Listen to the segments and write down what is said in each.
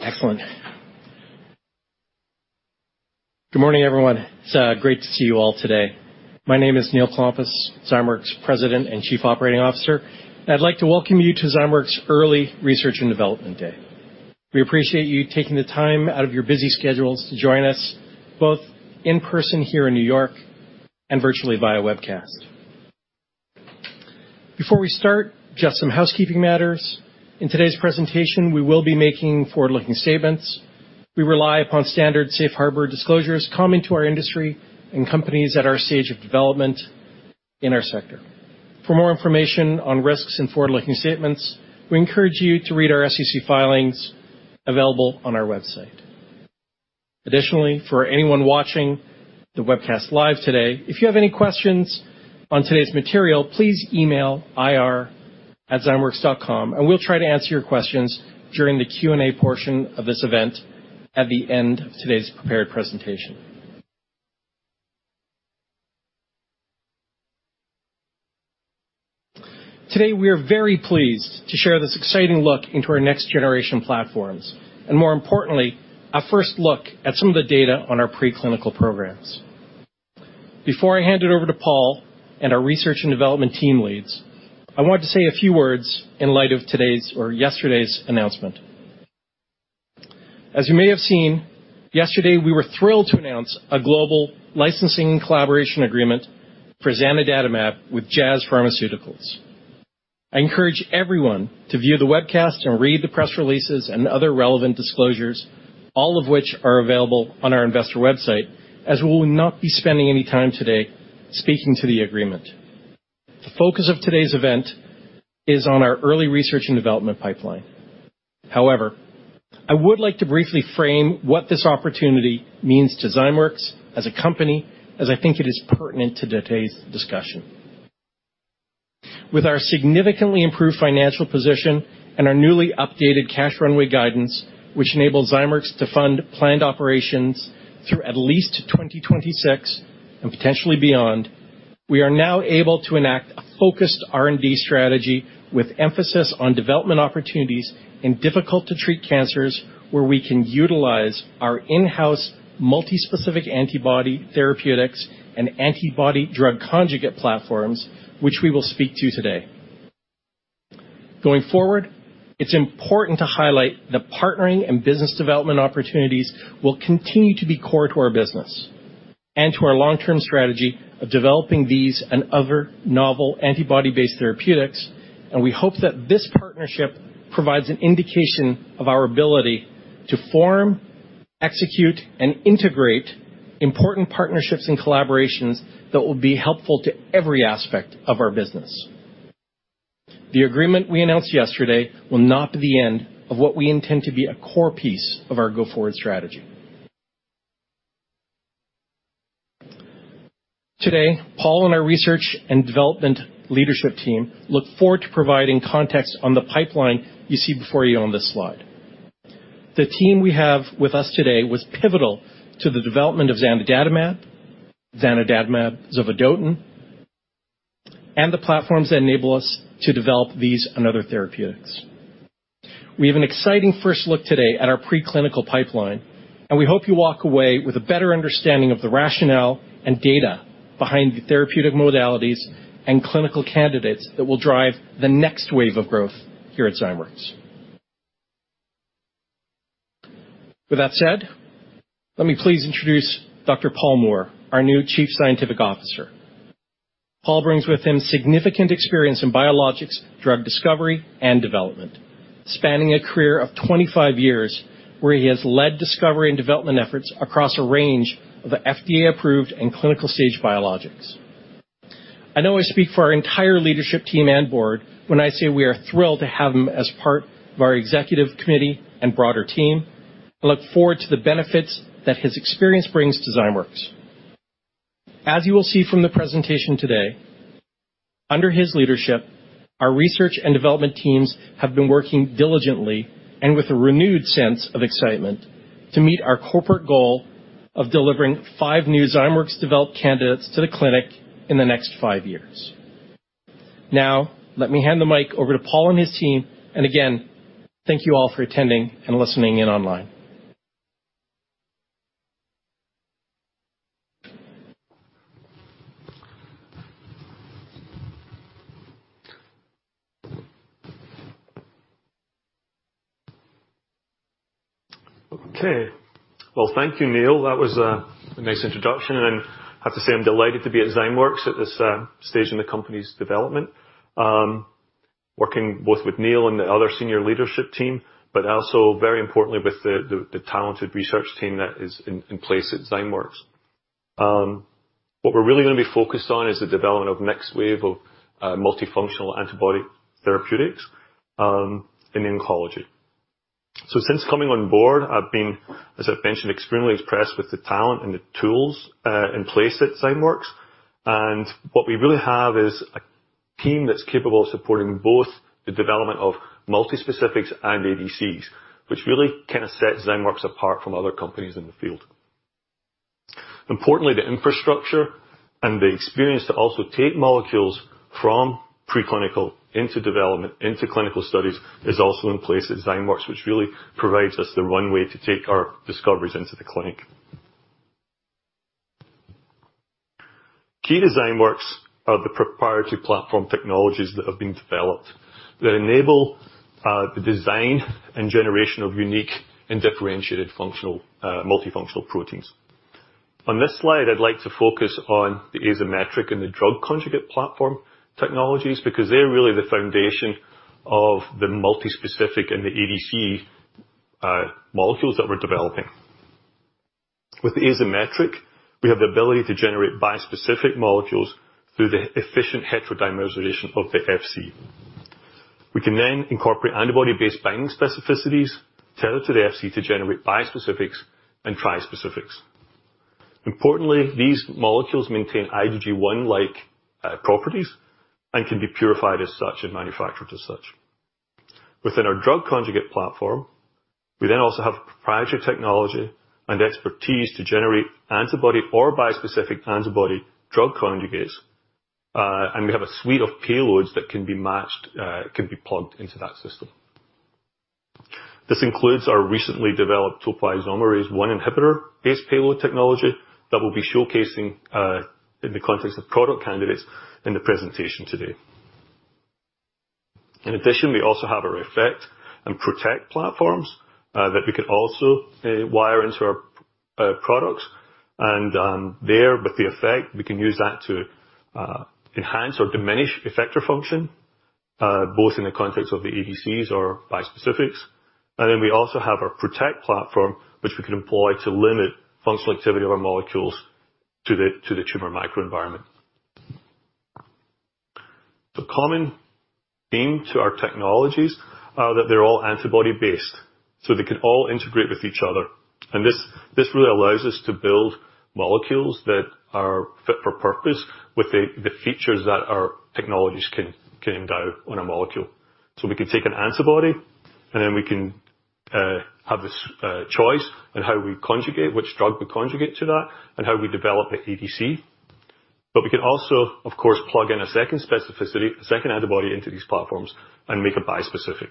Excellent. Good morning, everyone. It's great to see you all today. My name is Neil Klompas, Zymeworks' President and Chief Operating Officer, and I'd like to welcome you to Zymeworks Early Research and Development Day. We appreciate you taking the time out of your busy schedules to join us, both in person here in New York and virtually via webcast. Before we start, just some housekeeping matters. In today's presentation, we will be making forward-looking statements. We rely upon standard safe harbor disclosures common to our industry and companies at our stage of development in our sector. For more information on risks and forward-looking statements, we encourage you to read our SEC filings available on our website. Additionally, for anyone watching the webcast live today, if you have any questions on today's material, please email ir@zymeworks.com, and we'll try to answer your questions during the Q&A portion of this event at the end of today's prepared presentation. Today, we are very pleased to share this exciting look into our next generation platforms, and more importantly, a first look at some of the data on our preclinical programs. Before I hand it over to Paul and our research and development team leads, I want to say a few words in light of today's or yesterday's announcement. As you may have seen, yesterday we were thrilled to announce a global licensing collaboration agreement for zanidatamab with Jazz Pharmaceuticals. I encourage everyone to view the webcast and read the press releases and other relevant disclosures, all of which are available on our investor website, as we will not be spending any time today speaking to the agreement. The focus of today's event is on our early research and development pipeline. However, I would like to briefly frame what this opportunity means to Zymeworks as a company, as I think it is pertinent to today's discussion. With our significantly improved financial position and our newly updated cash runway guidance, which enables Zymeworks to fund planned operations through at least 2026 and potentially beyond, we are now able to enact a focused R&D strategy with emphasis on development opportunities in difficult to treat cancers, where we can utilize our in-house multi-specific antibody therapeutics and antibody drug conjugate platforms, which we will speak to today. Going forward, it's important to highlight that partnering and business development opportunities will continue to be core to our business and to our long-term strategy of developing these and other novel antibody-based therapeutics, and we hope that this partnership provides an indication of our ability to form, execute, and integrate important partnerships and collaborations that will be helpful to every aspect of our business. The agreement we announced yesterday will not be the end of what we intend to be a core piece of our go-forward strategy. Today, Paul and our research and development leadership team look forward to providing context on the pipeline you see before you on this slide. The team we have with us today was pivotal to the development of zanidatamab zovodotin, and the platforms that enable us to develop these and other therapeutics. We have an exciting first look today at our preclinical pipeline, and we hope you walk away with a better understanding of the rationale and data behind the therapeutic modalities and clinical candidates that will drive the next wave of growth here at Zymeworks. With that said, let me please introduce Dr. Paul Moore, our new Chief Scientific Officer. Paul brings with him significant experience in biologics, drug discovery and development, spanning a career of 25 years where he has led discovery and development efforts across a range of FDA-approved and clinical-stage biologics. I know I speak for our entire leadership team and board when I say we are thrilled to have him as part of our executive committee and broader team. I look forward to the benefits that his experience brings to Zymeworks. As you will see from the presentation today, under his leadership, our research and development teams have been working diligently and with a renewed sense of excitement to meet our corporate goal of delivering five new Zymeworks-developed candidates to the clinic in the next five years. Now, let me hand the mic over to Paul and his team. Again, thank you all for attending and listening in online. Okay. Well, thank you, Neil. That was a nice introduction, and I have to say I'm delighted to be at Zymeworks at this stage in the company's development, working both with Neil and the other senior leadership team, but also very importantly with the talented research team that is in place at Zymeworks. What we're really gonna be focused on is the development of next wave of multifunctional antibody therapeutics in oncology. Since coming on board, I've been, as I've mentioned, extremely impressed with the talent and the tools in place at Zymeworks. What we really have is a team that's capable of supporting both the development of multispecifics and ADCs, which really kinda sets Zymeworks apart from other companies in the field. Importantly, the infrastructure and the experience to also take molecules from preclinical into development, into clinical studies is also in place at Zymeworks, which really provides us the runway to take our discoveries into the clinic. Key Zymeworks are the proprietary platform technologies that have been developed that enable the design and generation of unique and differentiated functional multifunctional proteins. On this slide, I'd like to focus on the Azymetric and the ZymeLink platform technologies because they're really the foundation of the multispecific and the ADC molecules that we're developing. With the Azymetric, we have the ability to generate bispecific molecules through the efficient heterodimerization of the Fc. We can then incorporate antibody-based binding specificities tailored to the Fc to generate bispecifics and trispecifics. Importantly, these molecules maintain IgG1-like properties and can be purified as such and manufactured as such. Within our drug conjugate platform, we then also have proprietary technology and expertise to generate antibody or bispecific antibody drug conjugates. And we have a suite of payloads that can be matched, can be plugged into that system. This includes our recently developed topoisomerase I inhibitor-based payload technology that we'll be showcasing in the context of product candidates in the presentation today. In addition, we also have our EFECT and ProTECT platforms that we can also wire into our products. There with the EFECT, we can use that to enhance or diminish effector function both in the context of the ADCs or bispecifics. We also have our ProTECT platform, which we can employ to limit functional activity of our molecules to the tumor microenvironment. The common theme to our technologies are that they're all antibody-based, so they can all integrate with each other. This really allows us to build molecules that are fit for purpose with the features that our technologies can endow on a molecule. We can take an antibody, and then we can have this choice on how we conjugate, which drug we conjugate to that, and how we develop the ADC. We can also, of course, plug in a second specificity, a second antibody into these platforms and make it bispecific.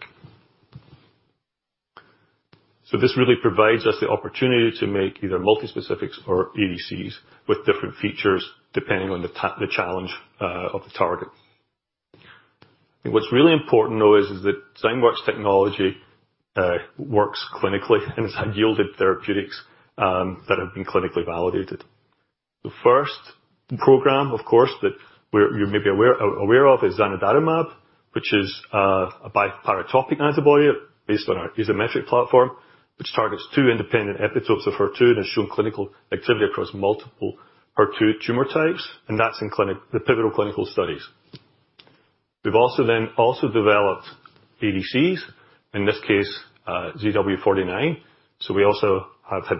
This really provides us the opportunity to make either multispecifics or ADCs with different features depending on the challenge of the target. What's really important, though, is that Zymeworks technology works clinically and has yielded therapeutics that have been clinically validated. The first program, of course, that you may be aware of is zanidatamab, which is a biparatopic antibody based on our Azymetric platform, which targets two independent epitopes of HER2 and has shown clinical activity across multiple HER2 tumor types, and that's in clinic, the pivotal clinical studies. We've also developed ADCs, in this case, ZW49. We also have had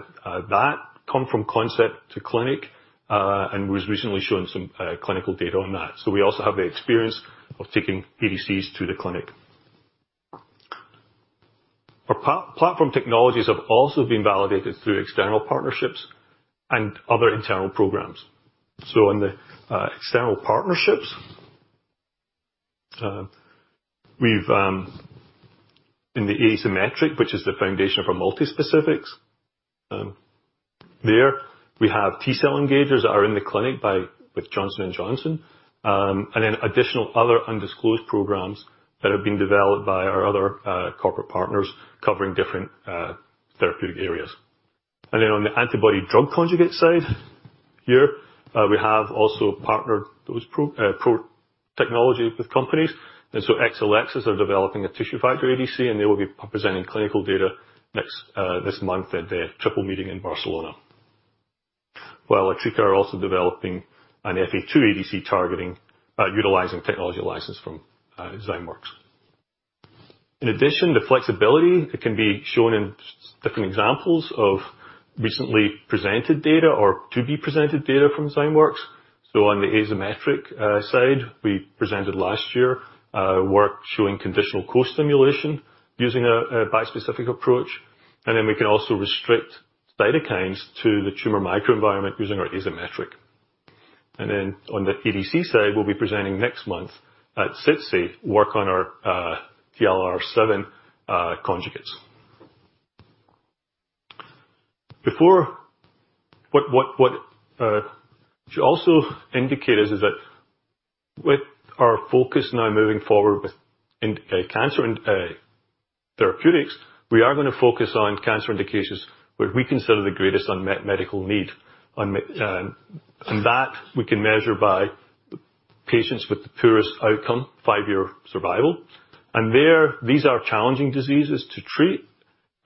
that come from concept to clinic and was recently shown some clinical data on that. We also have the experience of taking ADCs to the clinic. Our platform technologies have also been validated through external partnerships and other internal programs. On the external partnerships, we've... In the Azymetric, which is the foundation for multispecifics, there we have T-cell engagers that are in the clinic with Johnson & Johnson. Then additional other undisclosed programs that have been developed by our other corporate partners covering different therapeutic areas. On the antibody-drug conjugate side here, we have also partnered those ProTECT technologies with companies. Exelixis are developing a tissue factor ADC, and they will be presenting clinical data next month at the ESMO meeting in Barcelona. Atara are also developing an EpCAM-2 ADC utilizing technology licensed from Zymeworks. In addition, the flexibility, it can be shown in several different examples of recently presented data or to-be-presented data from Zymeworks. On the Azymetric side, we presented last year work showing conditional co-stimulation using a bispecific approach. Then we can also restrict cytokines to the tumor microenvironment using our Azymetric. Then on the ADC side, we'll be presenting next month at SITC work on our TLR7 conjugates. What I should also indicate is that with our focus now moving forward with cancer therapeutics, we are gonna focus on cancer indications where we consider the greatest unmet medical need, and that we can measure by patients with the poorest outcome, five-year survival. There, these are challenging diseases to treat.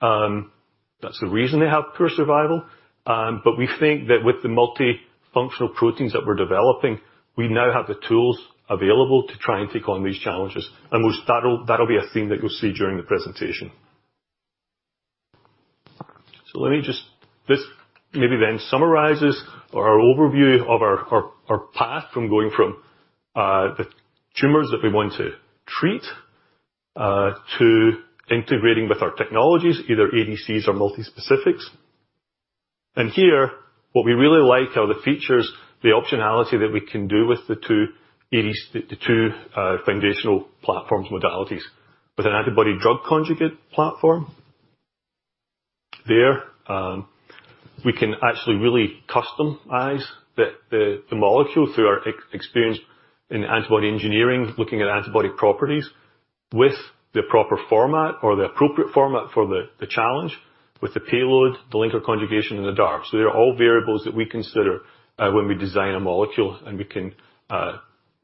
That's the reason they have poor survival. But we think that with the multifunctional proteins that we're developing, we now have the tools available to try and take on these challenges. That'll be a theme that you'll see during the presentation. Let me just. This may then summarize our overview of our path from the tumors that we want to treat to integrating with our technologies, either ADCs or multi-specifics. Here, what we really like are the features, the optionality that we can do with the two ADCs, the two foundational platforms modalities. With an antibody-drug conjugate platform, we can actually really customize the molecule through our experience in antibody engineering, looking at antibody properties with the proper format or the appropriate format for the challenge with the payload, the linker conjugation, and the DAR. They are all variables that we consider when we design a molecule, and we can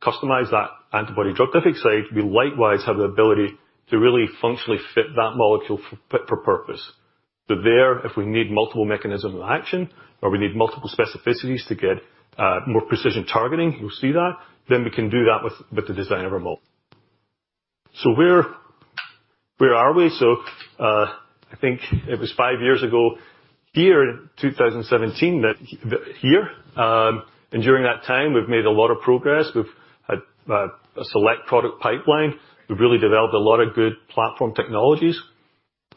customize that antibody-drug. I think, say, we likewise have the ability to really functionally fit that molecule for purpose. If we need multiple mechanisms of action, or we need multiple specificities to get more precision targeting, you'll see that, then we can do that with the design of our model. Where are we? I think it was five years ago here in 2017 and during that time, we've made a lot of progress. We've had a select product pipeline. We've really developed a lot of good platform technologies.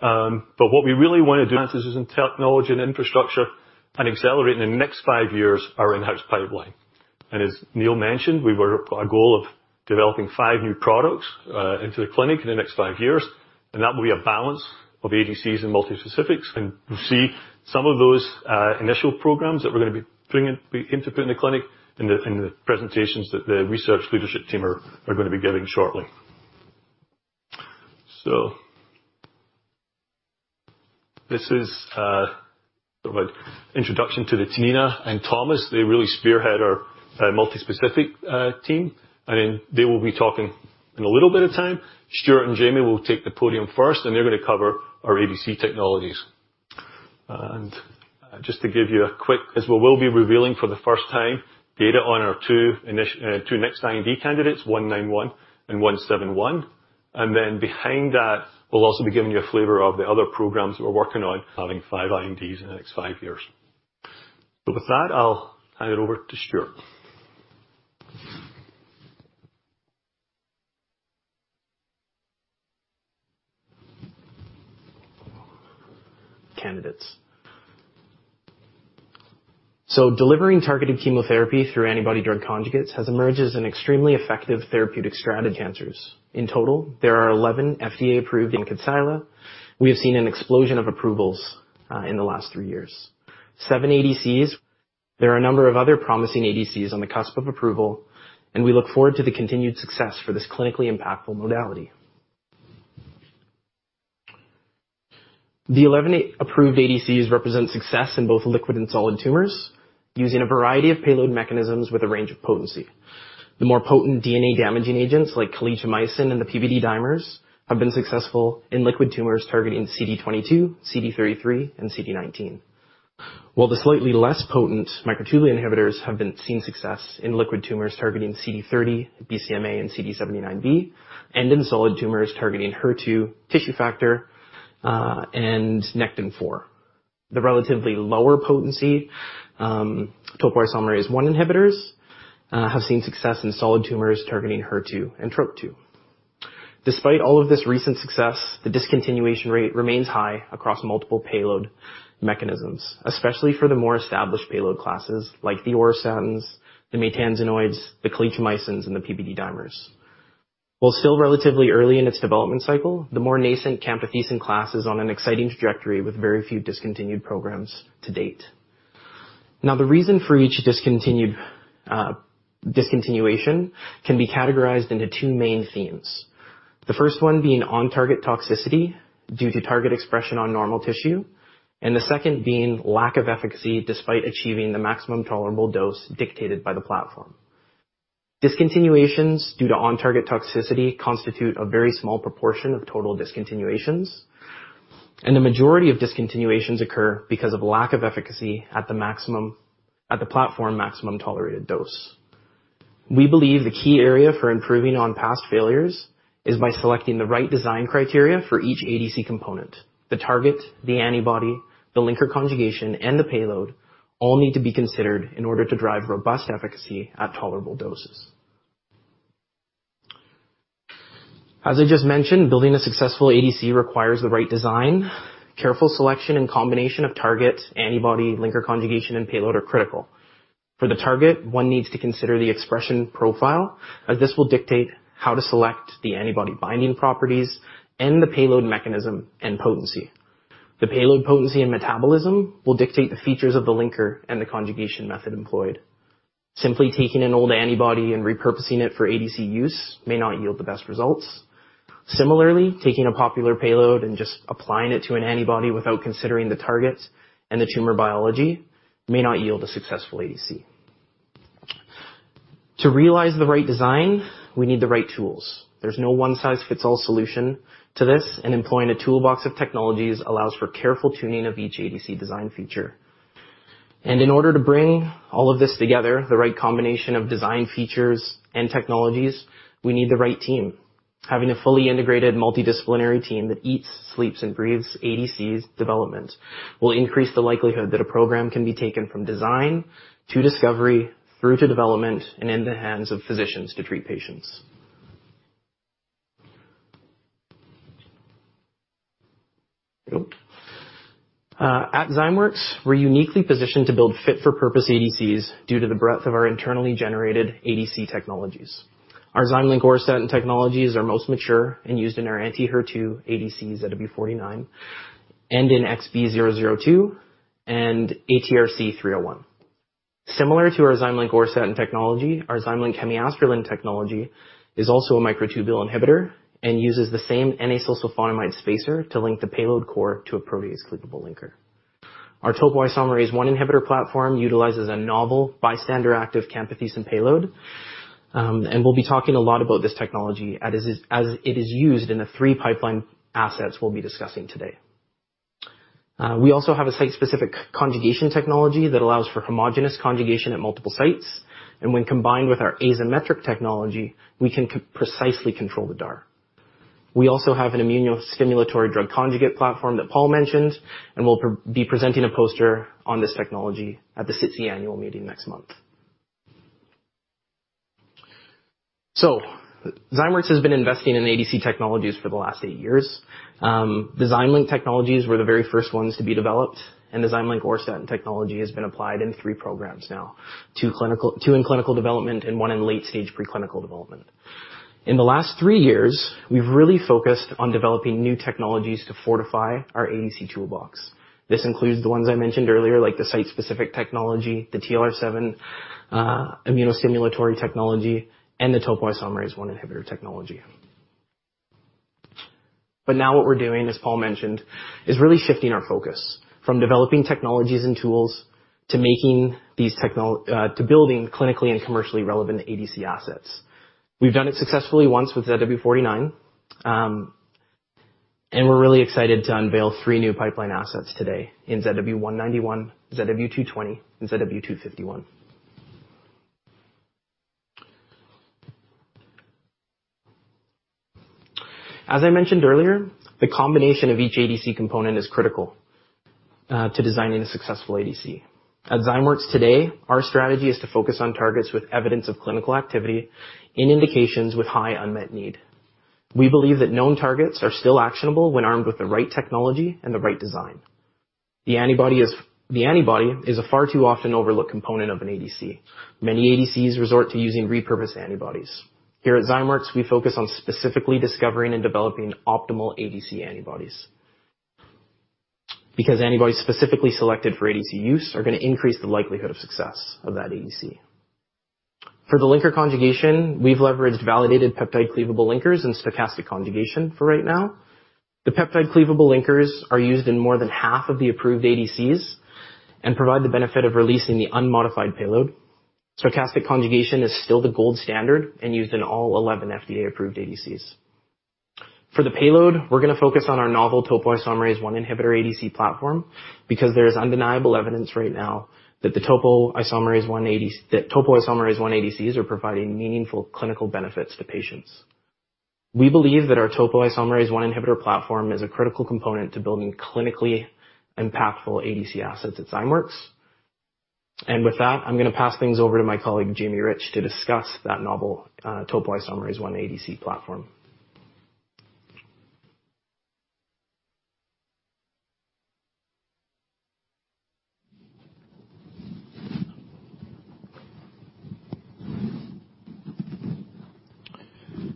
What we really wanna do is invest in technology and infrastructure and accelerate in the next five years our in-house pipeline. As Neil mentioned, we've got a goal of developing five new products into the clinic in the next five years, and that will be a balance of ADCs and multi-specifics. You'll see some of those initial programs that we're gonna be bringing into the clinic in the presentations that the research leadership team are gonna be giving shortly. This is sort of an introduction to the Nina and Thomas. They really spearhead our multispecific team, and then they will be talking in a little bit of time. Stuart and Jamie will take the podium first, and they're gonna cover our ADC technologies. As we will be revealing for the first time data on our two next IND candidates, ZW191 and ZW171. Then behind that, we'll also be giving you a flavor of the other programs that we're working on, having five INDs in the next five years. With that, I'll hand it over to Stuart. Candidates. Delivering targeted chemotherapy through antibody-drug conjugates has emerged as an extremely effective therapeutic strategy. In total, there are 11 FDA-approved ADCs. We have seen an explosion of approvals in the last three years. 7 ADCs. There are a number of other promising ADCs on the cusp of approval, and we look forward to the continued success for this clinically impactful modality. The 11 FDA-approved ADCs represent success in both liquid and solid tumors using a variety of payload mechanisms with a range of potency. The more potent DNA-damaging agents like calicheamycin and the PBD dimers have been successful in liquid tumors targeting CD22, CD33, and CD19. While the slightly less potent microtubule inhibitors have been seeing success in liquid tumors targeting CD30, BCMA, and CD79B, and in solid tumors targeting HER2, tissue factor, and Nectin-4. The relatively lower potency topoisomerase I inhibitors have seen success in solid tumors targeting HER2 and Trop-2. Despite all of this recent success, the discontinuation rate remains high across multiple payload mechanisms, especially for the more established payload classes like the auristatins, the maytansinoids, the calicheamycins, and the PBD dimers. While still relatively early in its development cycle, the more nascent camptothecin class is on an exciting trajectory with very few discontinued programs to date. Now, the reason for each discontinued discontinuation can be categorized into two main themes. The first one being on-target toxicity due to target expression on normal tissue, and the second being lack of efficacy despite achieving the maximum tolerable dose dictated by the platform. Discontinuations due to on-target toxicity constitute a very small proportion of total discontinuations, and the majority of discontinuations occur because of lack of efficacy at the platform maximum tolerated dose. We believe the key area for improving on past failures is by selecting the right design criteria for each ADC component. The target, the antibody, the linker conjugation, and the payload all need to be considered in order to drive robust efficacy at tolerable doses. As I just mentioned, building a successful ADC requires the right design. Careful selection and combination of target, antibody, linker conjugation, and payload are critical. For the target, one needs to consider the expression profile, as this will dictate how to select the antibody binding properties and the payload mechanism and potency. The payload potency and metabolism will dictate the features of the linker and the conjugation method employed. Simply taking an old antibody and repurposing it for ADC use may not yield the best results. Similarly, taking a popular payload and just applying it to an antibody without considering the targets and the tumor biology may not yield a successful ADC. To realize the right design, we need the right tools. There's no one-size-fits-all solution to this, and employing a toolbox of technologies allows for careful tuning of each ADC design feature. In order to bring all of this together, the right combination of design features and technologies, we need the right team. Having a fully integrated multidisciplinary team that eats, sleeps, and breathes ADCs development will increase the likelihood that a program can be taken from design to discovery through to development and in the hands of physicians to treat patients. At Zymeworks, we're uniquely positioned to build fit-for-purpose ADCs due to the breadth of our internally generated ADC technologies. Our ZymeLink auristatin technologies are most mature and used in our anti-HER2 ADCs, ZW49, and in XB002 and ATRC-301. Similar to our ZymeLink auristatin technology, our ZymeLink hemiasterlin technology is also a microtubule inhibitor and uses the same N-acylsulfonamide spacer to link the payload core to a protease-cleavable linker. Our topoisomerase I inhibitor platform utilizes a novel bystander-active camptothecin payload, and we'll be talking a lot about this technology as it is used in the three pipeline assets we'll be discussing today. We also have a site-specific conjugation technology that allows for homogeneous conjugation at multiple sites, and when combined with our Azymetric technology, we can precisely control the DAR. We also have an immunostimulatory drug conjugate platform that Paul mentioned, and we'll be presenting a poster on this technology at the SITC annual meeting next month. Zymeworks has been investing in ADC technologies for the last eight years. The ZymeLink technologies were the very first ones to be developed, and the ZymeLink auristatin technology has been applied in three programs now, two in clinical development and one in late-stage preclinical development. In the last three years, we've really focused on developing new technologies to fortify our ADC toolbox. This includes the ones I mentioned earlier, like the site-specific technology, the TLR7 immunostimulatory technology, and the topoisomerase I inhibitor technology. Now what we're doing, as Paul mentioned, is really shifting our focus from developing technologies and tools to building clinically and commercially relevant ADC assets. We've done it successfully once with ZW49, and we're really excited to unveil three new pipeline assets today in ZW191, ZW220, and ZW251. As I mentioned earlier, the combination of each ADC component is critical to designing a successful ADC. At Zymeworks today, our strategy is to focus on targets with evidence of clinical activity in indications with high unmet need. We believe that known targets are still actionable when armed with the right technology and the right design. The antibody is a far too often overlooked component of an ADC. Many ADCs resort to using repurposed antibodies. Here at Zymeworks, we focus on specifically discovering and developing optimal ADC antibodies, because antibodies specifically selected for ADC use are gonna increase the likelihood of success of that ADC. For the linker conjugation, we've leveraged validated peptide cleavable linkers and stochastic conjugation for right now. The peptide cleavable linkers are used in more than half of the approved ADCs and provide the benefit of releasing the unmodified payload. Stochastic conjugation is still the gold standard and used in all 11 FDA-approved ADCs. For the payload, we're gonna focus on our novel topoisomerase 1 inhibitor ADC platform because there's undeniable evidence right now that topoisomerase 1 ADCs are providing meaningful clinical benefits to patients. We believe that our topoisomerase 1 inhibitor platform is a critical component to building clinically impactful ADC assets at Zymeworks. With that, I'm gonna pass things over to my colleague, Jamie Rich, to discuss that novel topoisomerase 1 ADC platform.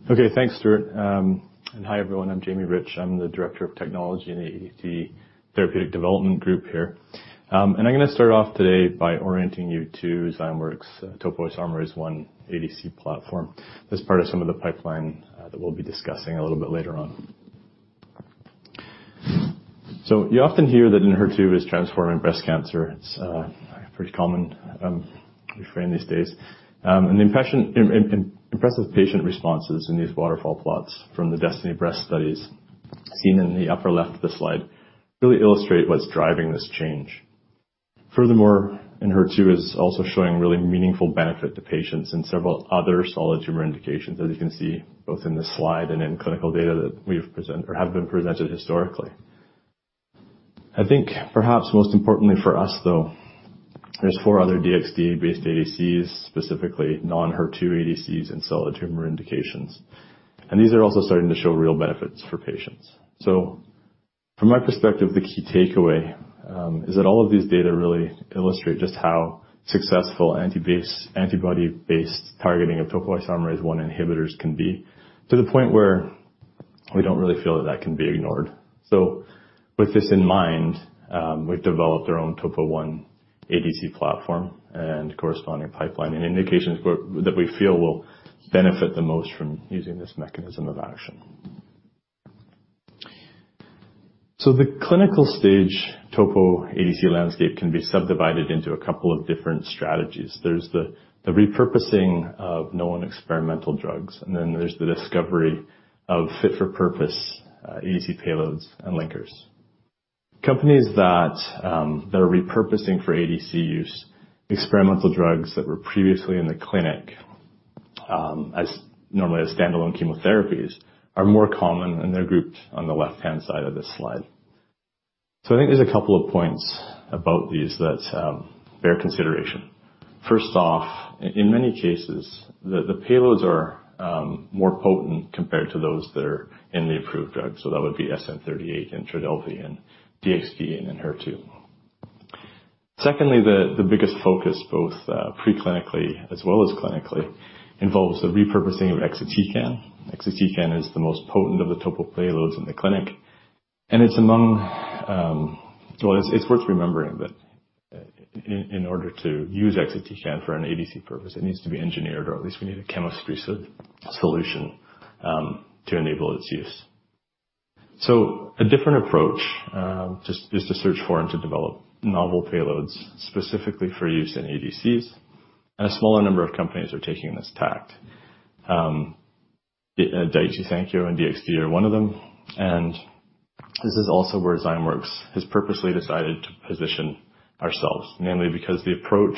Okay. Thanks, Stuart. Hi, everyone. I'm Jamie Rich. I'm the Director of Technology in the therapeutic development group here. I'm gonna start off today by orienting you to Zymeworks' topoisomerase I ADC platform. This is part of some of the pipeline that we'll be discussing a little bit later on. You often hear that HER2 is transforming breast cancer. It's a pretty common refrain these days. The impressive patient responses in these waterfall plots from the DESTINY-Breast studies seen in the upper left of the slide really illustrate what's driving this change. Furthermore, HER2 is also showing really meaningful benefit to patients in several other solid tumor indications, as you can see both in this slide and in clinical data that we've presented or have been presented historically. I think perhaps most importantly for us, though, there are four other DXd-based ADCs, specifically non-HER2 ADCs and solid tumor indications, and these are also starting to show real benefits for patients. From my perspective, the key takeaway is that all of these data really illustrate just how successful antibody-based targeting of topoisomerase I inhibitors can be, to the point where we don't really feel that that can be ignored. With this in mind, we've developed our own topo I ADC platform and corresponding pipeline and indications that we feel will benefit the most from using this mechanism of action. The clinical stage topo ADC landscape can be subdivided into a couple of different strategies. There is the repurposing of known experimental drugs, and then there is the discovery of fit-for-purpose ADC payloads and linkers. Companies that are repurposing for ADC use experimental drugs that were previously in the clinic as normally as standalone chemotherapies are more common, and they're grouped on the left-hand side of this slide. I think there's a couple of points about these that bear consideration. First off, in many cases, the payloads are more potent compared to those that are in the approved drugs. That would be SN-38 and Trodelvy and DXd and Enhertu. Secondly, the biggest focus, both pre-clinically as well as clinically, involves the repurposing of exatecan. Exatecan is the most potent of the topo payloads in the clinic, and it's among. It's worth remembering that in order to use exatecan for an ADC purpose, it needs to be engineered, or at least we need a chemistry solution to enable its use. A different approach just is to search for and to develop novel payloads specifically for use in ADCs, and a smaller number of companies are taking this tack. Daiichi Sankyo and DXd are one of them, and this is also where Zymeworks has purposely decided to position ourselves, mainly because the approach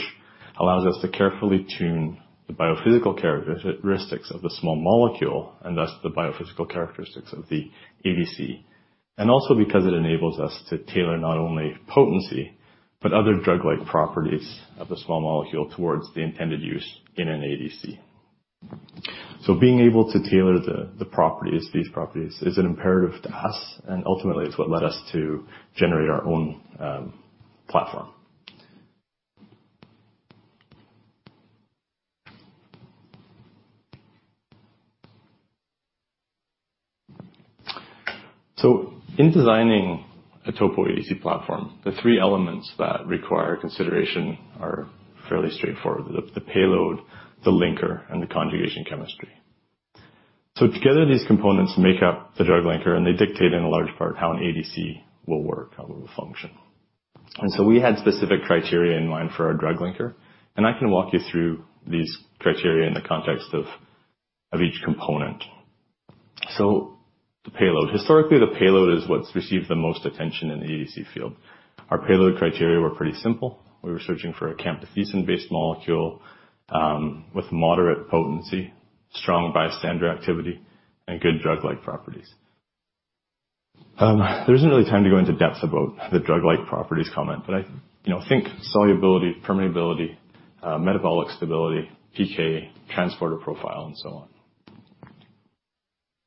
allows us to carefully tune the biophysical characteristics of the small molecule, and thus the biophysical characteristics of the ADC. Also because it enables us to tailor not only potency, but other drug-like properties of the small molecule towards the intended use in an ADC. Being able to tailor these properties is an imperative to us, and ultimately, it's what led us to generate our own platform. In designing a topo ADC platform, the three elements that require consideration are fairly straightforward, the payload, the linker, and the conjugation chemistry. Together, these components make up the drug linker, and they dictate in a large part how an ADC will work, how it will function. We had specific criteria in mind for our drug linker, and I can walk you through these criteria in the context of each component. The payload. Historically, the payload is what's received the most attention in the ADC field. Our payload criteria were pretty simple. We were searching for a camptothecin-based molecule with moderate potency, strong bystander activity, and good drug-like properties. There isn't really time to go into depth about the drug-like properties comment, but you know, think solubility, permeability, metabolic stability, PK, transporter profile, and so on.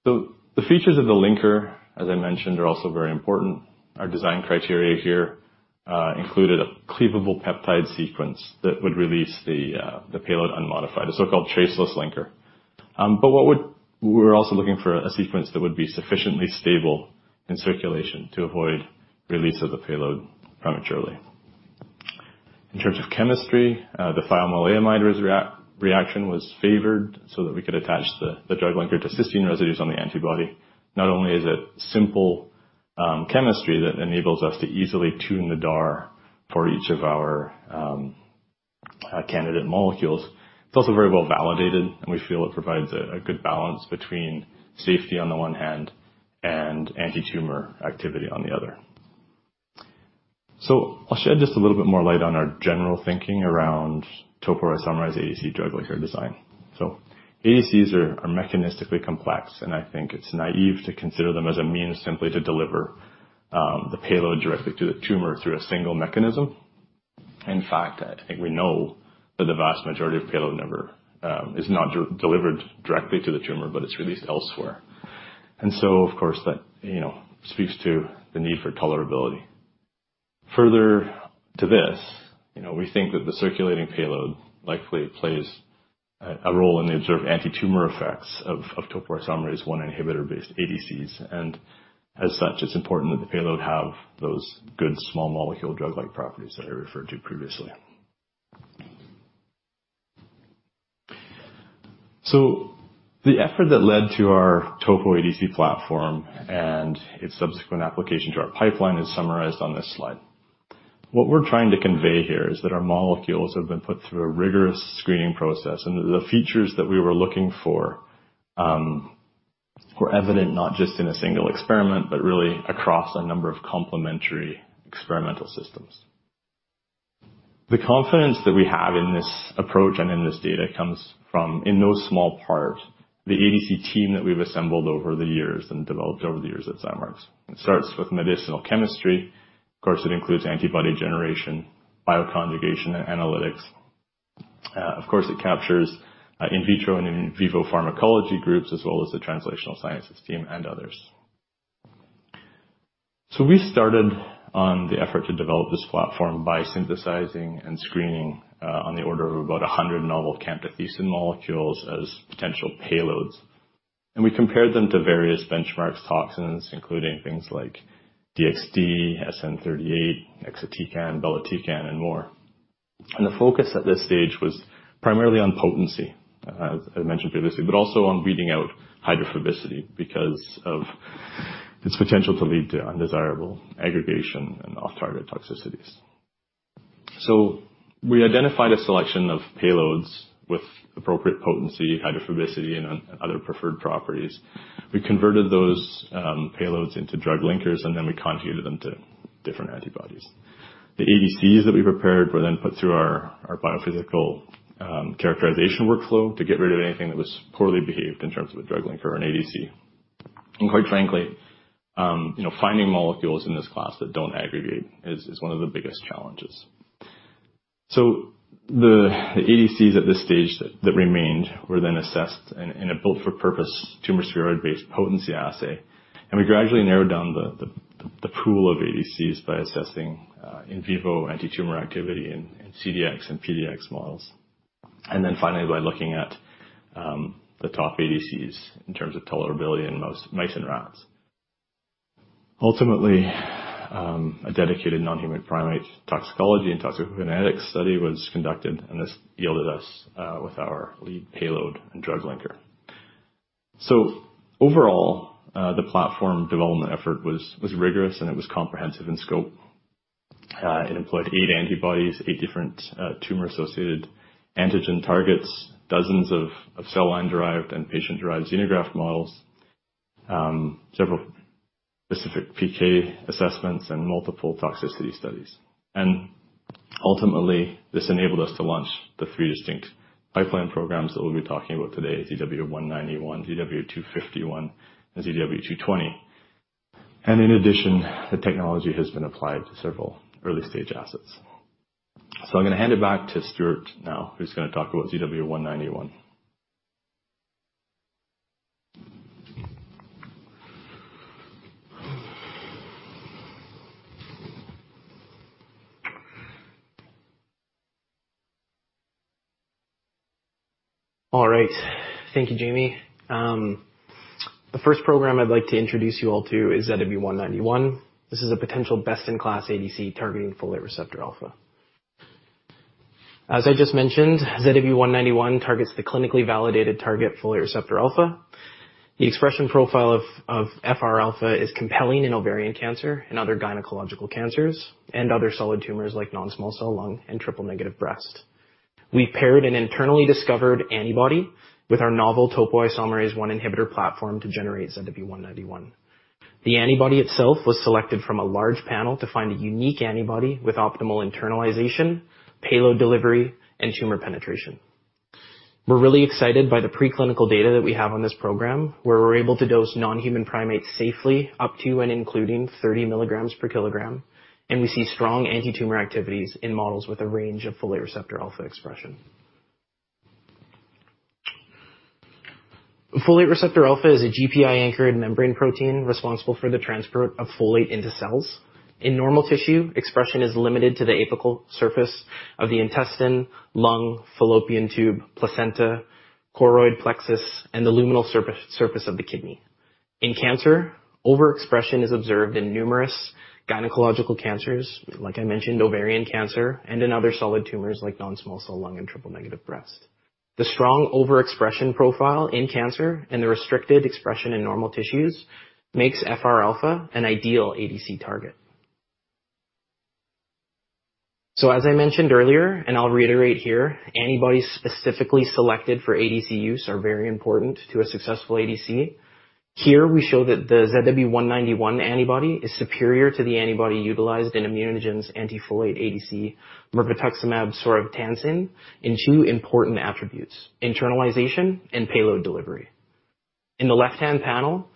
The features of the linker, as I mentioned, are also very important. Our design criteria here included a cleavable peptide sequence that would release the payload unmodified, a so-called traceless linker. We were also looking for a sequence that would be sufficiently stable in circulation to avoid release of the payload prematurely. In terms of chemistry, the maleimide reaction was favored so that we could attach the drug linker to cysteine residues on the antibody. Not only is it simple chemistry that enables us to easily tune the DAR for each of our candidate molecules, it's also very well-validated, and we feel it provides a good balance between safety on the one hand and antitumor activity on the other. I'll shed just a little bit more light on our general thinking around topoisomerase ADC drug linker design. ADCs are mechanistically complex, and I think it's naive to consider them as a means simply to deliver the payload directly to the tumor through a single mechanism. In fact, I think we know that the vast majority of payload is not delivered directly to the tumor, but it's released elsewhere. Of course, that you know speaks to the need for tolerability. Further to this, you know, we think that the circulating payload likely plays a role in the observed antitumor effects of topoisomerase I inhibitor-based ADCs. As such, it's important that the payload have those good small molecule drug-like properties that I referred to previously. The effort that led to our topo ADC platform and its subsequent application to our pipeline is summarized on this slide. What we're trying to convey here is that our molecules have been put through a rigorous screening process, and the features that we were looking for were evident not just in a single experiment, but really across a number of complementary experimental systems. The confidence that we have in this approach and in this data comes from, in no small part, the ADC team that we've assembled over the years and developed over the years at Zymeworks. It starts with medicinal chemistry. Of course, it includes antibody generation, bioconjugation, and analytics. Of course, it captures in vitro and in vivo pharmacology groups, as well as the translational sciences team and others. We started on the effort to develop this platform by synthesizing and screening on the order of about 100 novel camptothecin molecules as potential payloads. We compared them to various benchmarks toxins, including things like DXd, SN-38, exatecan, belotecan, and more. The focus at this stage was primarily on potency, as I mentioned previously, but also on weeding out hydrophobicity because of its potential to lead to undesirable aggregation and off-target toxicities. We identified a selection of payloads with appropriate potency, hydrophobicity, and other preferred properties. We converted those payloads into drug linkers, and then we conjugated them to different antibodies. The ADCs that we prepared were then put through our biophysical characterization workflow to get rid of anything that was poorly behaved in terms of a drug linker or an ADC. Quite frankly, you know, finding molecules in this class that don't aggregate is one of the biggest challenges. The ADCs at this stage that remained were then assessed in a built-for-purpose tumor spheroid-based potency assay, and we gradually narrowed down the pool of ADCs by assessing in vivo antitumor activity in CDX and PDX models, and then finally, by looking at the top ADCs in terms of tolerability in most mice and rats. Ultimately, a dedicated non-human primate toxicology and toxicokinetics study was conducted, and this yielded us with our lead payload and drug linker. Overall, the platform development effort was rigorous, and it was comprehensive in scope. It employed eight antibodies, eight different tumor-associated antigen targets, dozens of cell line-derived and patient-derived xenograft models, several specific PK assessments and multiple toxicity studies. Ultimately, this enabled us to launch the three distinct pipeline programs that we'll be talking about today, ZW191, ZW251, and ZW220. In addition, the technology has been applied to several early-stage assets. I'm gonna hand it back to Stuart now, who's gonna talk about ZW191. All right. Thank you, Jamie. The first program I'd like to introduce you all to is ZW191. This is a potential best-in-class ADC targeting folate receptor alpha. As I just mentioned, ZW191 targets the clinically validated target, folate receptor alpha. The expression profile of FRα is compelling in ovarian cancer and other gynecological cancers, and other solid tumors like non-small cell lung and triple-negative breast. We've paired an internally discovered antibody with our novel topoisomerase I inhibitor platform to generate ZW191. The antibody itself was selected from a large panel to find a unique antibody with optimal internalization, payload delivery, and tumor penetration. We're really excited by the preclinical data that we have on this program, where we're able to dose non-human primates safely up to and including 30 mg per kg, and we see strong antitumor activities in models with a range of folate receptor alpha expression. Folate receptor alpha is a GPI-anchored membrane protein responsible for the transport of folate into cells. In normal tissue, expression is limited to the apical surface of the intestine, lung, fallopian tube, placenta, choroid plexus, and the luminal surface of the kidney. In cancer, overexpression is observed in numerous gynecological cancers, like I mentioned, ovarian cancer, and in other solid tumors like non-small cell lung and triple-negative breast. The strong overexpression profile in cancer and the restricted expression in normal tissues makes FRα an ideal ADC target. As I mentioned earlier, and I'll reiterate here, antibodies specifically selected for ADC use are very important to a successful ADC. Here we show that the ZW191 antibody is superior to the antibody utilized in ImmunoGen's anti-folate ADC, Mirvetuximab soravtansine, in two important attributes, internalization and payload delivery. In the left-hand panel,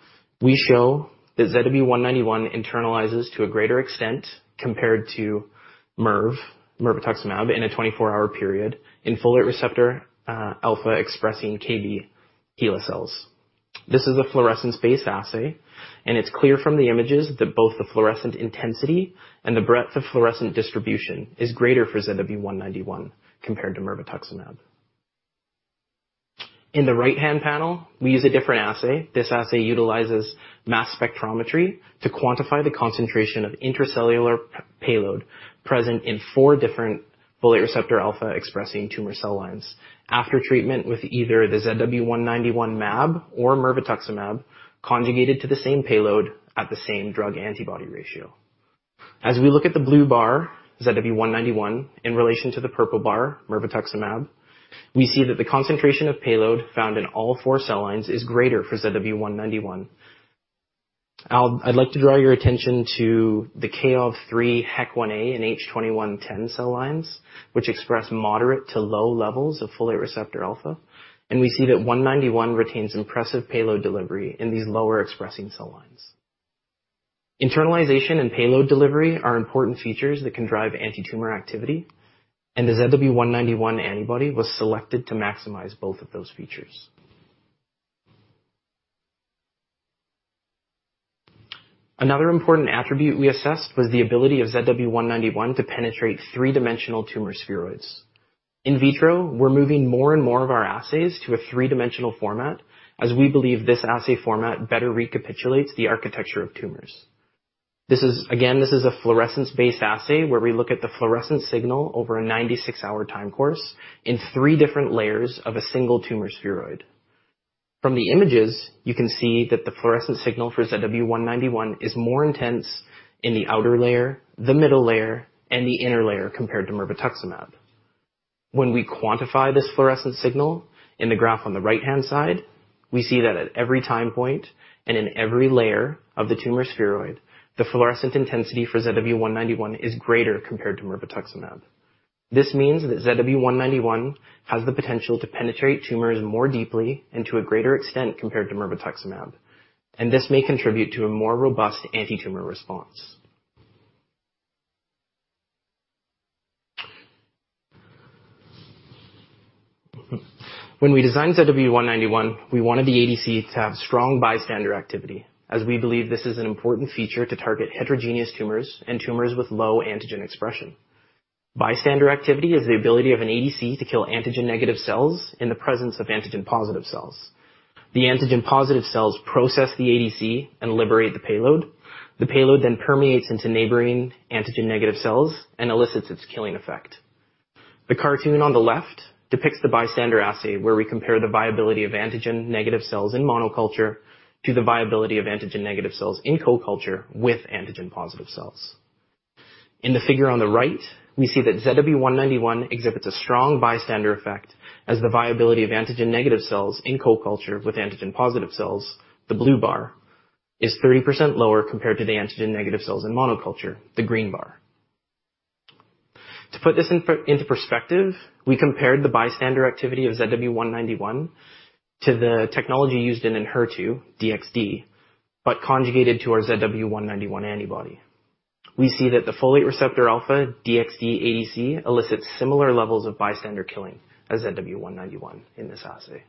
we show that ZW191 internalizes to a greater extent compared to MIRV, mirvetuximab, in a 24-hour period in folate receptor alpha-expressing KB HeLa cells. This is a fluorescence-based assay, and it's clear from the images that both the fluorescent intensity and the breadth of fluorescent distribution is greater for ZW191 compared to mirvetuximab. In the right-hand panel, we use a different assay. This assay utilizes mass spectrometry to quantify the concentration of intracellular payload present in four different folate receptor alpha-expressing tumor cell lines after treatment with either the ZW191 mab or mirvetuximab conjugated to the same payload at the same drug antibody ratio. As we look at the blue bar, ZW191, in relation to the purple bar, mirvetuximab, we see that the concentration of payload found in all four cell lines is greater for ZW191. I'd like to draw your attention to the CAOV-3, HEC-1-A and H2110 cell lines, which express moderate to low levels of folate receptor alpha, and we see that ZW191 retains impressive payload delivery in these lower expressing cell lines. Internalization and payload delivery are important features that can drive antitumor activity, and the ZW191 antibody was selected to maximize both of those features. Another important attribute we assessed was the ability of ZW191 to penetrate three-dimensional tumor spheroids. In vitro, we're moving more and more of our assays to a three-dimensional format as we believe this assay format better recapitulates the architecture of tumors. This is a fluorescence-based assay where we look at the fluorescent signal over a 96-hour time course in three different layers of a single tumor spheroid. From the images, you can see that the fluorescent signal for ZW191 is more intense in the outer layer, the middle layer, and the inner layer compared to mirvetuximab. When we quantify this fluorescent signal in the graph on the right-hand side, we see that at every time point and in every layer of the tumor spheroid, the fluorescent intensity for ZW191 is greater compared to mirvetuximab. This means that ZW191 has the potential to penetrate tumors more deeply and to a greater extent compared to mirvetuximab, and this may contribute to a more robust anti-tumor response. When we designed ZW191, we wanted the ADC to have strong bystander activity, as we believe this is an important feature to target heterogeneous tumors and tumors with low antigen expression. Bystander activity is the ability of an ADC to kill antigen-negative cells in the presence of antigen-positive cells. The antigen-positive cells process the ADC and liberate the payload. The payload then permeates into neighboring antigen-negative cells and elicits its killing effect. The cartoon on the left depicts the bystander assay, where we compare the viability of antigen-negative cells in monoculture to the viability of antigen-negative cells in co-culture with antigen-positive cells. In the figure on the right, we see that ZW191 exhibits a strong bystander effect, as the viability of antigen-negative cells in co-culture with antigen-positive cells, the blue bar, is 30% lower compared to the antigen-negative cells in monoculture, the green bar. To put this in perspective, we compared the bystander activity of ZW191 to the technology used in Enhertu, DXd, but conjugated to our ZW191 antibody. We see that the folate receptor alpha DXd ADC elicits similar levels of bystander killing as ZW191 in this assay.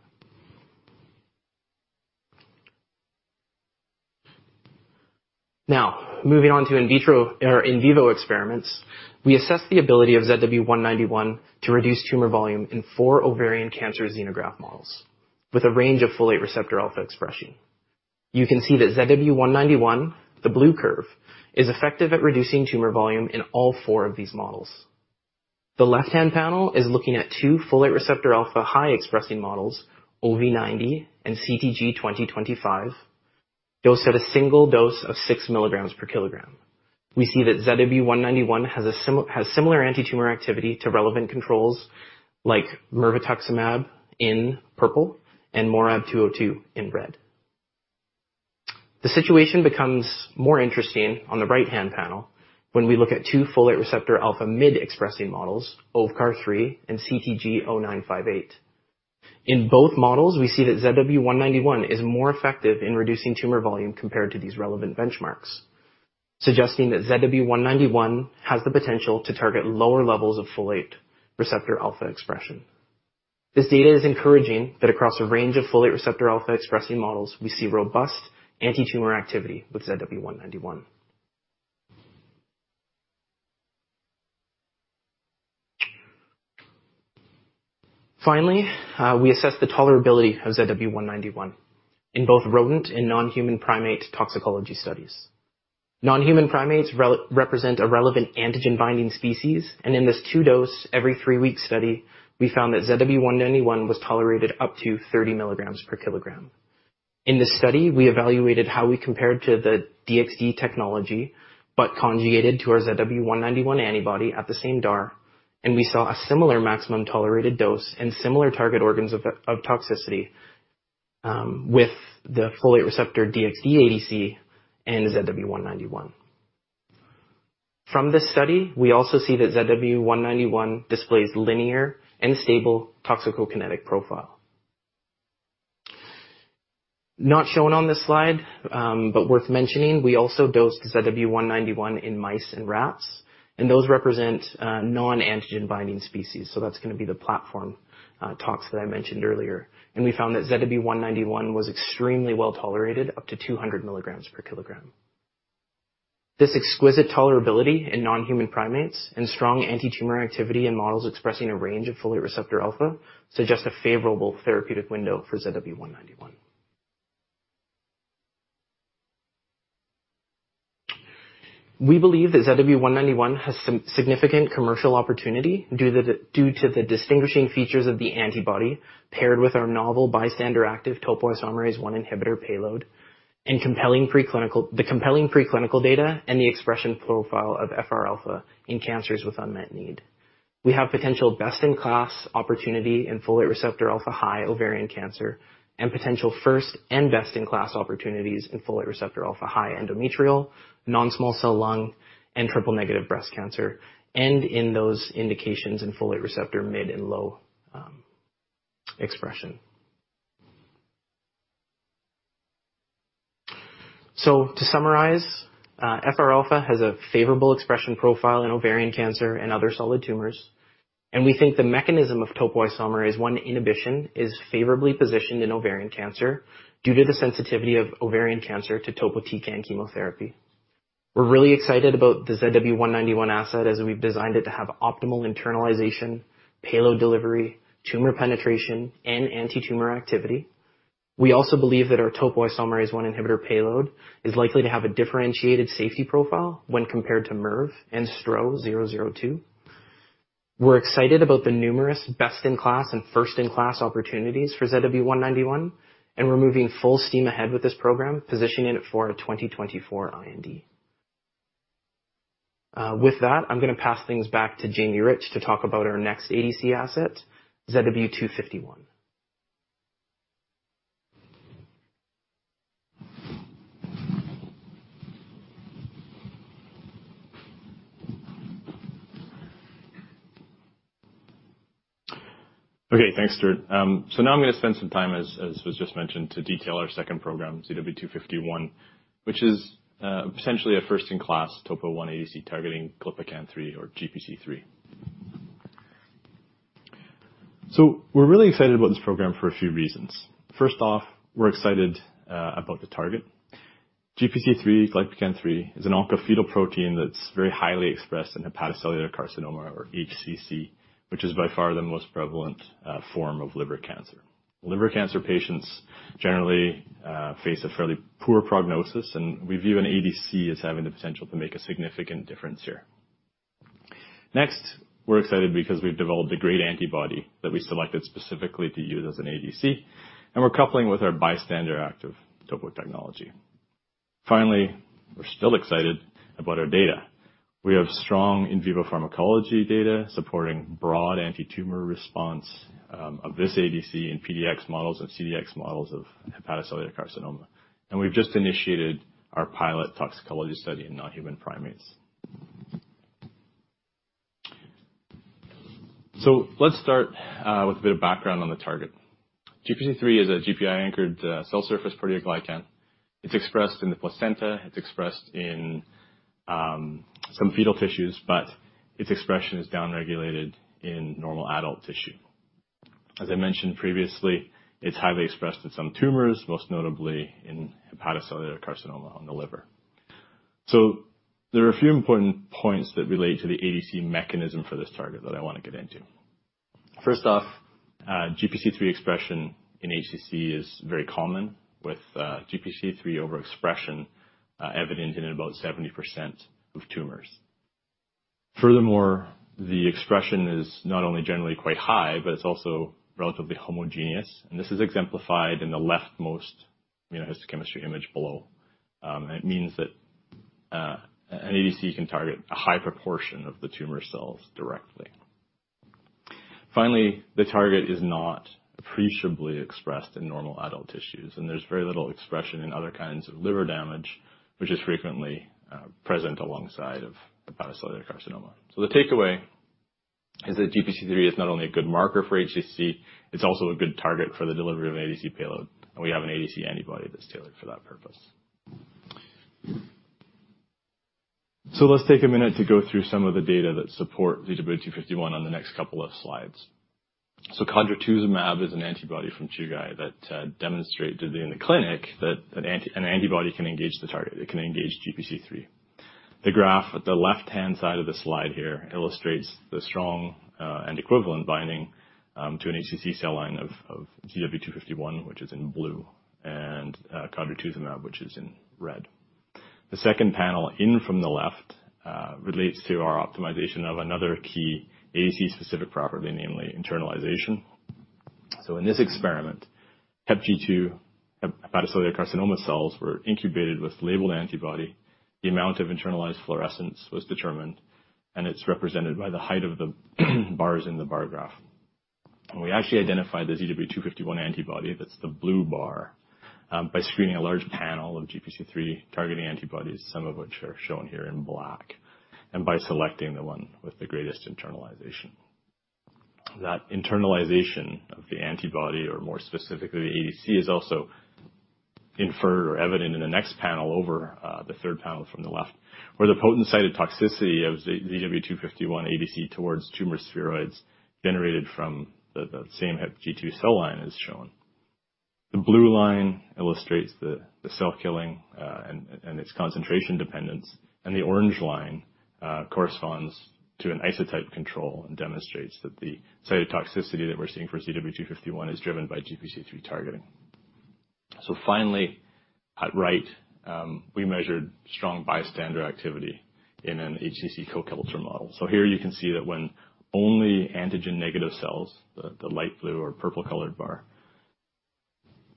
Now, moving on to in vitro or in vivo experiments, we assess the ability of ZW191 to reduce tumor volume in four ovarian cancer xenograft models with a range of folate receptor alpha expression. You can see that ZW191, the blue curve, is effective at reducing tumor volume in all four of these models. The left-hand panel is looking at two folate receptor alpha high-expressing models, OV90 and CTG-2025, dosed at a single dose of 6 milligrams per kilogram. We see that ZW191 has similar anti-tumor activity to relevant controls like mirvetuximab in purple and MORAb-202 in red. The situation becomes more interesting on the right-hand panel when we look at two folate receptor alpha mid-expressing models, OVCAR-3 and CTG-0958. In both models, we see that ZW191 is more effective in reducing tumor volume compared to these relevant benchmarks, suggesting that ZW191 has the potential to target lower levels of folate receptor alpha expression. This data is encouraging that across a range of folate receptor alpha-expressing models, we see robust anti-tumor activity with ZW191. Finally, we assess the tolerability of ZW191 in both rodent and non-human primate toxicology studies. Non-human primates represent a relevant antigen-binding species, and in this 2-dose every 3-week study, we found that ZW191 was tolerated up to 30 mg per kg. In this study, we evaluated how we compared to the DXd technology, but conjugated to our ZW191 antibody at the same DAR, and we saw a similar maximum tolerated dose and similar target organs of toxicity with the folate receptor DXd ADC and ZW191. From this study, we also see that ZW191 displays linear and stable toxicokinetic profile. Not shown on this slide, but worth mentioning, we also dosed ZW191 in mice and rats, and those represent non-antigen-binding species, so that's gonna be the platform talks that I mentioned earlier. We found that ZW191 was extremely well-tolerated up to 200 milligrams per kilogram. This exquisite tolerability in non-human primates and strong anti-tumor activity in models expressing a range of folate receptor alpha suggest a favorable therapeutic window for ZW191. We believe that ZW191 has some significant commercial opportunity due to the distinguishing features of the antibody paired with our novel bystander-active topoisomerase I inhibitor payload and compelling preclinical data and the expression profile of FRα in cancers with unmet need. We have potential best-in-class opportunity in folate receptor α-high ovarian cancer and potential first and best-in-class opportunities in folate receptor α-high endometrial, non-small cell lung, and triple-negative breast cancer, and in those indications in folate receptor mid and low expression. To summarize, FRα has a favorable expression profile in ovarian cancer and other solid tumors, and we think the mechanism of topoisomerase I inhibition is favorably positioned in ovarian cancer due to the sensitivity of ovarian cancer to topotecan chemotherapy. We're really excited about the ZW191 asset as we've designed it to have optimal internalization, payload delivery, tumor penetration, and anti-tumor activity. We also believe that our topoisomerase I inhibitor payload is likely to have a differentiated safety profile when compared to MIRV and STRO-002. We're excited about the numerous best-in-class and first-in-class opportunities for ZW-191, and we're moving full steam ahead with this program, positioning it for a 2024 IND. With that, I'm gonna pass things back to Jamie Rich to talk about our next ADC asset, ZW-251. Okay, thanks, Stuart. Now I'm gonna spend some time, as was just mentioned, to detail our second program, ZW251, which is potentially a first-in-class Topo I ADC targeting glypican-3 or GPC3. We're really excited about this program for a few reasons. First off, we're excited about the target. GPC3, glypican-3, is an oncofetal protein that's very highly expressed in hepatocellular carcinoma or HCC, which is by far the most prevalent form of liver cancer. Liver cancer patients generally face a fairly poor prognosis, and we view an ADC as having the potential to make a significant difference here. Next, we're excited because we've developed a great antibody that we selected specifically to use as an ADC, and we're coupling with our bystander active Topo technology. Finally, we're still excited about our data. We have strong in vivo pharmacology data supporting broad antitumor response of this ADC in PDX models and CDX models of hepatocellular carcinoma. We've just initiated our pilot toxicology study in non-human primates. Let's start with a bit of background on the target. GPC3 is a GPI-anchored cell surface proteoglycan. It's expressed in the placenta, it's expressed in some fetal tissues, but its expression is downregulated in normal adult tissue. As I mentioned previously, it's highly expressed in some tumors, most notably in hepatocellular carcinoma on the liver. There are a few important points that relate to the ADC mechanism for this target that I wanna get into. First off, GPC3 expression in HCC is very common with GPC3 overexpression evident in about 70% of tumors. Furthermore, the expression is not only generally quite high, but it's also relatively homogeneous, and this is exemplified in the leftmost immunohistochemistry image below. It means that an ADC can target a high proportion of the tumor cells directly. Finally, the target is not appreciably expressed in normal adult tissues, and there's very little expression in other kinds of liver damage, which is frequently present alongside of hepatocellular carcinoma. The takeaway is that GPC3 is not only a good marker for HCC, it's also a good target for the delivery of ADC payload, and we have an ADC antibody that's tailored for that purpose. Let's take a minute to go through some of the data that support ZW251 on the next couple of slides. Codrituzumab is an antibody from Chugai that demonstrate to be in the clinic that an antibody can engage the target. It can engage GPC3. The graph at the left-hand side of the slide here illustrates the strong and equivalent binding to an HCC cell line of ZW251, which is in blue, and codrituzumab, which is in red. The second panel in from the left relates to our optimization of another key ADC-specific property, namely internalization. In this experiment, HepG2 hepatocellular carcinoma cells were incubated with labeled antibody. The amount of internalized fluorescence was determined, and it's represented by the height of the bars in the bar graph. We actually identified the ZW251 antibody, that's the blue bar, by screening a large panel of GPC3 targeting antibodies, some of which are shown here in black, and by selecting the one with the greatest internalization. That internalization of the antibody or more specifically the ADC is also inferred or evident in the next panel over, the third panel from the left, where the potent cytotoxicity of ZW251 ADC towards tumor spheroids generated from the same HepG2 cell line is shown. The blue line illustrates the cell killing and its concentration dependence, and the orange line corresponds to an isotype control and demonstrates that the cytotoxicity that we're seeing for ZW251 is driven by GPC3 targeting. Finally, at right, we measured strong bystander activity in an HCC co-culture model. Here you can see that when only antigen-negative cells, the light blue or purple colored bar,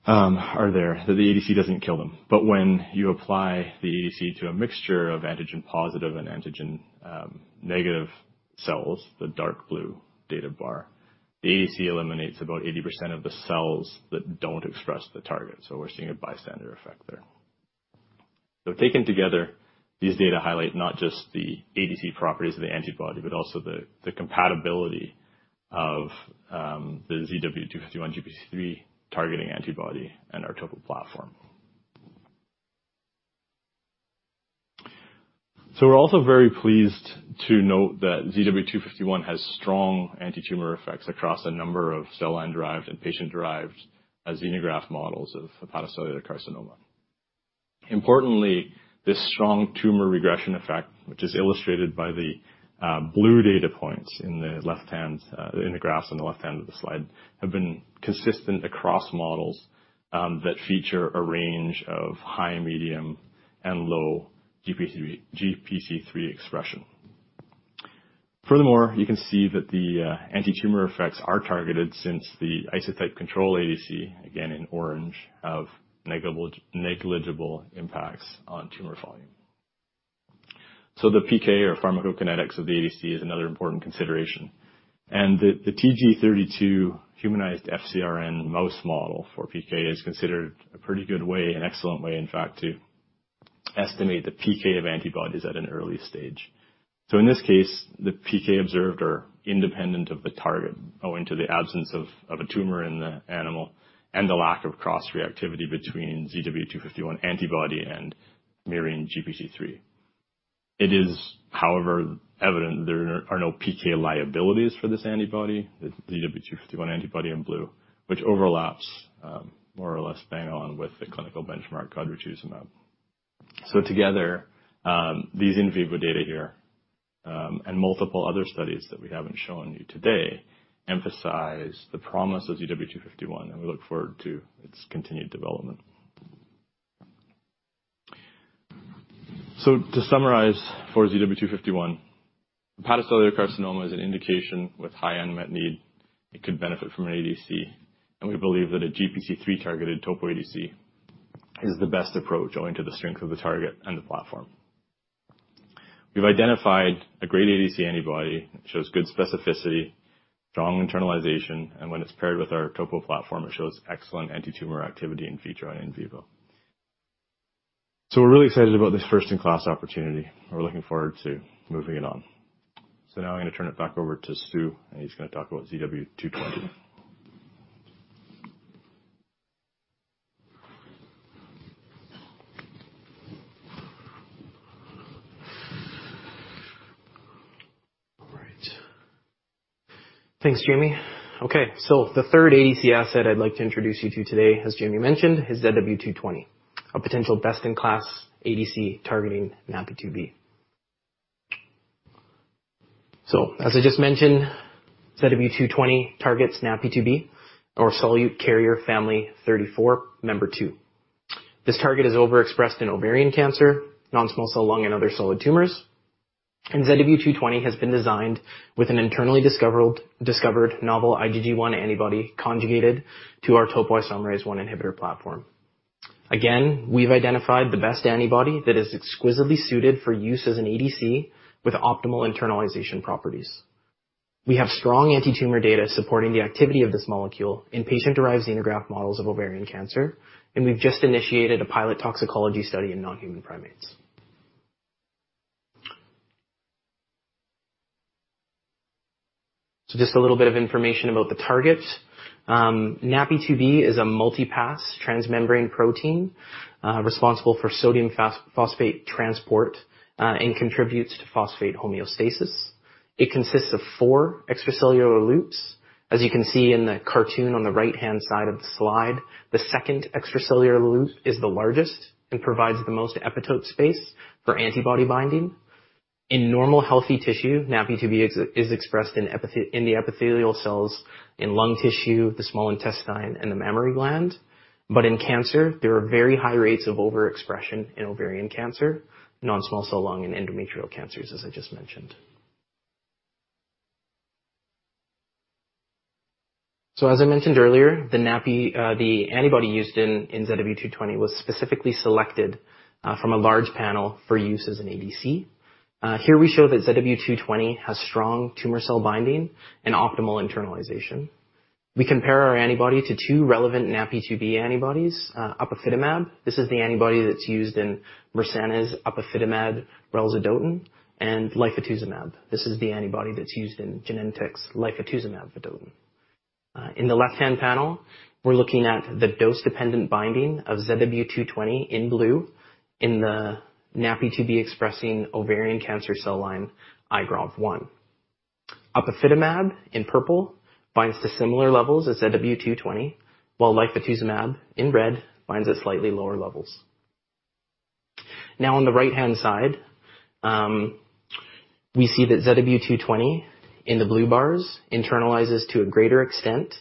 are there, that the ADC doesn't kill them. When you apply the ADC to a mixture of antigen positive and antigen negative cells, the dark blue data bar, the ADC eliminates about 80% of the cells that don't express the target. We're seeing a bystander effect there. Taken together, these data highlight not just the ADC properties of the antibody, but also the compatibility of the ZW251 GPC3 targeting antibody and our Topo platform. We're also very pleased to note that ZW251 has strong antitumor effects across a number of cell line-derived and patient-derived xenograft models of hepatocellular carcinoma. Importantly, this strong tumor regression effect, which is illustrated by the blue data points in the left-hand graphs on the left-hand of the slide, have been consistent across models that feature a range of high, medium, and low GPC3 expression. Furthermore, you can see that the antitumor effects are targeted since the isotype control ADC, again in orange, have negligible impacts on tumor volume. The PK or pharmacokinetics of the ADC is another important consideration. The Tg32 humanized FcRN mouse model for PK is considered a pretty good way, an excellent way, in fact, to estimate the PK of antibodies at an early stage. In this case, the PK observed are independent of the target, owing to the absence of a tumor in the animal and the lack of cross-reactivity between ZW251 antibody and murine GPC3. It is, however, evident there are no PK liabilities for this antibody, the ZW251 antibody in blue, which overlaps more or less bang on with the clinical benchmark codrituzumab. Together these in vivo data here and multiple other studies that we haven't shown you today emphasize the promise of ZW251, and we look forward to its continued development. To summarize for ZW251, hepatocellular carcinoma is an indication with high unmet need. It could benefit from an ADC, and we believe that a GPC3-targeted topo ADC is the best approach owing to the strength of the target and the platform. We've identified a great ADC antibody. It shows good specificity, strong internalization, and when it's paired with our topo platform, it shows excellent antitumor activity in vitro and in vivo. We're really excited about this first-in-class opportunity. We're looking forward to moving it on. Now I'm gonna turn it back over to Stuart Barnscher, and he's gonna talk about ZW220. All right. Thanks, Jamie. Okay, the third ADC asset I'd like to introduce you to today, as Jamie mentioned, is ZW 220, a potential best-in-class ADC targeting NaPi2b. As I just mentioned, ZW220 targets NaPi2b or solute carrier family 34 member two. This target is overexpressed in ovarian cancer, non-small cell lung and other solid tumors. ZW220 has been designed with an internally discovered novel IgG1 antibody conjugated to our topoisomerase I inhibitor platform. Again, we've identified the best antibody that is exquisitely suited for use as an ADC with optimal internalization properties. We have strong antitumor data supporting the activity of this molecule in patient-derived xenograft models of ovarian cancer, and we've just initiated a pilot toxicology study in non-human primates. Just a little bit of information about the target. NaPi2b is a multipass transmembrane protein, responsible for sodium phosphate transport, and contributes to phosphate homeostasis. It consists of four extracellular loops. As you can see in the cartoon on the right-hand side of the slide, the second extracellular loop is the largest and provides the most epitope space for antibody binding. In normal healthy tissue, NaPi2b is expressed in the epithelial cells in lung tissue, the small intestine and the mammary gland. In cancer, there are very high rates of overexpression in ovarian cancer, non-small cell lung and endometrial cancers, as I just mentioned. As I mentioned earlier, the antibody used in ZW220 was specifically selected from a large panel for use as an ADC. Here we show that ZW220 has strong tumor cell binding and optimal internalization. We compare our antibody to two relevant NaPi2b antibodies, Upifitamab. This is the antibody that's used in Mersana's Upifitamab rilsodotin, and lifastuzumab. This is the antibody that's used in Genentech's Lifastuzumab vedotin. In the left-hand panel, we're looking at the dose-dependent binding of ZW220 in blue in the NaPi2b-expressing ovarian cancer cell line, IGROV-1. Upifitamab in purple binds to similar levels as ZW220, while lifastuzumab in red binds at slightly lower levels. Now on the right-hand side, we see that ZW220 in the blue bars internalizes to a greater extent,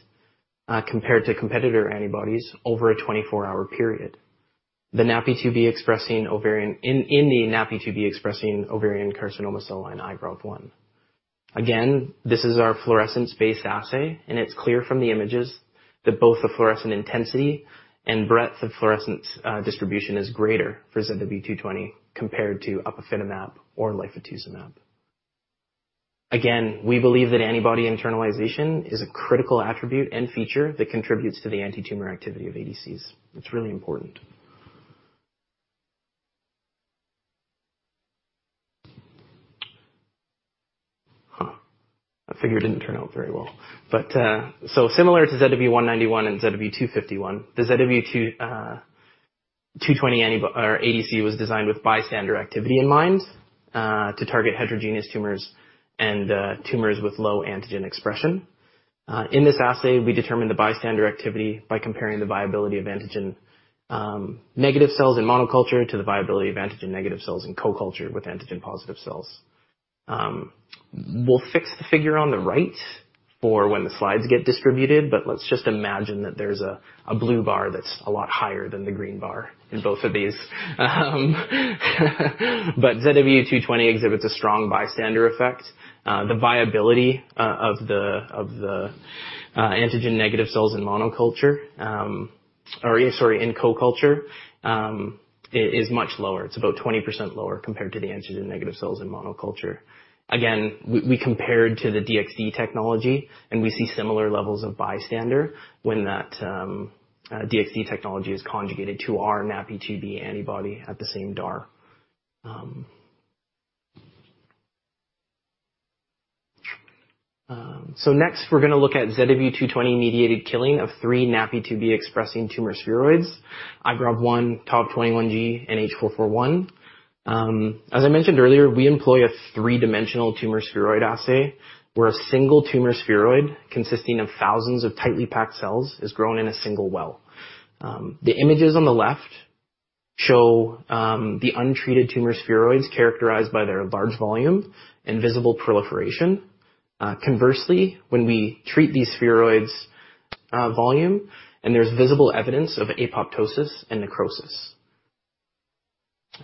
compared to competitor antibodies over a 24-hour period. In the NaPi2b-expressing ovarian carcinoma cell line IGROV-1. Again, this is our fluorescence-based assay, and it's clear from the images that both the fluorescent intensity and breadth of fluorescence distribution is greater for ZW220 compared to Upifitamab or lifastuzumab. Again, we believe that antibody internalization is a critical attribute and feature that contributes to the antitumor activity of ADCs. It's really important. That figure didn't turn out very well. Similar to ZW191 and ZW251, the ZW220 or ADC was designed with bystander activity in mind, to target heterogeneous tumors and tumors with low antigen expression. In this assay, we determine the bystander activity by comparing the viability of antigen negative cells in monoculture to the viability of antigen negative cells in co-culture with antigen positive cells. We'll fix the figure on the right for when the slides get distributed, but let's just imagine that there's a blue bar that's a lot higher than the green bar in both of these. ZW220 exhibits a strong bystander effect. The viability of the antigen-negative cells in co-culture is much lower. It's about 20% lower compared to the antigen-negative cells in monoculture. Again, we compared to the DXd technology, and we see similar levels of bystander when that DXd technology is conjugated to our NaPi2b antibody at the same DAR. Next we're gonna look at ZW220 mediated killing of three NaPi2b expressing tumor spheroids. IGROV-1, TOV-21G, and NCI-H441. As I mentioned earlier, we employ a three-dimensional tumor spheroid assay, where a single tumor spheroid consisting of thousands of tightly packed cells is grown in a single well. The images on the left show the untreated tumor spheroids characterized by their large volume and visible proliferation. Conversely, when we treat these spheroids volume and there's visible evidence of apoptosis and necrosis.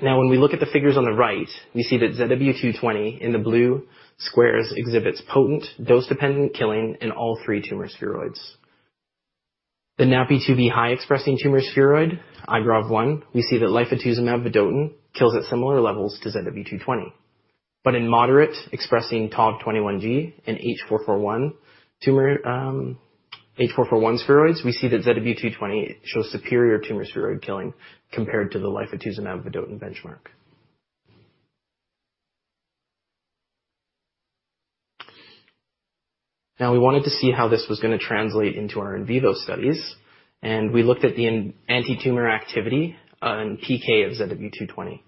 Now, when we look at the figures on the right, we see that ZW220 in the blue squares exhibits potent dose-dependent killing in all three tumor spheroids. The NaPi2b high-expressing tumor spheroid, IGROV-1, we see that lifastuzumab vedotin kills at similar levels to ZW220. In moderate expressing TOV-21G and NCI-H441 tumor, NCI-H441 spheroids, we see that ZW220 shows superior tumor spheroid killing compared to the lifastuzumab vedotin benchmark. Now, we wanted to see how this was gonna translate into our in vivo studies, and we looked at the anti-tumor activity in PK of ZW220.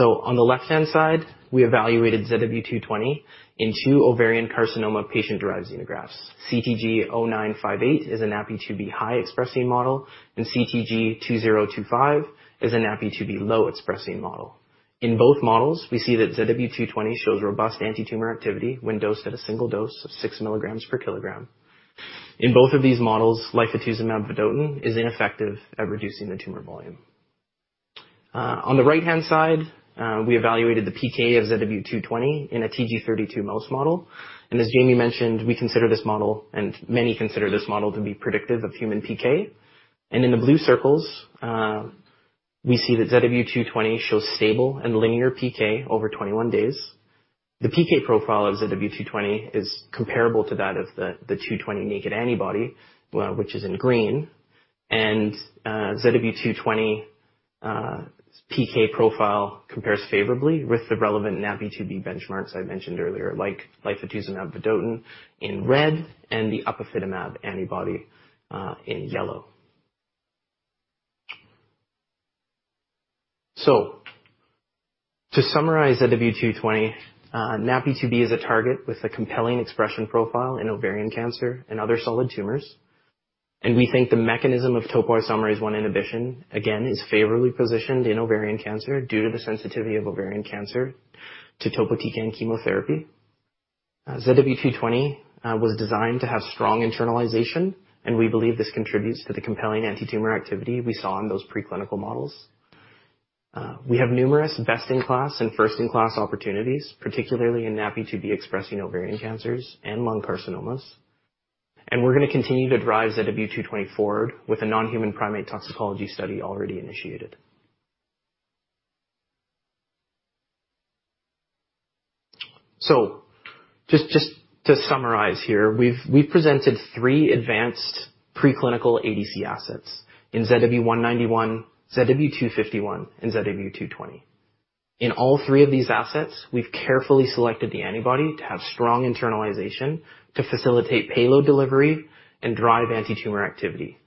On the left-hand side, we evaluated ZW220 in two ovarian carcinoma patient-derived xenografts. CTG-0958 is a NaPi2b high-expressing model, and CTG-2025 is a NaPi2b low-expressing model. In both models, we see that ZW220 shows robust anti-tumor activity when dosed at a single dose of 6 milligrams per kilogram. In both of these models, lifastuzumab vedotin is ineffective at reducing the tumor volume. On the right-hand side, we evaluated the PK of ZW220 in a Tg32 mouse model. As Jamie mentioned, we consider this model, and many consider this model to be predictive of human PK. In the blue circles, we see that ZW220 shows stable and linear PK over 21 days. The PK profile of ZW220 is comparable to that of the 220 naked antibody, which is in green. ZW220 PK profile compares favorably with the relevant NaPi2b benchmarks I mentioned earlier, like lifastuzumab vedotin in red and the Upifitamab antibody in yellow. To summarize ZW220, NaPi2b is a target with a compelling expression profile in ovarian cancer and other solid tumors. We think the mechanism of topoisomerase I inhibition again is favorably positioned in ovarian cancer due to the sensitivity of ovarian cancer to topotecan chemotherapy. ZW220 was designed to have strong internalization, and we believe this contributes to the compelling anti-tumor activity we saw in those preclinical models. We have numerous best-in-class and first-in-class opportunities, particularly in NaPi2b expressing ovarian cancers and lung carcinomas. We're gonna continue to drive ZW220 forward with a non-human primate toxicology study already initiated. Just to summarize here, we've presented three advanced preclinical ADC assets in ZW191, ZW251, and ZW220. In all three of these assets, we've carefully selected the antibody to have strong internalization to facilitate payload delivery and drive anti-tumor activity.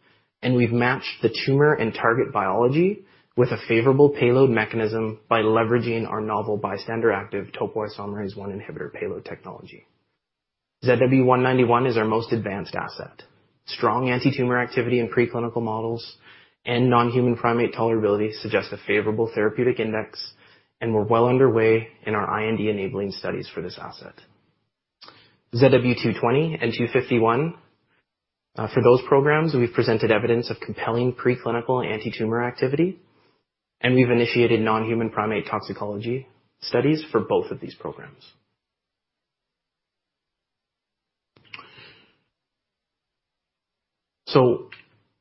We've matched the tumor and target biology with a favorable payload mechanism by leveraging our novel bystander active topoisomerase I inhibitor payload technology. ZW191 is our most advanced asset. Strong anti-tumor activity in preclinical models and non-human primate tolerability suggest a favorable therapeutic index, and we're well underway in our IND-enabling studies for this asset. ZW220 and ZW251, for those programs, we've presented evidence of compelling preclinical anti-tumor activity, and we've initiated non-human primate toxicology studies for both of these programs.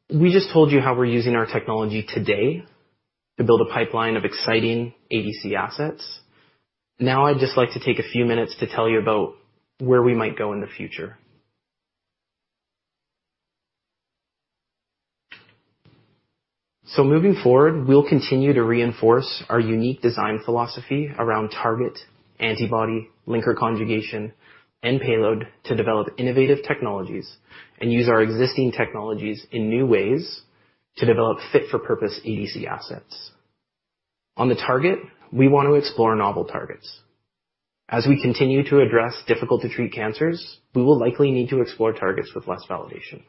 We just told you how we're using our technology today to build a pipeline of exciting ADC assets. Now, I'd just like to take a few minutes to tell you about where we might go in the future. Moving forward, we'll continue to reinforce our unique design philosophy around target antibody, linker conjugation, and payload to develop innovative technologies and use our existing technologies in new ways to develop fit for purpose ADC assets. On the target, we want to explore novel targets. As we continue to address difficult to treat cancers, we will likely need to explore targets with less validation.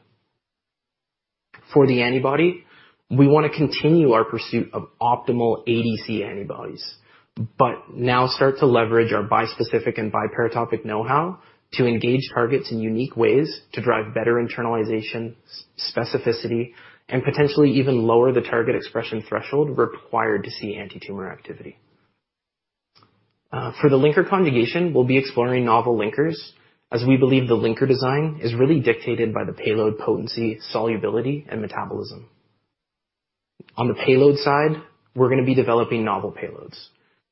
For the antibody, we wanna continue our pursuit of optimal ADC antibodies, but now start to leverage our bispecific and biparatopic know-how to engage targets in unique ways to drive better internalization, specificity and potentially even lower the target expression threshold required to see anti-tumor activity. For the linker conjugation, we'll be exploring novel linkers as we believe the linker design is really dictated by the payload potency, solubility, and metabolism. On the payload side, we're gonna be developing novel payloads.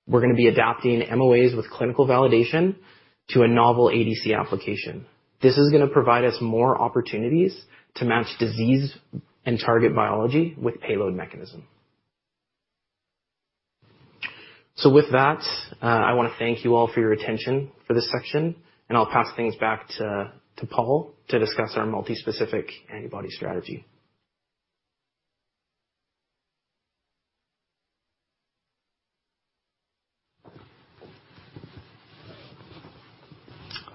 We're gonna be adapting MOAs with clinical validation to a novel ADC application. This is gonna provide us more opportunities to match disease and target biology with payload mechanism. With that, I wanna thank you all for your attention for this section, and I'll pass things back to Paul to discuss our multispecific antibody strategy.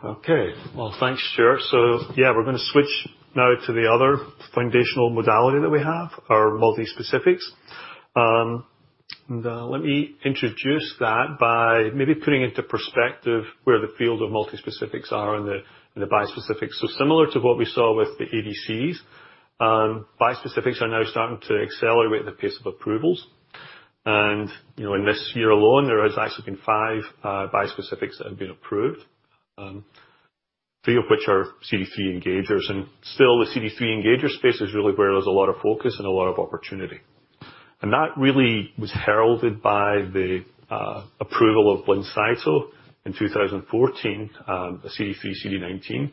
Okay. Well, thanks, Stuart. Yeah, we're gonna switch now to the other foundational modality that we have, our multispecifics. Let me introduce that by maybe putting into perspective where the field of multispecifics are and the bispecifics. Similar to what we saw with the ADCs, bispecifics are now starting to accelerate the pace of approvals. You know, in this year alone, there has actually been five bispecifics that have been approved, three of which are CD3 engagers. Still the CD3 engager space is really where there's a lot of focus and a lot of opportunity. That really was heralded by the approval of Blincyto in 2014, a CD3 CD19,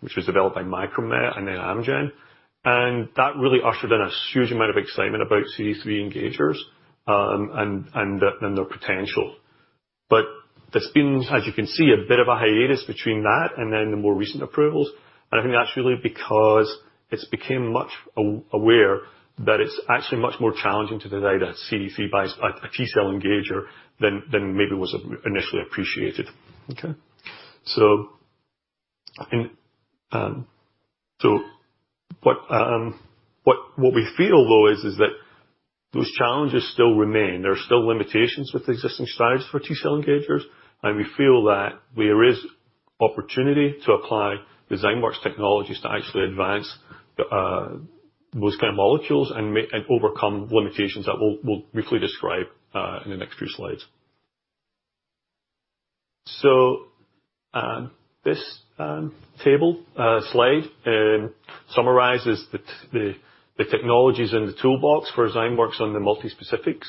which was developed by Micromet and then Amgen. That really ushered in a huge amount of excitement about CD3 engagers and their potential. There's been, as you can see, a bit of a hiatus between that, and then the more recent approvals. I think that's really because it became much more aware that it's actually much more challenging to develop a CD3 a T-cell engager than maybe was initially appreciated. I think what we feel though is that those challenges still remain. There are still limitations with existing strategies for T-cell engagers, and we feel that there is opportunity to apply Zymeworks technologies to actually advance those kind of molecules and overcome limitations that we'll briefly describe in the next few slides. This table slide summarizes the technologies in the toolbox for Zymeworks on the multispecifics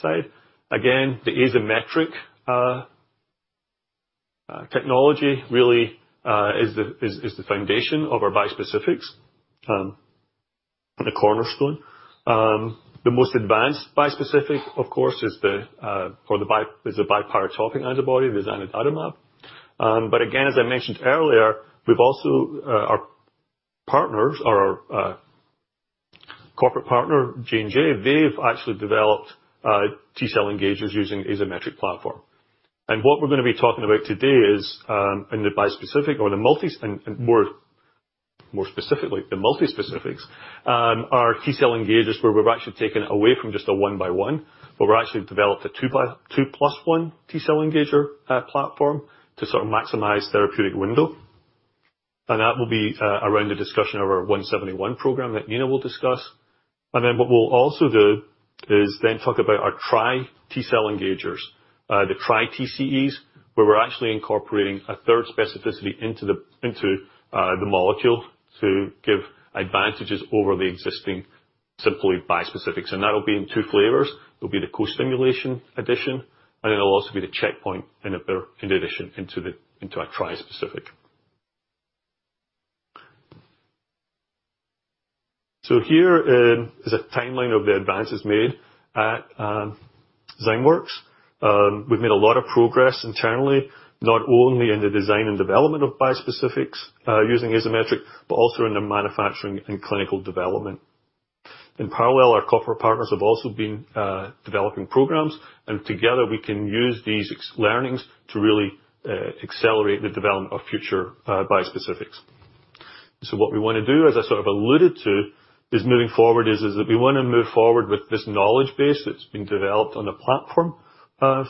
side. Again, the Azymetric technology really is the foundation of our bispecifics and the cornerstone. The most advanced bispecific, of course, is the biparatopic antibody, zanidatamab. But again, as I mentioned earlier, we've also, our corporate partner, J&J, they've actually developed T-cell engagers using Azymetric platform. What we're gonna be talking about today is in the bispecific or the multi... More specifically, the multispecifics are T-cell engagers, where we've actually taken it away from just a one by one, but we're actually developed a two plus one T-cell engager platform to sort of maximize therapeutic window. That will be around the discussion of our 171 program that Nina will discuss. Then what we'll also do is talk about our tri T-cell engagers, the tri TCEs, where we're actually incorporating a third specificity into the molecule to give advantages over the existing simply bispecifics. That'll be in two flavors. There'll be the co-stimulation addition, and then there'll also be the checkpoint inhibition into our trispecific. Here is a timeline of the advances made at Zymeworks. We've made a lot of progress internally, not only in the design and development of bispecifics using Azymetric, but also in the manufacturing and clinical development. In parallel, our corporate partners have also been developing programs, and together we can use these learnings to really accelerate the development of future bispecifics. What we wanna do, as I sort of alluded to, moving forward, is that we wanna move forward with this knowledge base that's been developed on a platform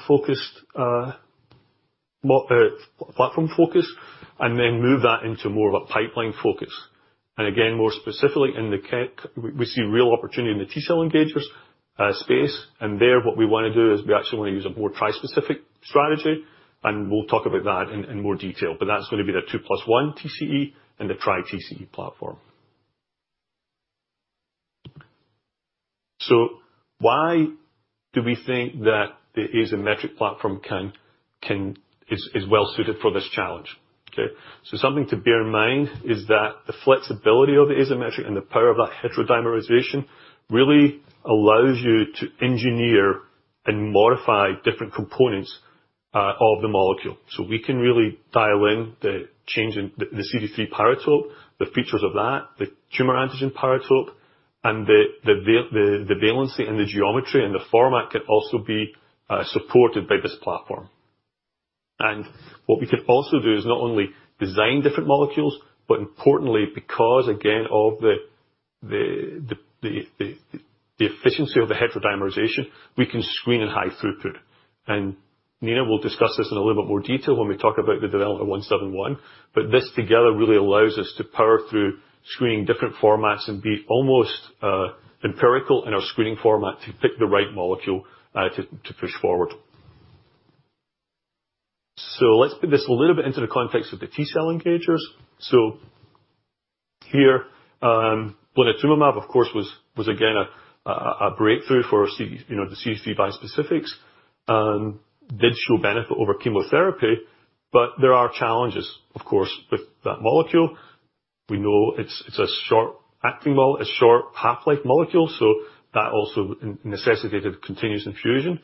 focus, and then move that into more of a pipeline focus. Again, more specifically, we see real opportunity in the T-cell engagers space. There, what we wanna do is we actually wanna use a more trispecific strategy, and we'll talk about that in more detail. That's gonna be the two plus one TCE and the tri TCE platform. Why do we think that the Azymetric platform is well suited for this challenge? Something to bear in mind is that the flexibility of the Azymetric and the power of that heterodimerization really allows you to engineer and modify different components of the molecule. We can really dial in the change in the CD3 paratope, the features of that, the tumor antigen paratope, and the valency and the geometry and the format can also be supported by this platform. What we can also do is not only design different molecules, but importantly because again of the efficiency of the heterodimerization, we can screen in high throughput. Nina will discuss this in a little bit more detail when we talk about the development of ZW171, but this together really allows us to power through screening different formats and be almost empirical in our screening format to pick the right molecule to push forward. Let's put this a little bit into the context of the T-cell engagers. Here, blinatumomab, of course, was again a breakthrough for CD3 bispecifics. You know, the CD3 bispecifics did show benefit over chemotherapy. There are challenges, of course, with that molecule. We know it's a short acting mole- a short path length molecule, so that also necessitated continuous infusion.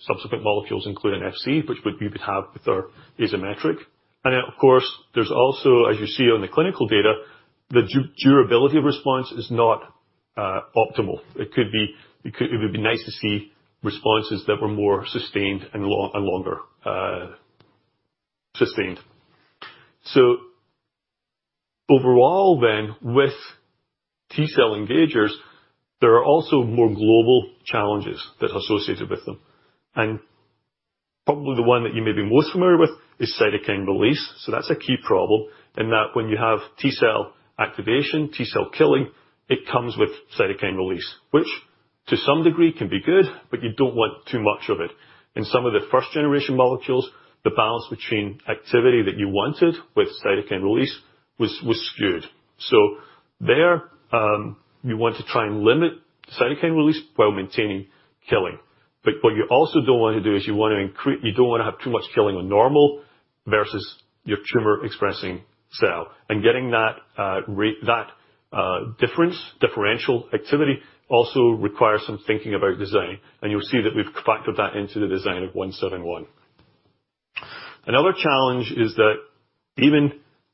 Subsequent molecules including Fc, which we would have with our Azymetric. Of course, there's also, as you see on the clinical data, the durability of response is not optimal. It would be nice to see responses that were more sustained and longer sustained. With T-cell engagers, there are also more global challenges that are associated with them. Probably the one that you may be most familiar with is cytokine release. That's a key problem in that when you have T-cell activation, T-cell killing, it comes with cytokine release, which to some degree can be good, but you don't want too much of it. In some of the first generation molecules, the balance between activity that you wanted with cytokine release was skewed. You want to try and limit cytokine release while maintaining killing. What you also don't want to do is you don't wanna have too much killing on normal versus your tumor expressing cell. Getting that difference, differential activity also requires some thinking about design, and you'll see that we've factored that into the design of 171. Another challenge is that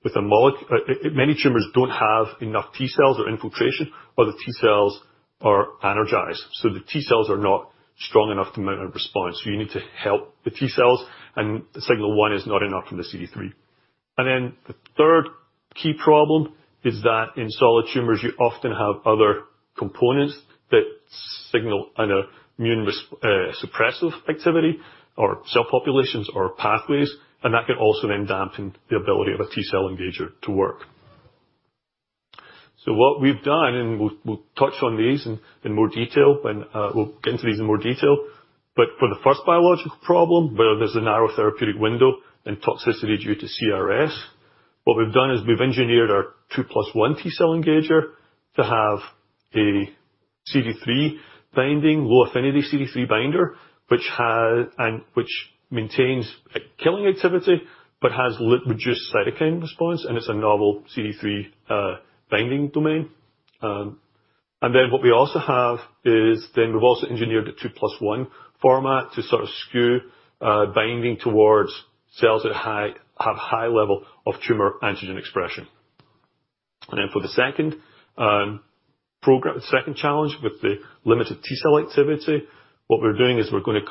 many tumors don't have enough T-cells or infiltration, or the T-cells are energized. The T-cells are not strong enough to mount a response. You need to help the T-cells, and signal 1 is not enough from the CD3. The third key problem is that in solid tumors, you often have other components that signal an immune suppressive activity or cell populations or pathways, and that can also then dampen the ability of a T-cell engager to work. What we've done, and we'll touch on these in more detail when we get into these in more detail. For the first biological problem, where there's a narrow therapeutic window and toxicity due to CRS, what we've done is we've engineered our 2+1 T-cell engager to have a CD3 binding, low affinity CD3 binder, which maintains a killing activity, but has reduced cytokine response, and it's a novel CD3 binding domain. What we also have is we've engineered a 2+1 format to sort of skew binding towards cells that have high level of tumor antigen expression. For the second program. Second challenge with the limited T-cell activity, what we're doing is we're gonna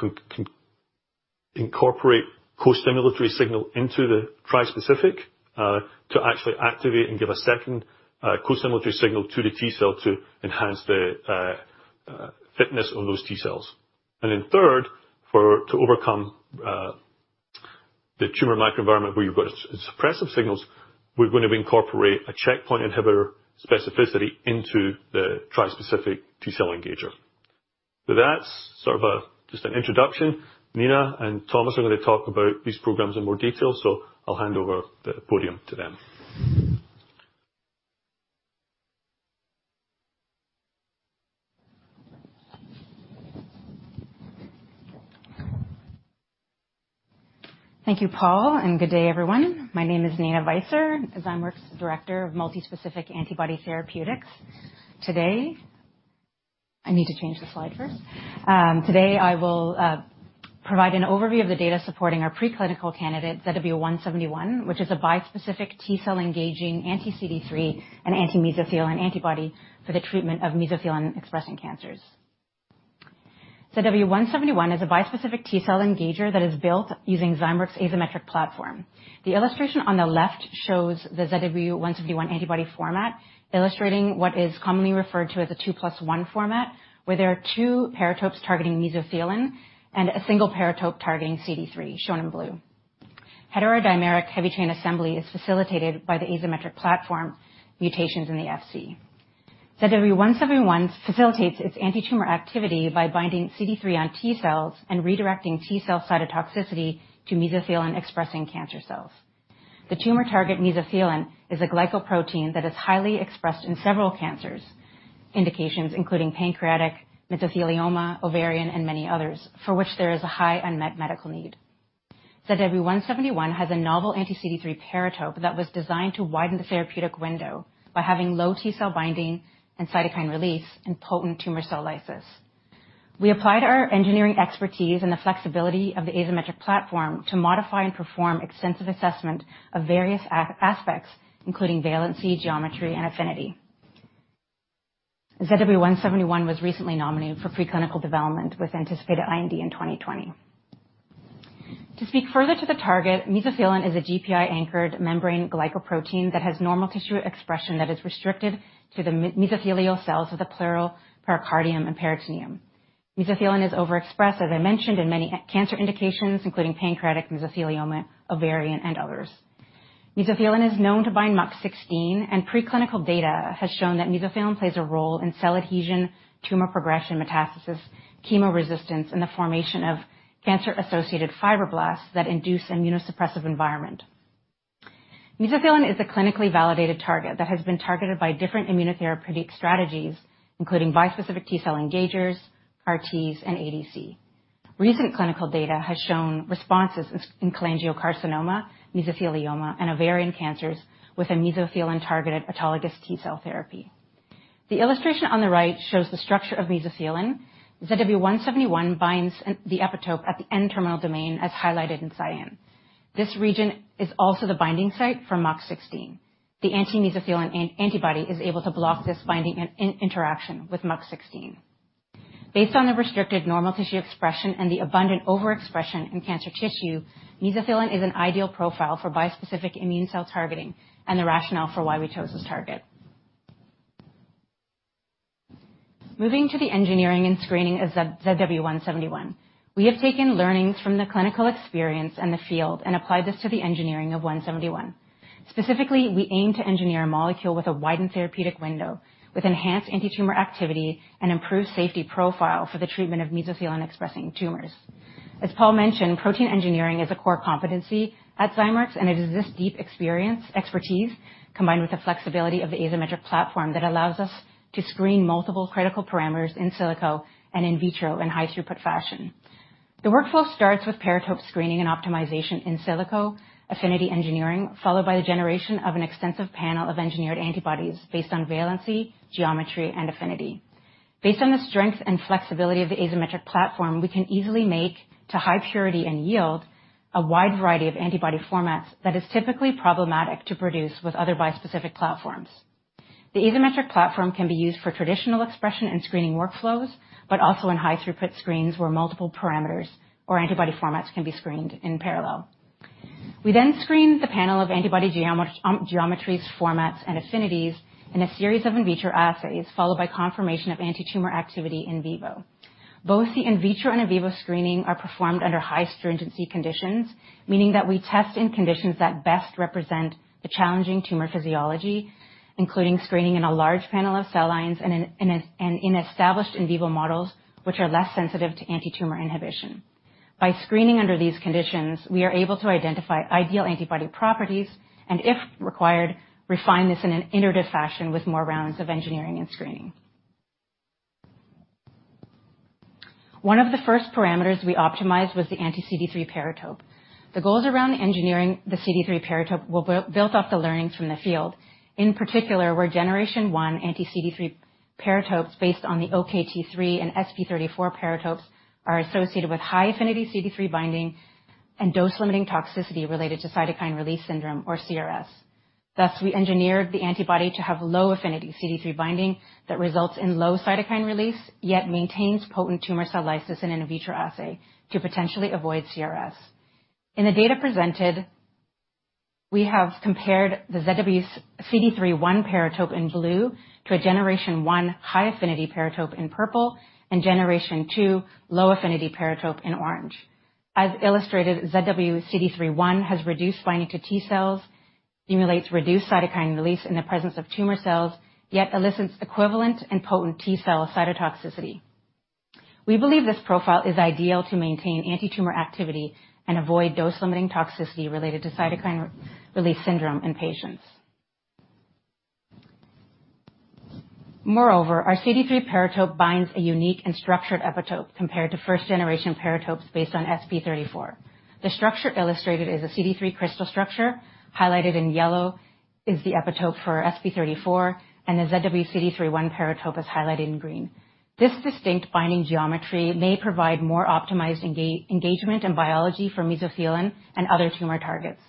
incorporate co-stimulatory signal into the tri-specific to actually activate and give a second co-stimulatory signal to the T-cell to enhance the fitness on those T-cells. Then third, to overcome the tumor microenvironment where you've got suppressive signals, we're gonna incorporate a checkpoint inhibitor specificity into the tri-specific T-cell engager. That's sort of just an introduction. Nina and Thomas are gonna talk about these programs in more detail, so I'll hand over the podium to them. Thank you, Paul, and good day, everyone. My name is Nina Bhatt. Zymeworks Director of Multispecific Antibody Therapeutics. Today I need to change the slide first. Today I will provide an overview of the data supporting our preclinical candidate, ZW171, which is a bispecific T-cell engaging anti-CD3 and anti-mesothelin antibody for the treatment of mesothelin-expressing cancers. ZW171 is a bispecific T-cell engager that is built using Zymeworks' asymmetric platform. The illustration on the left shows the ZW171 antibody format, illustrating what is commonly referred to as a two plus one format, where there are two paratopes targeting mesothelin and a single paratope targeting CD3, shown in blue. Heterodimeric heavy chain assembly is facilitated by the asymmetric platform mutations in the Fc. ZW171 facilitates its anti-tumor activity by binding CD3 on T-cells and redirecting T-cell cytotoxicity to mesothelin-expressing cancer cells. The tumor target mesothelin is a glycoprotein that is highly expressed in several cancer indications, including pancreatic, mesothelioma, ovarian, and many others, for which there is a high unmet medical need. ZW171 has a novel anti-CD3 paratope that was designed to widen the therapeutic window by having low T-cell binding and cytokine release and potent tumor cell lysis. We applied our engineering expertise and the flexibility of the asymmetric platform to modify and perform extensive assessment of various aspects, including valency, geometry, and affinity. ZW171 was recently nominated for preclinical development, with anticipated IND in 2020. To speak further to the target, mesothelin is a GPI-anchored membrane glycoprotein that has normal tissue expression that is restricted to the mesothelial cells of the pleural, pericardium, and peritoneum. Mesothelin is overexpressed, as I mentioned, in many cancer indications, including pancreatic mesothelioma, ovarian, and others. Mesothelin is known to bind MUC16, and preclinical data has shown that mesothelin plays a role in cell adhesion, tumor progression, metastasis, chemoresistance, and the formation of cancer-associated fibroblasts that induce immunosuppressive environment. Mesothelin is a clinically validated target that has been targeted by different immunotherapeutic strategies, including bispecific T-cell engagers, CAR-Ts, and ADC. Recent clinical data has shown responses in cholangiocarcinoma, mesothelioma, and ovarian cancers with a mesothelin-targeted autologous T-cell therapy. The illustration on the right shows the structure of mesothelin. ZW171 binds the epitope at the N-terminal domain, as highlighted in cyan. This region is also the binding site for MUC16. The anti-mesothelin antibody is able to block this binding in interaction with MUC16. Based on the restricted normal tissue expression and the abundant overexpression in cancer tissue, mesothelin is an ideal profile for bispecific immune cell targeting and the rationale for why we chose this target. Moving to the engineering and screening of ZW171. We have taken learnings from the clinical experience and the field and applied this to the engineering of ZW171. Specifically, we aim to engineer a molecule with a widened therapeutic window, with enhanced antitumor activity and improved safety profile for the treatment of mesothelin-expressing tumors. As Paul mentioned, protein engineering is a core competency at Zymeworks, and it is this deep experience, expertise, combined with the flexibility of the Azymetric platform, that allows us to screen multiple critical parameters in silico and in vitro in high-throughput fashion. The workflow starts with paratope screening and optimization in silico, affinity engineering, followed by the generation of an extensive panel of engineered antibodies based on valency, geometry, and affinity. Based on the strength and flexibility of the asymmetric platform, we can easily make to high purity and yield a wide variety of antibody formats that is typically problematic to produce with other bispecific platforms. The asymmetric platform can be used for traditional expression and screening workflows, but also in high-throughput screens, where multiple parameters or antibody formats can be screened in parallel. We then screen the panel of antibody geometries, formats, and affinities in a series of in vitro assays, followed by confirmation of antitumor activity in vivo. Both the in vitro and in vivo screening are performed under high stringency conditions, meaning that we test in conditions that best represent the challenging tumor physiology, including screening in a large panel of cell lines and in established in vivo models which are less sensitive to antitumor inhibition. By screening under these conditions, we are able to identify ideal antibody properties and, if required, refine this in an iterative fashion with more rounds of engineering and screening. One of the first parameters we optimized was the anti-CD3 paratope. The goals around engineering the CD3 paratope were built off the learnings from the field. In particular, were generation one anti-CD3 paratopes based on the OKT3 and SP34 paratopes are associated with high-affinity CD3 binding and dose-limiting toxicity related to cytokine release syndrome, or CRS. Thus, we engineered the antibody to have low-affinity CD3 binding that results in low cytokine release, yet maintains potent tumor cell lysis in vitro assay to potentially avoid CRS. In the data presented, we have compared the ZWCD3-1 paratope in blue to a generation one high-affinity paratope in purple and generation two low affinity paratope in orange. As illustrated, ZWCD3-1 has reduced binding to T-cells, stimulates reduced cytokine release in the presence of tumor cells, yet elicits equivalent and potent T-cell cytotoxicity. We believe this profile is ideal to maintain antitumor activity and avoid dose-limiting toxicity related to cytokine release syndrome in patients. Moreover, our CD3 paratope binds a unique and structured epitope compared to first-generation paratopes based on SP34. The structure illustrated is a CD3 crystal structure. Highlighted in yellow is the epitope for SP34, and the ZWCD3-1 paratope is highlighted in green. This distinct binding geometry may provide more optimized engagement in biology for mesothelin and other tumor targets.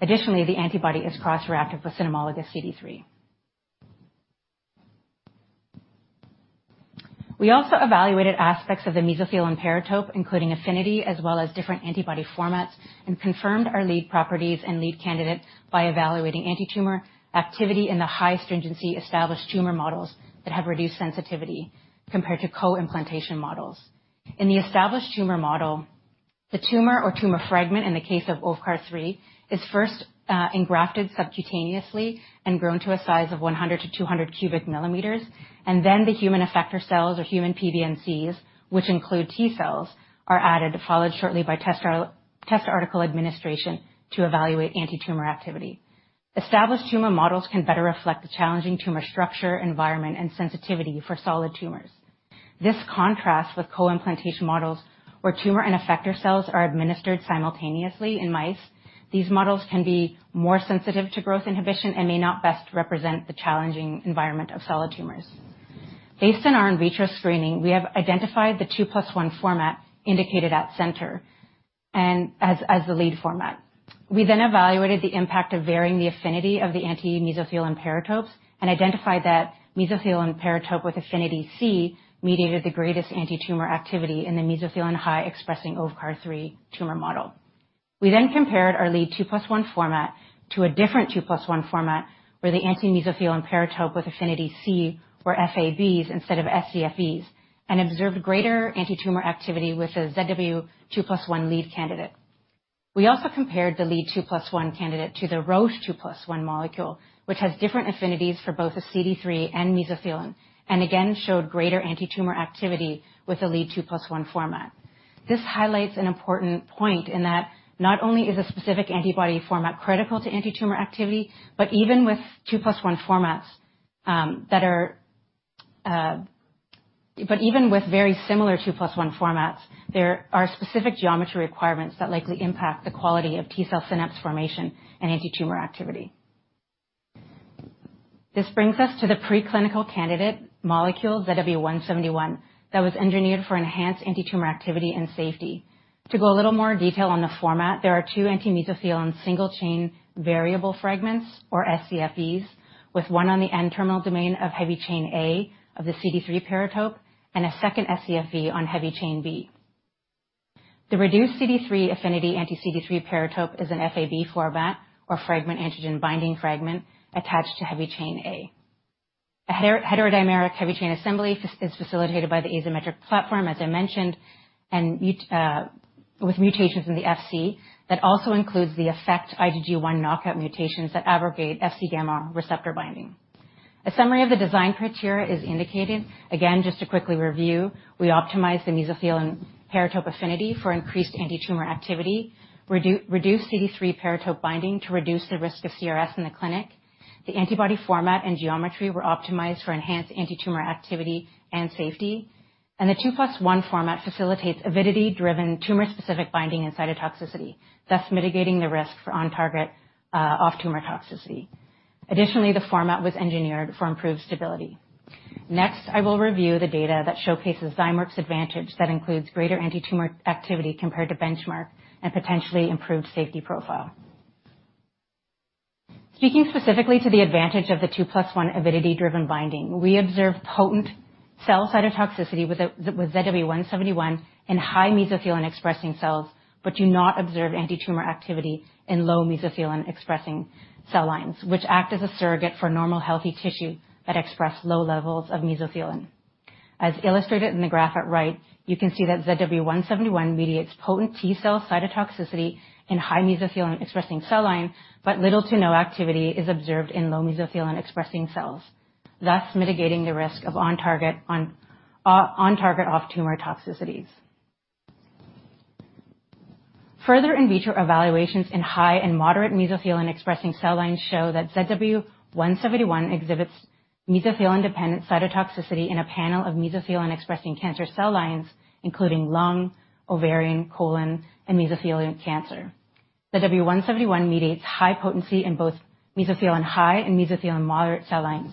Additionally, the antibody is cross-reactive with cynomolgus CD3. We also evaluated aspects of the mesothelin paratope, including affinity as well as different antibody formats, and confirmed our lead properties and lead candidates by evaluating antitumor activity in the high stringency established tumor models that have reduced sensitivity compared to co-implantation models. In the established tumor model, the tumor or tumor fragment, in the case of OVCAR-3, is first engrafted subcutaneously and grown to a size of 100-200 cubic millimeters, and then the human effector cells or human PBMCs, which include T-cells, are added, followed shortly by test article administration to evaluate antitumor activity. Established tumor models can better reflect the challenging tumor structure, environment, and sensitivity for solid tumors. This contrasts with co-implantation models where tumor and effector cells are administered simultaneously in mice. These models can be more sensitive to growth inhibition and may not best represent the challenging environment of solid tumors. Based on our in vitro screening, we have identified the 2 + 1 format indicated at center and as the lead format. We then evaluated the impact of varying the affinity of the anti-mesothelin paratopes and identified that mesothelin paratope with affinity C mediated the greatest antitumor activity in the mesothelin high expressing OVCAR-3 tumor model. We compared our lead two plus one format to a different two plus one format, where the anti-mesothelin paratope with affinity C were Fab instead of ScFv, and observed greater antitumor activity with the ZW two plus one lead candidate. We also compared the lead two plus one candidate to the Roche two plus one molecule, which has different affinities for both the CD3 and mesothelin, and again, showed greater antitumor activity with the lead two plus one format. This highlights an important point in that not only is a specific antibody format critical to antitumor activity, but even with very similar two plus one formats, there are specific geometry requirements that likely impact the quality of T-cell synapse formation and antitumor activity. This brings us to the preclinical candidate molecule, ZW171, that was engineered for enhanced antitumor activity and safety. To go a little more in detail on the format, there are two anti-mesothelin single-chain variable fragments, or scFvs, with one on the N-terminal domain of heavy chain A of the CD3 paratope, and a second scFv on heavy chain B. The reduced CD3 affinity anti-CD3 paratope is an Fab format or fragment antigen-binding fragment attached to heavy chain A. A heterodimeric heavy chain assembly is facilitated by the asymmetric platform, as I mentioned, and with mutations in the Fc that also includes the effector IgG1 knockout mutations that abrogate Fc gamma receptor binding. A summary of the design criteria is indicated. Again, just to quickly review, we optimize the mesothelin paratope affinity for increased antitumor activity, reduced CD3 paratope binding to reduce the risk of CRS in the clinic. The antibody format and geometry were optimized for enhanced antitumor activity and safety, and the 2 + 1 format facilitates avidity-driven tumor-specific binding and cytotoxicity, thus mitigating the risk for on-target, off-tumor toxicity. Additionally, the format was engineered for improved stability. Next, I will review the data that showcases Zymeworks' advantage that includes greater antitumor activity compared to benchmark and potentially improved safety profile. Speaking specifically to the advantage of the 2 + 1 avidity-driven binding, we observe potent cell cytotoxicity with ZW171 in high mesothelin-expressing cells, but do not observe antitumor activity in low mesothelin-expressing cell lines, which act as a surrogate for normal, healthy tissue that express low levels of mesothelin. As illustrated in the graph at right, you can see that ZW171 mediates potent T-cell cytotoxicity in high mesothelin-expressing cell line, but little to no activity is observed in low mesothelin-expressing cells, thus mitigating the risk of on-target, off-tumor toxicities. Further in vitro evaluations in high and moderate mesothelin-expressing cell lines show that ZW171 exhibits mesothelin-dependent cytotoxicity in a panel of mesothelin-expressing cancer cell lines, including lung, ovarian, colon, and mesothelioma cancer. ZW171 mediates high potency in both mesothelin high and mesothelin moderate cell lines.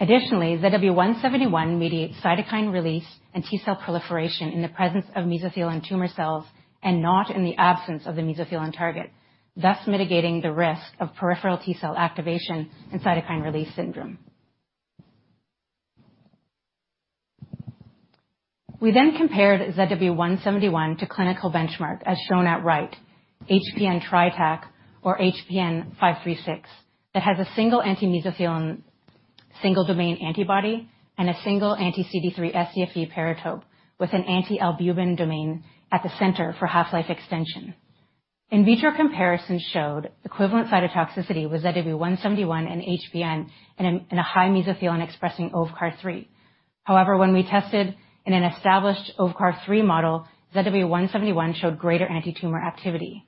Additionally, ZW171 mediates cytokine release and T-cell proliferation in the presence of mesothelin tumor cells and not in the absence of the mesothelin target, thus mitigating the risk of peripheral T-cell activation and cytokine release syndrome. We then compared ZW171 to clinical benchmark, as shown at right, HPN-TriTac or HPN-536, that has a single anti-mesothelin single-domain antibody and a single anti-CD3 ScFv paratope with an anti-albumin domain at the center for half-life extension. In vitro comparisons showed equivalent cytotoxicity with ZW171 and HPN in a high mesothelin-expressing OVCAR-3. However, when we tested in an established OVCAR-3 model, ZW171 showed greater antitumor activity.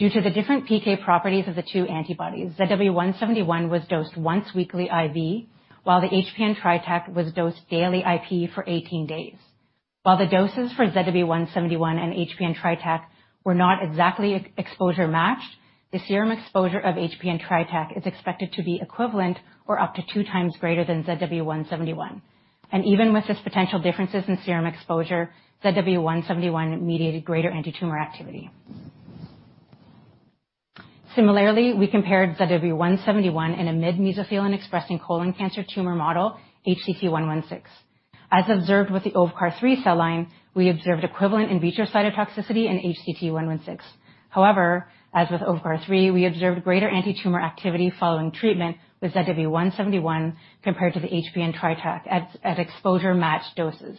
Due to the different PK properties of the two antibodies, ZW171 was dosed once weekly IV, while the HPN-TriTac was dosed daily IP for 18 days. While the doses for ZW171 and HPN-TriTac were not exactly exposure-matched, the serum exposure of HPN-TriTac is expected to be equivalent or up to 2x greater than ZW171. Even with this potential differences in serum exposure, ZW171 mediated greater antitumor activity. Similarly, we compared ZW171 in a mid-mesothelin-expressing colon cancer tumor model, HCT116. As observed with the OVCAR-3 cell line, we observed equivalent in vitro cytotoxicity in HCT116. However, as with OVCAR-3, we observed greater antitumor activity following treatment with ZW171 compared to the HPN-TriTac at exposure matched doses.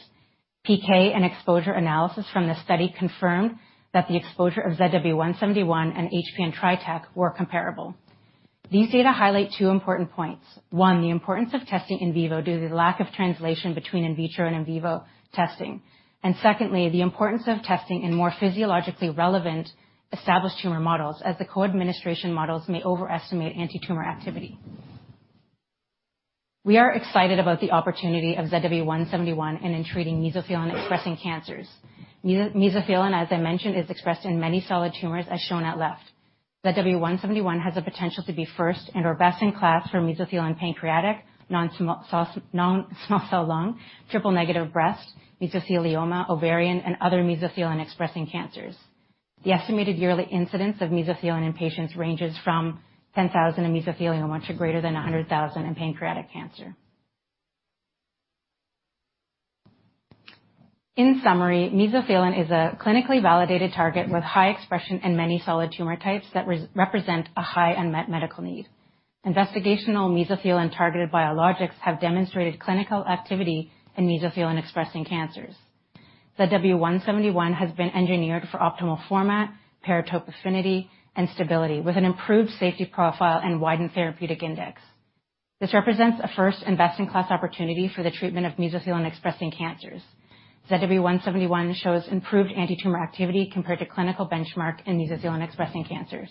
PK and exposure analysis from this study confirm that the exposure of ZW171 and HPN-TriTac were comparable. These data highlight two important points. One, the importance of testing in vivo due to the lack of translation between in vitro and in vivo testing. Secondly, the importance of testing in more physiologically relevant established tumor models as the co-administration models may overestimate antitumor activity. We are excited about the opportunity of ZW171 and in treating mesothelin-expressing cancers. Mesothelin, as I mentioned, is expressed in many solid tumors as shown at left. ZW171 has the potential to be first and or best in class for mesothelin pancreatic, non-small cell lung, triple-negative breast, mesothelioma, ovarian, and other mesothelin-expressing cancers. The estimated yearly incidence of mesothelin in patients ranges from 10,000 in mesothelioma to greater than 100,000 in pancreatic cancer. In summary, mesothelin is a clinically validated target with high expression in many solid tumor types that represent a high unmet medical need. Investigational mesothelin-targeted biologics have demonstrated clinical activity in mesothelin-expressing cancers. ZW171 has been engineered for optimal format, paratope affinity, and stability, with an improved safety profile and widened therapeutic index. This represents a first-in-best-in-class opportunity for the treatment of mesothelin-expressing cancers. ZW171 shows improved antitumor activity compared to clinical benchmark in mesothelin-expressing cancers.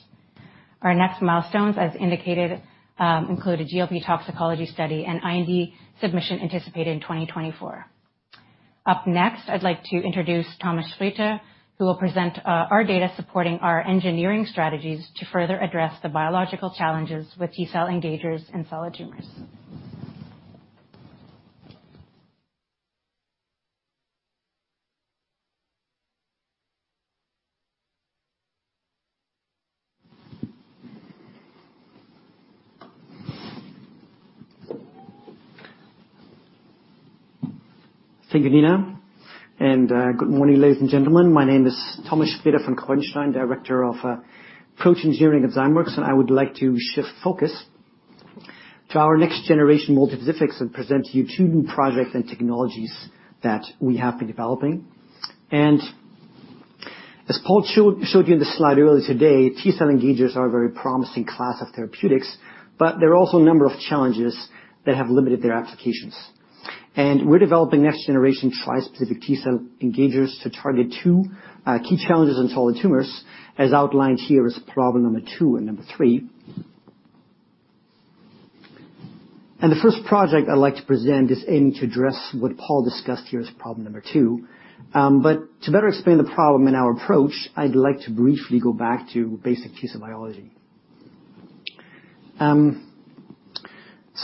Our next milestones, as indicated, include a GLP toxicology study and IND submission anticipated in 2024. Up next, I'd like to introduce Thomas Schalck, who will present our data supporting our engineering strategies to further address the biological challenges with T-cell engagers in solid tumors. Thank you, Nina. Good morning, ladies and gentlemen. My name is Thomas Spreter von Kreudenstein, Director of Protein Engineering at Zymeworks, and I would like to shift focus to our next-generation multispecifics and present to you two new projects and technologies that we have been developing. As Paul showed you in the slide earlier today, T-cell engagers are a very promising class of therapeutics, but there are also a number of challenges that have limited their applications. We're developing next-generation tri-specific T-cell engagers to target two key challenges in solid tumors, as outlined here as problem number two and number three. The first project I'd like to present is aiming to address what Paul discussed here as problem number two. To better explain the problem and our approach, I'd like to briefly go back to basic T-cell biology.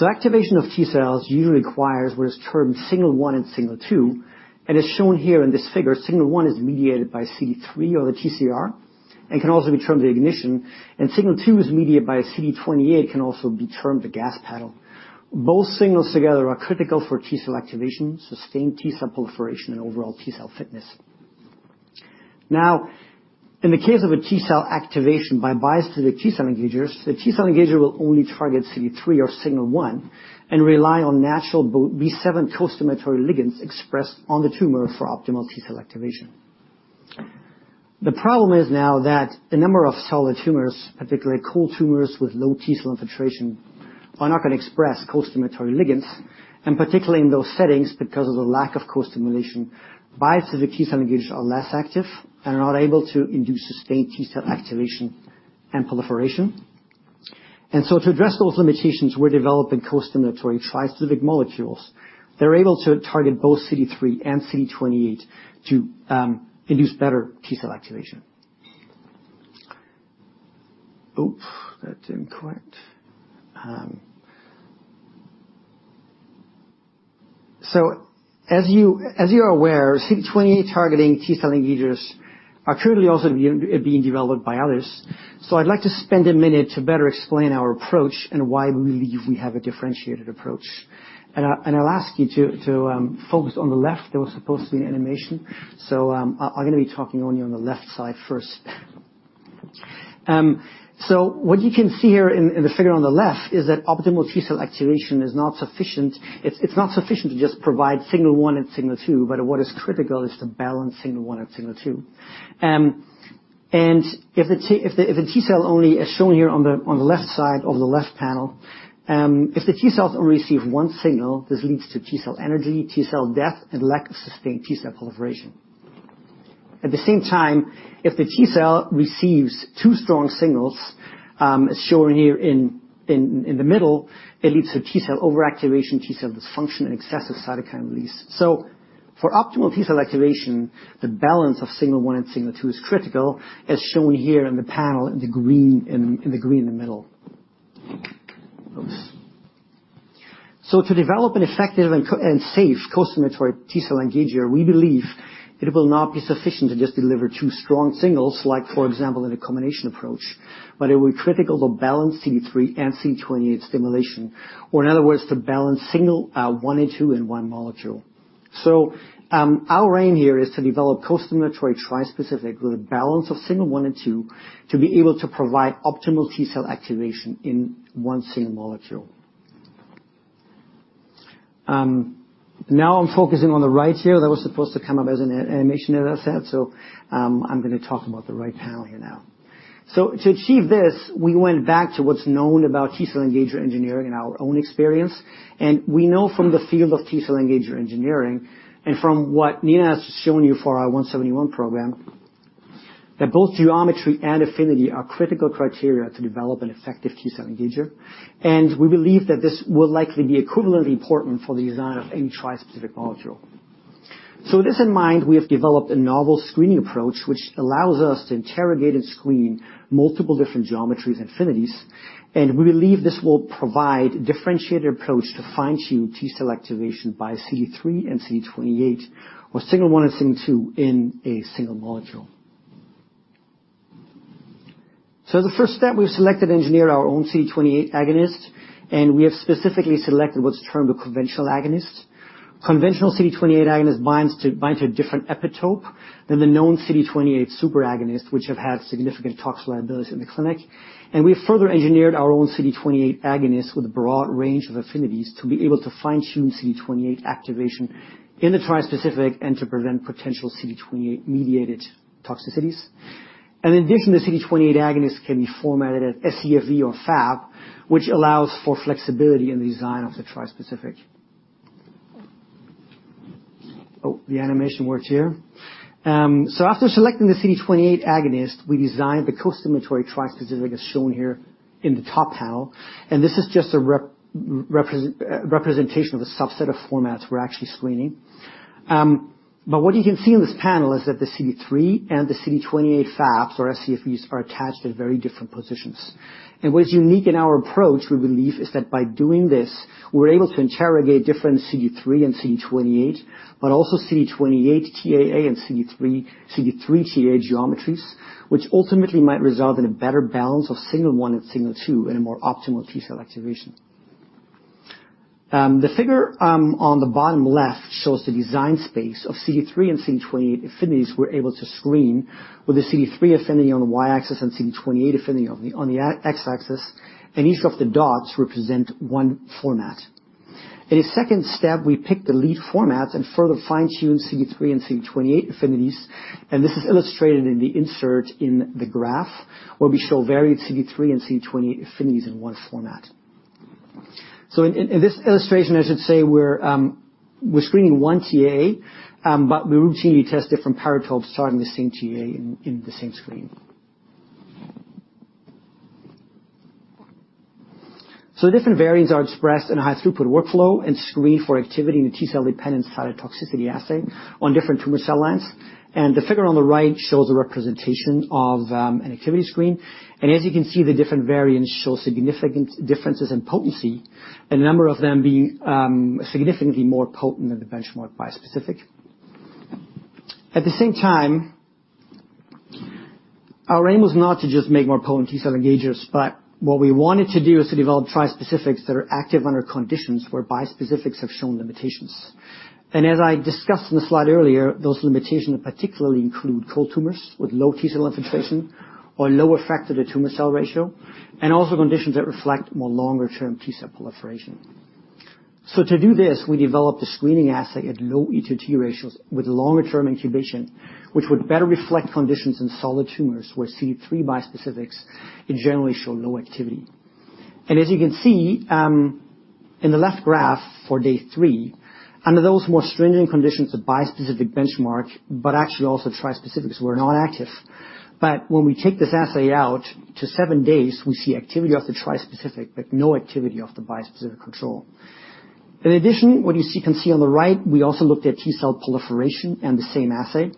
Activation of T cells usually requires what is termed signal one and signal two, and as shown here in this figure, signal one is mediated by CD3 or the TCR and can also be termed the ignition, and signal two is mediated by CD28, can also be termed the gas pedal. Both signals together are critical for T cell activation, sustained T cell proliferation, and overall T cell fitness. Now, in the case of a T cell activation by bispecific T cell engagers, the T cell engager will only target CD3 or signal one and rely on natural B7 costimulatory ligands expressed on the tumor for optimal T cell activation. The problem is now that the number of solid tumors, particularly cold tumors with low T-cell infiltration, are not gonna express costimulatory ligands, and particularly in those settings, because of the lack of costimulation, bispecific T-cell engagers are less active and are not able to induce sustained T-cell activation and proliferation. To address those limitations, we're developing costimulatory tri-specific molecules. They're able to target both CD3 and CD28 to induce better T-cell activation. Oops, that's incorrect. As you are aware, CD28 targeting T-cell engagers are currently also being developed by others. I'd like to spend a minute to better explain our approach and why we believe we have a differentiated approach. I'll ask you to focus on the left. There was supposed to be an animation. I'm gonna be talking only on the left side first. What you can see here in the figure on the left is that optimal T-cell activation is not sufficient. It's not sufficient to just provide signal one and signal two, but what is critical is to balance signal one and signal two. If the T-cell only as shown here on the left side or the left panel, if the T cells only receive one signal, this leads to T-cell anergy, T-cell death, and lack of sustained T-cell proliferation. At the same time, if the T-cell receives two strong signals, as shown here in the middle, it leads to T-cell overactivation, T-cell dysfunction, and excessive cytokine release. For optimal T-cell activation, the balance of signal one and signal two is critical, as shown here in the panel in the green in the middle. To develop an effective and safe costimulatory T-cell engager, we believe it will not be sufficient to just deliver two strong signals like, for example, in a combination approach, but it will be critical to balance CD3 and CD28 stimulation, or in other words, to balance signal one and two in one molecule. Our aim here is to develop costimulatory trispecific with a balance of signal one and two to be able to provide optimal T-cell activation in one single molecule. Now I'm focusing on the right here. That was supposed to come up as an animation, as I said. I'm gonna talk about the right panel here now. To achieve this, we went back to what's known about T-cell engager engineering in our own experience, and we know from the field of T-cell engager engineering and from what Nina has shown you for our 171 program, that both geometry and affinity are critical criteria to develop an effective T-cell engager. We believe that this will likely be equivalently important for the design of any tri-specific molecule. With this in mind, we have developed a novel screening approach, which allows us to interrogate and screen multiple different geometries and affinities, and we believe this will provide a differentiated approach to fine-tune T-cell activation by CD3 and CD28 or signal one and signal two in a single molecule. The first step, we've selected and engineered our own CD28 agonist, and we have specifically selected what's termed a conventional agonist. Conventional CD28 agonist binds to a different epitope than the known CD28 super agonist, which have had significant toxic liability in the clinic. We further engineered our own CD28 agonist with a broad range of affinities to be able to fine-tune CD28 activation in the tri-specific and to prevent potential CD28-mediated toxicities. In addition, the CD28 agonist can be formatted as scFv or Fab, which allows for flexibility in the design of the tri-specific. Oh, the animation works here. After selecting the CD28 agonist, we designed the costimulatory tri-specific, as shown here in the top panel, and this is just a representation of a subset of formats we're actually screening. What you can see in this panel is that the CD3 and the CD28 Fabs or scFvs are attached at very different positions. What is unique in our approach, we believe, is that by doing this, we're able to interrogate different CD3 and CD28, but also CD28 TAA and CD3 TAA geometries, which ultimately might result in a better balance of signal one and signal two in a more optimal T-cell activation. The figure on the bottom left shows the design space of CD3 and CD28 affinities we're able to screen with the CD3 affinity on the y-axis and CD28 affinity on the x-axis, and each of the dots represent one format. In a second step, we pick the lead format and further fine-tune CD3 and CD28 affinities, and this is illustrated in the insert in the graph where we show varied CD3 and CD28 affinities in one format. In this illustration, I should say, we're screening one TAA, but we routinely test different paratopes targeting the same TAA in the same screen. Different variants are expressed in a high throughput workflow and screened for activity in the T-cell dependent cytotoxicity assay on different tumor cell lines. The figure on the right shows a representation of an activity screen. As you can see, the different variants show significant differences in potency, a number of them being significantly more potent than the benchmark bispecific. At the same time, our aim was not to just make more potent T-cell engagers, but what we wanted to do is to develop trispecifics that are active under conditions where bispecifics have shown limitations. As I discussed in the slide earlier, those limitations particularly include cold tumors with low T-cell infiltration or low effector-to-tumor cell ratio, and also conditions that reflect more longer term T-cell proliferation. To do this, we developed a screening assay at low E:T ratios with longer term incubation, which would better reflect conditions in solid tumors where CD3 bispecifics generally show low activity. As you can see in the left graph for day three, under those more stringent conditions the bispecific benchmark, but actually also tri-specifics were not active. When we take this assay out to seven days, we see activity of the tri-specific but no activity of the bispecific control. In addition, what you can see on the right, we also looked at T-cell proliferation in the same assay.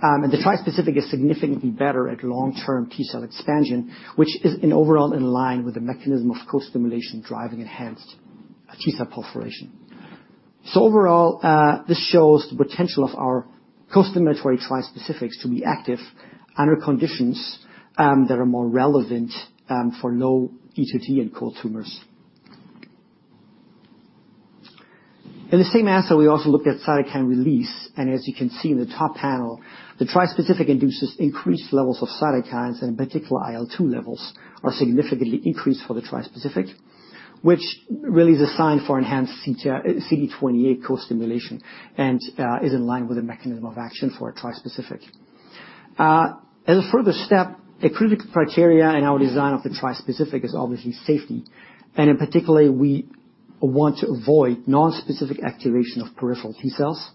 The tri-specific is significantly better at long-term T-cell expansion, which is in overall in line with the mechanism of co-stimulation driving enhanced T-cell proliferation. Overall, this shows the potential of our costimulatory tri-specifics to be active under conditions that are more relevant for low E:T and cold tumors. In the same assay, we also looked at cytokine release, and as you can see in the top panel, the tri-specific induces increased levels of cytokines and in particular IL-2 levels are significantly increased for the tri-specific, which really is a sign for enhanced CTL, CD28 co-stimulation, and is in line with the mechanism of action for a tri-specific. As a further step, a critical criteria in our design of the tri-specific is obviously safety. In particular, we want to avoid non-specific activation of peripheral T-cells.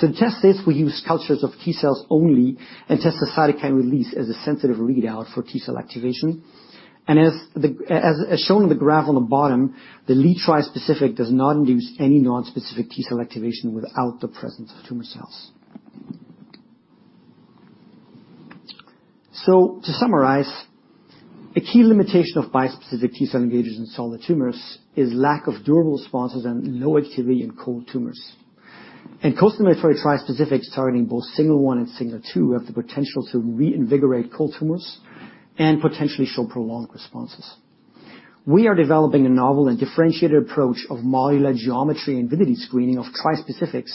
To test this, we use cultures of T-cells only and test the cytokine release as a sensitive readout for T-cell activation. As shown in the graph on the bottom, the lead trispecific does not induce any non-specific T-cell activation without the presence of tumor cells. To summarize, a key limitation of bispecific T-cell engagers in solid tumors is lack of durable responses and low activity in cold tumors. Costimulatory trispecifics targeting both signal one and signal two have the potential to reinvigorate cold tumors and potentially show prolonged responses. We are developing a novel and differentiated approach of modular geometry and variety screening of trispecifics,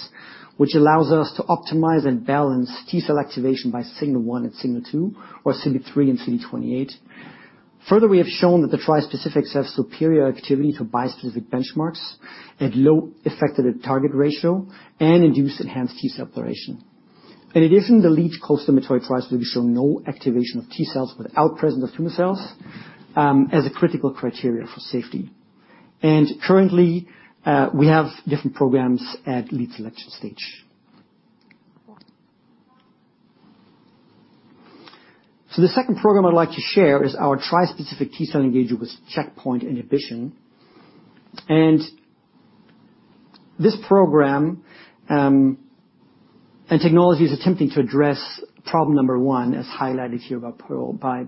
which allows us to optimize and balance T-cell activation by signal one and signal two or CD3 and CD28. Further, we have shown that the tri-specifics have superior activity to bispecific benchmarks at low effector-to-target ratio and induce enhanced T-cell proliferation. In addition, the lead costimulatory tri-specific show no activation of T-cells without presence of tumor cells, as a critical criteria for safety. Currently, we have different programs at lead selection stage. The second program I'd like to share is our tri-specific T-cell engager with checkpoint inhibition. This program and technology is attempting to address problem number one, as highlighted here by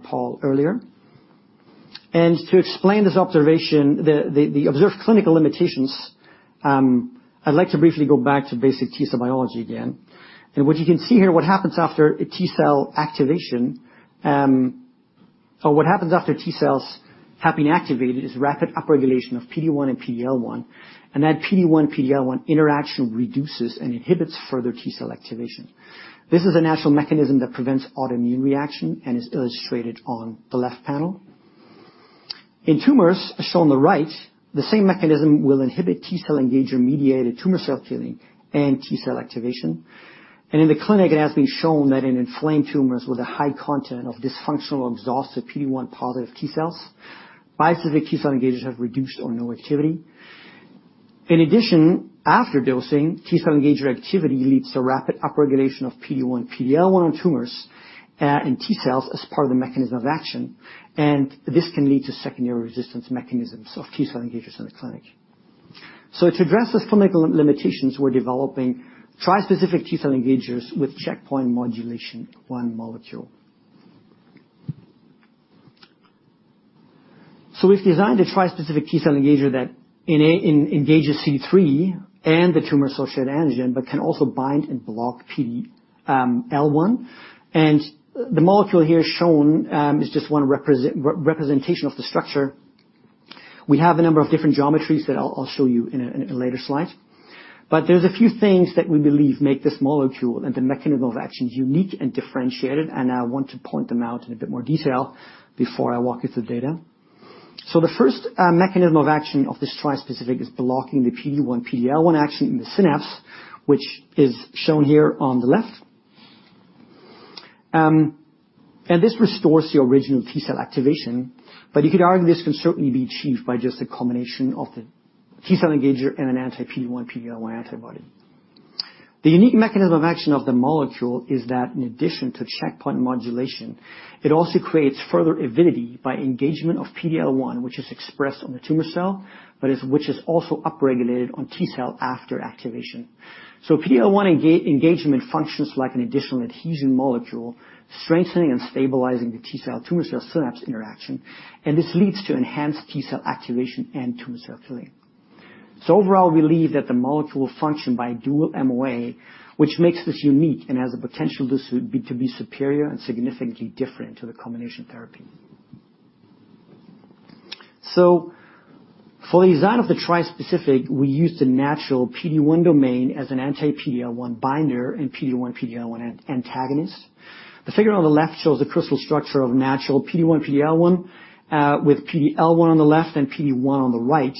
Paul earlier. To explain this observation, the observed clinical limitations, I'd like to briefly go back to basic T-cell biology again. What you can see here, what happens after a T-cell activation, or what happens after T-cells have been activated is rapid upregulation of PD-1 and PD-L1, and that PD-1, PD-L1 interaction reduces and inhibits further T-cell activation. This is a natural mechanism that prevents autoimmune reaction and is illustrated on the left panel. In tumors shown on the right, the same mechanism will inhibit T-cell engager-mediated tumor cell killing and T-cell activation. In the clinic, it has been shown that in inflamed tumors with a high content of dysfunctional exhausted PD-1 positive T-cells, bispecific T-cell engagers have reduced or no activity. In addition, after dosing, T-cell engager activity leads to rapid upregulation of PD-1, PD-L1 on tumors, in T-cells as part of the mechanism of action, and this can lead to secondary resistance mechanisms of T-cell engagers in the clinic. To address these clinical limitations, we're developing tri-specific T-cell engagers with checkpoint modulation one molecule. We've designed a tri-specific T-cell engager that engages CD3 and the tumor-associated antigen, but can also bind and block PD-L1. The molecule here shown is just one representation of the structure. We have a number of different geometries that I'll show you in a later slide. There's a few things that we believe make this molecule and the mechanism of action unique and differentiated, and I want to point them out in a bit more detail before I walk you through the data. The first mechanism of action of this tri-specific is blocking the PD-1, PD-L1 action in the synapse, which is shown here on the left. This restores your original T-cell activation, but you could argue this can certainly be achieved by just a combination of the T-cell engager and an anti-PD-1, PD-L1 antibody. The unique mechanism of action of the molecule is that in addition to checkpoint modulation, it also creates further avidity by engagement of PD-L1, which is expressed on the tumor cell, but which is also upregulated on T-cell after activation. PD-L1 engagement functions like an additional adhesion molecule, strengthening and stabilizing the T-cell tumor cell synapse interaction, and this leads to enhanced T-cell activation and tumor cell killing. Overall, we believe that the molecule function by dual MOA, which makes this unique and has the potential this would be to be superior and significantly different to the combination therapy. For the design of the trispecific, we used a natural PD-1 domain as an anti-PD-L1 binder and PD-1, PD-L1 antagonist. The figure on the left shows the crystal structure of natural PD-1, PD-L1, with PD-L1 on the left and PD-1 on the right.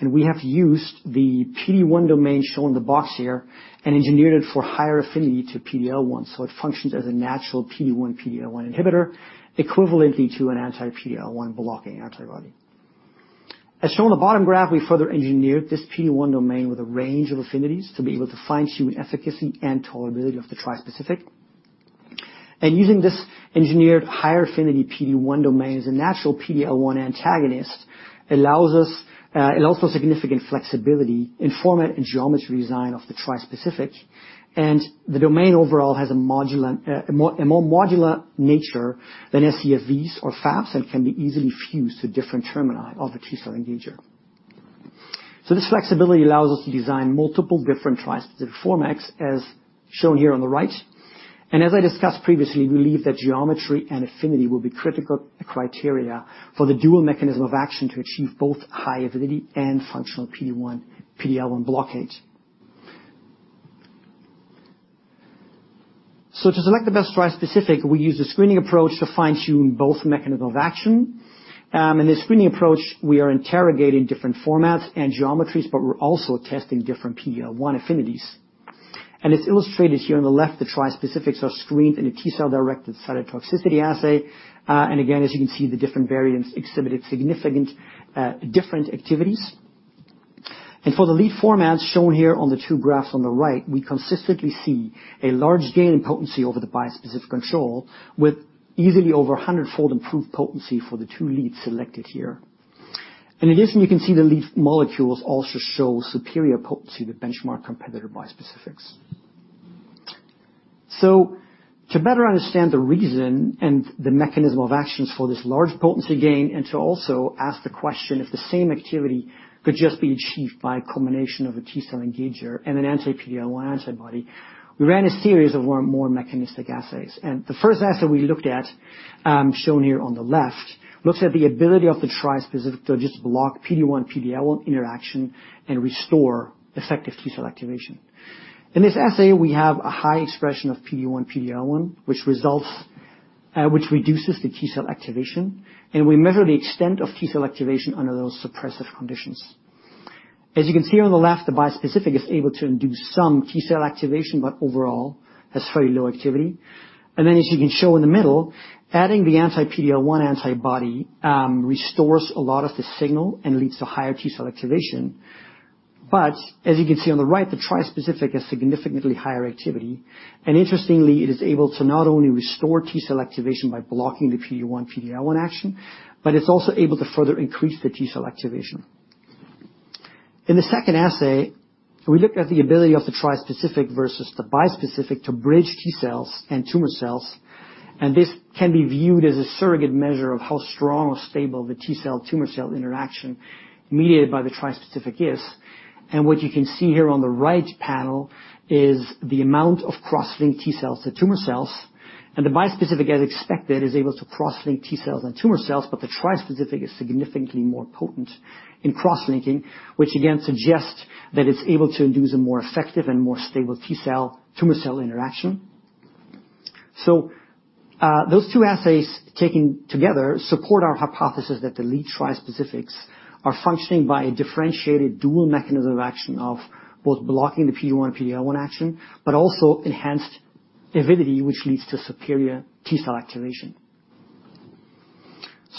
We have used the PD-1 domain shown in the box here and engineered it for higher affinity to PD-L1. It functions as a natural PD-1, PD-L1 inhibitor, equivalently to an anti-PD-L1 blocking antibody. As shown on the bottom graph, we further engineered this PD-1 domain with a range of affinities to be able to fine-tune efficacy and tolerability of the trispecific. Using this engineered higher affinity PD-1 domain as a natural PD-L1 antagonist allows for significant flexibility in format and geometry design of the trispecific. The domain overall has a more modular nature than scFvs or Fabs that can be easily fused to different terminal of the T-cell engager. This flexibility allows us to design multiple different tri-specific formats as shown here on the right. As I discussed previously, we believe that geometry and affinity will be critical criteria for the dual mechanism of action to achieve both high avidity and functional PD-1, PD-L1 blockade. To select the best tri-specific, we use a screening approach to fine-tune both mechanism of action. In this screening approach, we are interrogating different formats and geometries, but we're also testing different PD-L1 affinities. It's illustrated here on the left, the tri-specifics are screened in a T-cell-directed cytotoxicity assay. Again, as you can see, the different variants exhibited significantly different activities. For the lead formats shown here on the two graphs on the right, we consistently see a large gain in potency over the bispecific control, with easily over 100-fold improved potency for the two leads selected here. In addition, you can see the lead molecules also show superior potency with benchmark competitor bispecifics. To better understand the reason and the mechanism of actions for this large potency gain and to also ask the question if the same activity could just be achieved by a combination of a T-cell engager and an anti-PD-L1 antibody, we ran a series of more mechanistic assays. The first assay we looked at, shown here on the left, looks at the ability of the tri-specific to just block PD-1, PD-L1 interaction and restore effective T-cell activation. In this assay, we have a high expression of PD-1, PD-L1, which reduces the T-cell activation, and we measure the extent of T-cell activation under those suppressive conditions. As you can see on the left, the bispecific is able to induce some T-cell activation, but overall has very low activity. As you can see in the middle, adding the anti-PD-L1 antibody restores a lot of the signal and leads to higher T-cell activation. As you can see on the right, the tri-specific has significantly higher activity. Interestingly, it is able to not only restore T-cell activation by blocking the PD-1, PD-L1 action, but it's also able to further increase the T-cell activation. In the second assay, we looked at the ability of the tri-specific versus the bispecific to bridge T cells and tumor cells, and this can be viewed as a surrogate measure of how strong or stable the T cell tumor cell interaction mediated by the tri-specific is. What you can see here on the right panel is the amount of cross-linked T cells, the tumor cells, and the bispecific, as expected, is able to cross-link T cells and tumor cells, but the tri-specific is significantly more potent in cross-linking, which again suggests that it's able to induce a more effective and more stable T cell tumor cell interaction. Those two assays taken together support our hypothesis that the lead trispecifics are functioning by a differentiated dual mechanism of action of both blocking the PD-1, PD-L1 action, but also enhanced avidity, which leads to superior T cell activation.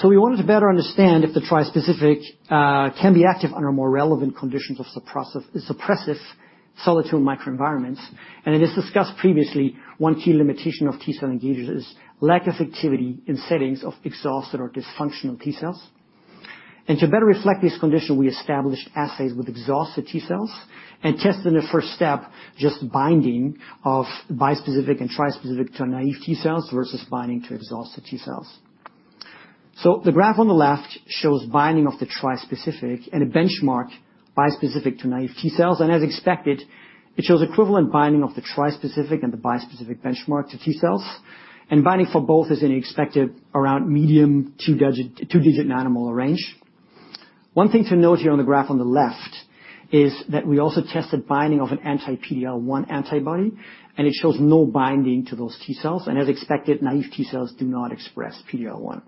We wanted to better understand if the trispecific can be active under more relevant conditions of suppressive solid tumor microenvironments. It is discussed previously, one key limitation of T-cell engagers is lack of activity in settings of exhausted or dysfunctional T cells. To better reflect this condition, we established assays with exhausted T cells and tested in the first step, just binding of bispecific and trispecific to naive T cells versus binding to exhausted T cells. The graph on the left shows binding of the trispecific and a benchmark bispecific to naive T cells. As expected, it shows equivalent binding of the tri-specific and the bispecific benchmark to T cells. Binding for both is as expected around two-digit nanomolar range. One thing to note here on the graph on the left is that we also tested binding of an anti-PD-L1 antibody, and it shows no binding to those T cells. As expected, naive T cells do not express PD-L1.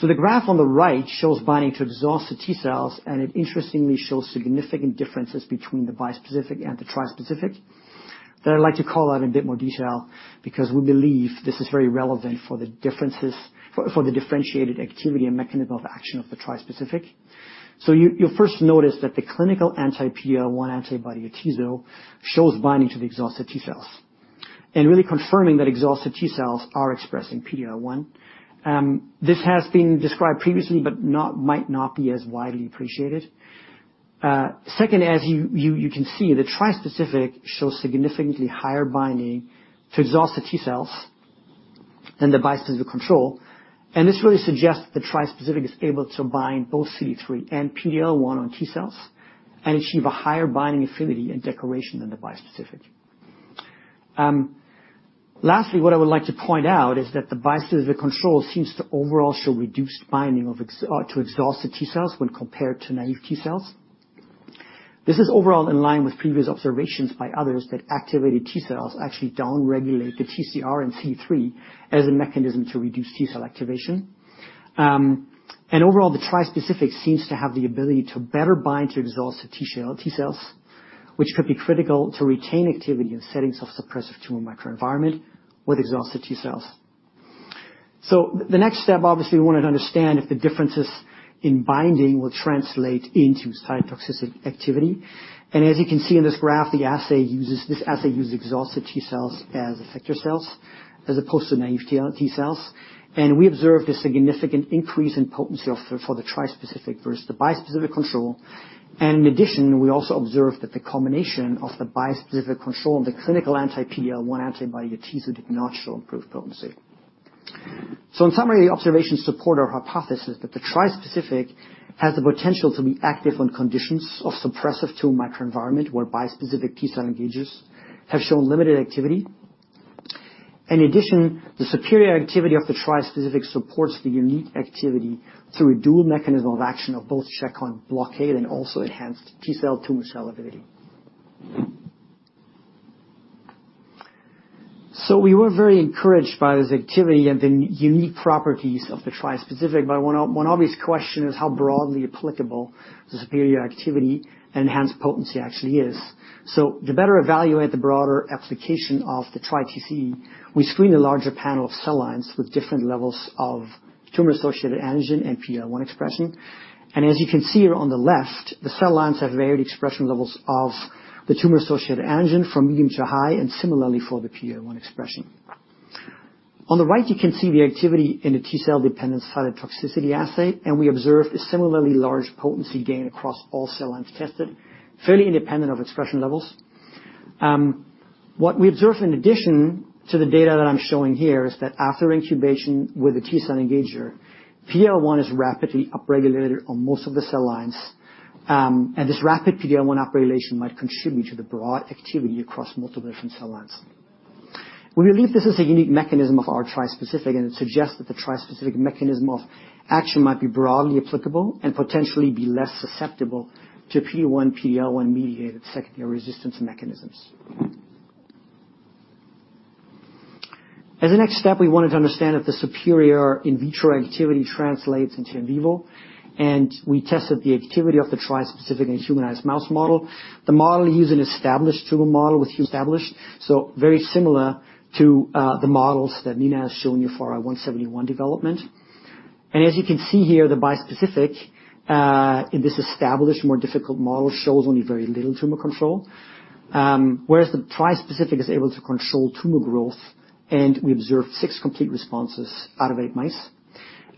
The graph on the right shows binding to exhausted T cells, and it interestingly shows significant differences between the bispecific and the tri-specific that I'd like to call out in a bit more detail because we believe this is very relevant for the differences for the differentiated activity and mechanism of action of the tri-specific. You'll first notice that the clinical anti-PD-L1 antibody atezolizumab shows binding to the exhausted T cells and really confirming that exhausted T cells are expressing PD-L1. This has been described previously, might not be as widely appreciated. Second, as you can see, the tri-specific shows significantly higher binding to exhausted T cells than the bispecific control. This really suggests the tri-specific is able to bind both CD3 and PD-L1 on T cells and achieve a higher binding affinity and avidity than the bispecific. Lastly, what I would like to point out is that the bispecific control seems to overall show reduced binding to exhausted T cells when compared to naive T cells. This is overall in line with previous observations by others that activated T cells actually down-regulate the TCR and CD3 as a mechanism to reduce T cell activation. Overall, the tri-specific seems to have the ability to better bind to exhausted T cells, which could be critical to retain activity in settings of suppressive tumor microenvironment with exhausted T cells. The next step, obviously, we wanted to understand if the differences in binding will translate into cytotoxicity activity. As you can see in this graph, this assay uses exhausted T cells as effector cells as opposed to naive T cells. We observed a significant increase in potency for the tri-specific versus the bispecific control. In addition, we also observed that the combination of the bispecific control and the clinical anti-PD-L1 antibody atezolizumab did not show improved potency. In summary, the observations support our hypothesis that the trispecific has the potential to be active on conditions of suppressive tumor microenvironment where bispecific T-cell engagers have shown limited activity. In addition, the superior activity of the trispecific supports the unique activity through a dual mechanism of action of both checkpoint blockade and also enhanced T-cell tumor cell avidity. We were very encouraged by this activity and the unique properties of the trispecific, but one obvious question is how broadly applicable the superior activity enhanced potency actually is. To better evaluate the broader application of the Tri-TC, we screened a larger panel of cell lines with different levels of tumor-associated antigen and PD-L1 expression. As you can see here on the left, the cell lines have varied expression levels of the tumor-associated antigen from medium to high, and similarly for the PD-L1 expression. On the right, you can see the activity in the T-cell-dependent cytotoxicity assay, and we observed a similarly large potency gain across all cell lines tested, fairly independent of expression levels. What we observed in addition to the data that I'm showing here is that after incubation with the T cell engager, PD-L1 is rapidly upregulated on most of the cell lines. This rapid PD-L1 upregulation might contribute to the broad activity across multiple different cell lines. We believe this is a unique mechanism of our tri-specific, and it suggests that the tri-specific mechanism of action might be broadly applicable and potentially be less susceptible to PD-1, PD-L1 mediated secondary resistance mechanisms. As a next step, we wanted to understand if the superior in vitro activity translates into in vivo, and we tested the activity of the trispecific in humanized mouse model. The model used an established tumor model, established, so very similar to the models that Nina has shown you for our ZW171 development. As you can see here, the bispecific in this established more difficult model shows only very little tumor control. Whereas the trispecific is able to control tumor growth, and we observed six complete responses out of eight mice.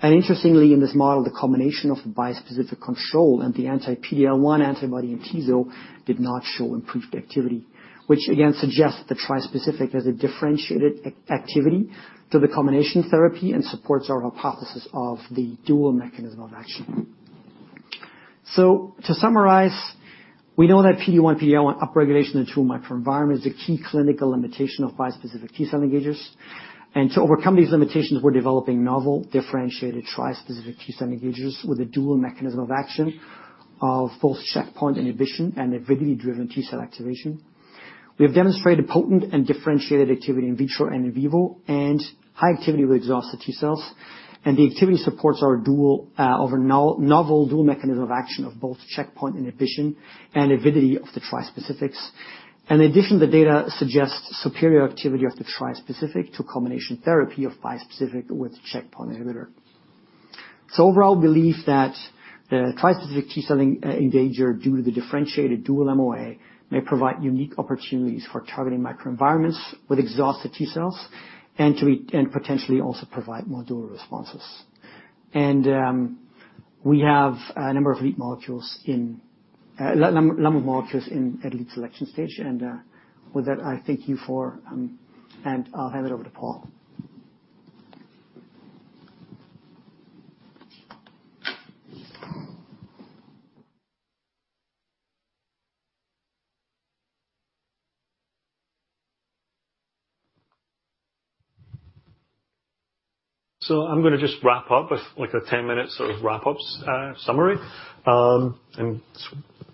Interestingly, in this model, the combination of the bispecific control and the anti-PD-L1 antibody Atezolizumab did not show improved activity. Which again suggests the trispecific has a differentiated activity to the combination therapy and supports our hypothesis of the dual mechanism of action. To summarize, we know that PD-1, PD-L1 upregulation in the tumor microenvironment is a key clinical limitation of bispecific T-cell engagers. To overcome these limitations, we're developing novel differentiated trispecific T-cell engagers with a dual mechanism of action of both checkpoint inhibition and avidity-driven T-cell activation. We have demonstrated potent and differentiated activity in vitro and in vivo, and high activity with exhausted T-cells. The activity supports our dual of a novel dual mechanism of action of both checkpoint inhibition and avidity of the trispecifics. In addition, the data suggests superior activity of the trispecific to combination therapy of bispecific with checkpoint inhibitor. It's overall belief that the trispecific T-cell engager, due to the differentiated dual MOA, may provide unique opportunities for targeting microenvironments with exhausted T-cells, and potentially also provide more dual responses. We have a number of lead molecules at lead selection stage. With that, I thank you, and I'll hand it over to Paul. I'm gonna just wrap up with, like, a 10-minute sort of wrap up, summary.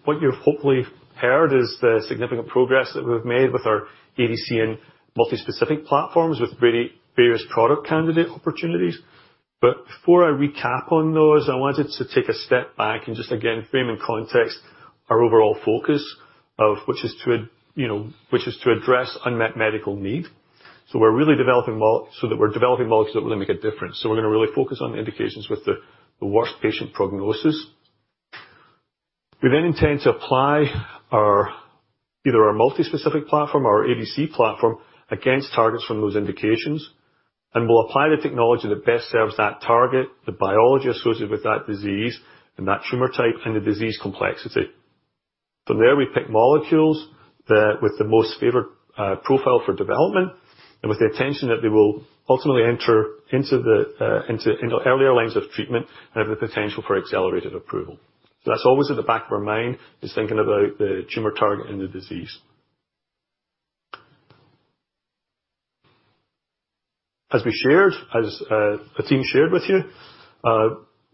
What you've hopefully heard is the significant progress that we've made with our ADC and multispecific platforms with various product candidate opportunities. Before I recap on those, I wanted to take a step back and just again frame in context our overall focus of which is to, you know, which is to address unmet medical need. We're really developing molecules that really make a difference. We're gonna really focus on the indications with the worst patient prognosis. We then intend to apply our, either our multispecific platform or our ADC platform against targets from those indications. We'll apply the technology that best serves that target, the biology associated with that disease and that tumor type and the disease complexity. From there, we pick molecules that with the most favored profile for development, and with the intention that they will ultimately enter into earlier lines of treatment and have the potential for accelerated approval. That's always at the back of our mind, is thinking about the tumor target and the disease. As the team shared with you,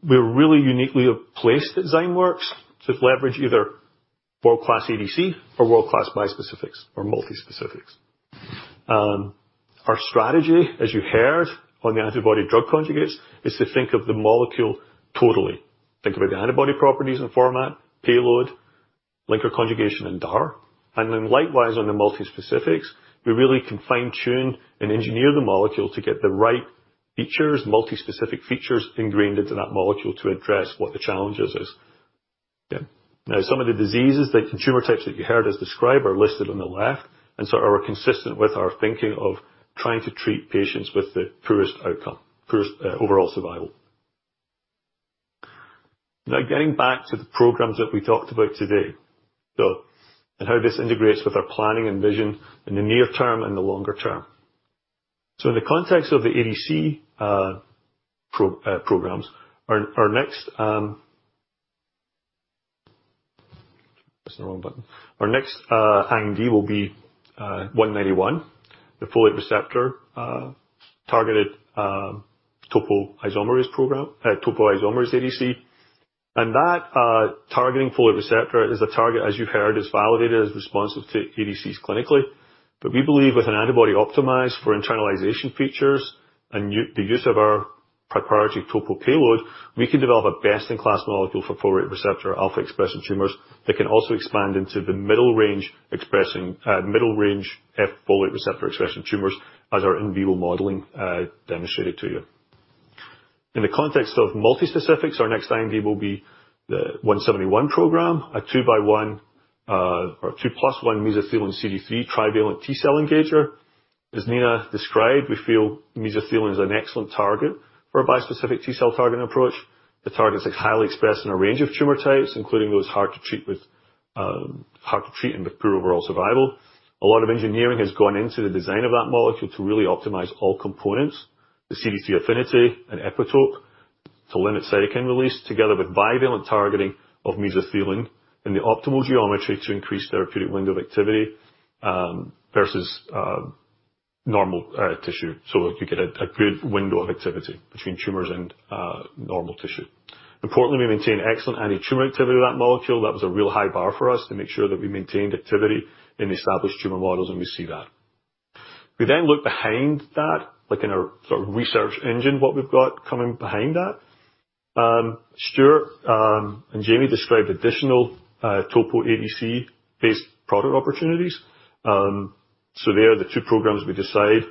we're really uniquely placed at Zymeworks to leverage either world-class ADC or world-class bispecifics or multispecifics. Our strategy, as you heard on the antibody-drug conjugates, is to think of the molecule totally. Think about the antibody properties and format, payload, linker conjugation, and DAR. Likewise, on the multispecifics, we really can fine-tune and engineer the molecule to get the right features, multispecific features, ingrained into that molecule to address what the challenges is. Now, some of the diseases, the tumor types that you heard us describe are listed on the left and so are consistent with our thinking of trying to treat patients with the poorest outcome, overall survival. Now, getting back to the programs that we talked about today, how this integrates with our planning and vision in the near term and the longer term. In the context of the ADC programs, our next IND will be ZW191, the folate receptor targeted topoisomerase program, topoisomerase ADC. That targeting folate receptor is a target, as you heard, is validated as responsive to ADCs clinically. We believe with an antibody optimized for internalization features and the use of our proprietary topo payload, we can develop a best-in-class molecule for folate receptor alpha-expressing tumors that can also expand into the middle range expressing middle range folate receptor expressing tumors, as our in vivo modeling demonstrated to you. In the context of multispecifics, our next IND will be the ZW171 program, a two-by-one or a two-plus-one mesothelin CD3 trivalent T-cell engager. As Nina described, we feel mesothelin is an excellent target for a bispecific T-cell targeting approach. The target is, like, highly expressed in a range of tumor types, including those hard to treat and with poor overall survival. A lot of engineering has gone into the design of that molecule to really optimize all components. The CD3 affinity and epitope to limit cytokine release, together with bivalent targeting of mesothelin and the optimal geometry to increase therapeutic window of activity, versus normal tissue. Like, you get a good window of activity between tumors and normal tissue. Importantly, we maintain excellent anti-tumor activity with that molecule. That was a real high bar for us to make sure that we maintained activity in established tumor models, and we see that. We look behind that, like in our sort of research engine, what we've got coming behind that. Stuart and Jamie described additional topo ADC-based product opportunities. There are the two programs we decide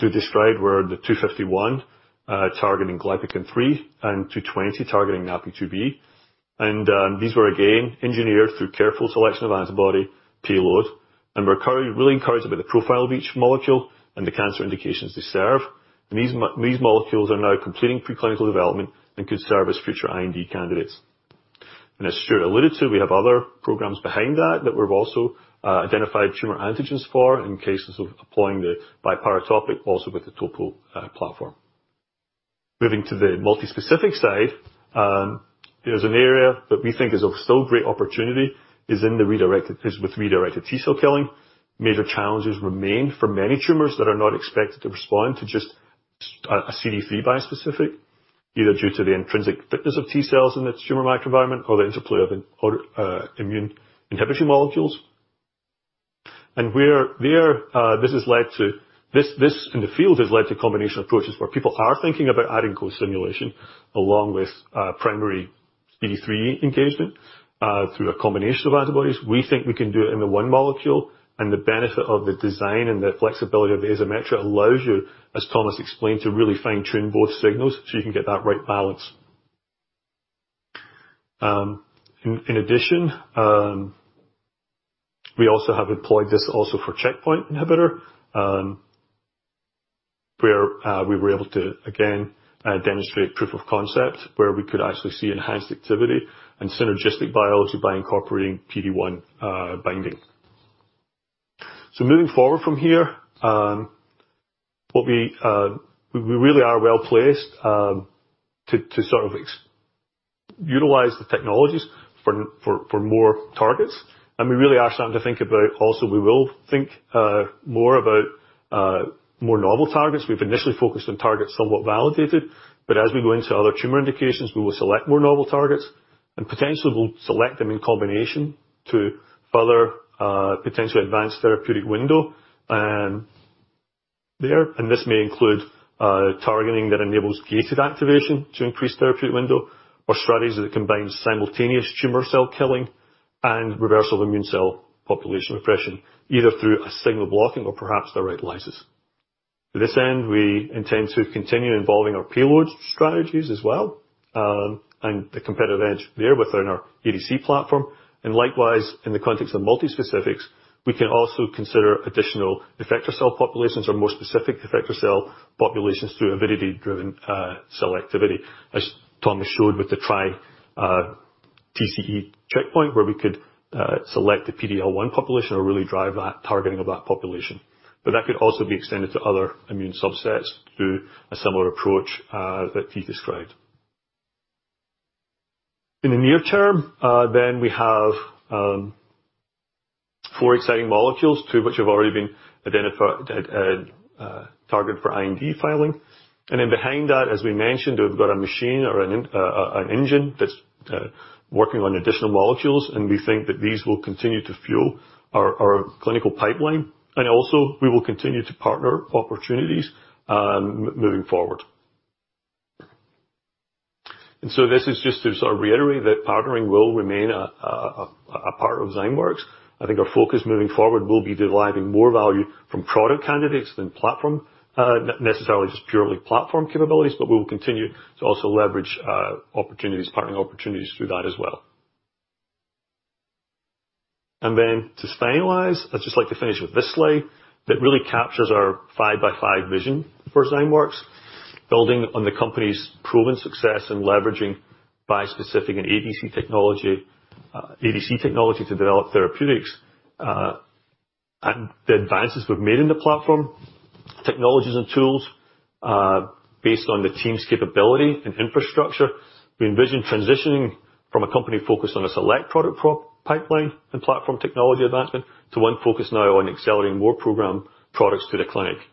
to describe were the 251 targeting glypican-3 and 220 targeting NaPi2b. These were again engineered through careful selection of antibody payload. We're really encouraged about the profile of each molecule and the cancer indications they serve. These molecules are now completing preclinical development and could serve as future IND candidates. As Stuart alluded to, we have other programs behind that that we've also identified tumor antigens for in cases of applying the biparatopic also with the TOPO platform. Moving to the multispecific side is an area that we think is of still great opportunity with redirected T-cell killing. Major challenges remain for many tumors that are not expected to respond to just a CD3 bispecific, either due to the intrinsic fitness of T-cells in the tumor microenvironment or the interplay of or immune inhibitory molecules. Where there this has led to. This in the field has led to combination approaches where people are thinking about adding co-stimulation along with primary CD3 engagement through a combination of antibodies. We think we can do it in the one molecule, and the benefit of the design and the flexibility of the Azymetric allows you, as Thomas explained, to really fine-tune both signals so you can get that right balance. In addition, we also have employed this for checkpoint inhibitor where we were able to again demonstrate proof of concept where we could actually see enhanced activity and synergistic biology by incorporating PD-1 binding. Moving forward from here, what we really are well-placed to sort of utilize the technologies for more targets. We really are starting to think more about novel targets. We've initially focused on targets somewhat validated, but as we go into other tumor indications, we will select more novel targets and potentially will select them in combination to further potentially advance therapeutic window there. This may include targeting that enables gated activation to increase therapeutic window or strategies that combines simultaneous tumor cell killing and reversal of immune cell population repression, either through a signal blocking or perhaps direct lysis. To this end, we intend to continue evolving our payload strategies as well, and the competitive edge there within our ADC platform. Likewise, in the context of multispecifics, we can also consider additional effector cell populations or more specific effector cell populations through avidity-driven cell activity, as Thomas showed with the TCE checkpoint, where we could select the PD-L1 population or really drive that targeting of that population. That could also be extended to other immune subsets through a similar approach that he described. In the near term, we have four exciting molecules, two of which have already been targeted for IND filing. Behind that, as we mentioned, we've got a machine or an engine that's working on additional molecules, and we think that these will continue to fuel our clinical pipeline. We will continue to partner opportunities, moving forward. This is just to sort of reiterate that partnering will remain a part of Zymeworks. I think our focus moving forward will be deriving more value from product candidates than platform, necessarily just purely platform capabilities, but we will continue to also leverage opportunities, partnering opportunities through that as well. To finalize, I'd just like to finish with this slide that really captures our five-by-five vision for Zymeworks, building on the company's proven success in leveraging bispecific and ADC technology to develop therapeutics, and the advances we've made in the platform technologies, and tools based on the team's capability and infrastructure. We envision transitioning from a company focused on a select product pipeline and platform technology advancement to one focused now on accelerating more program products to the clinic. We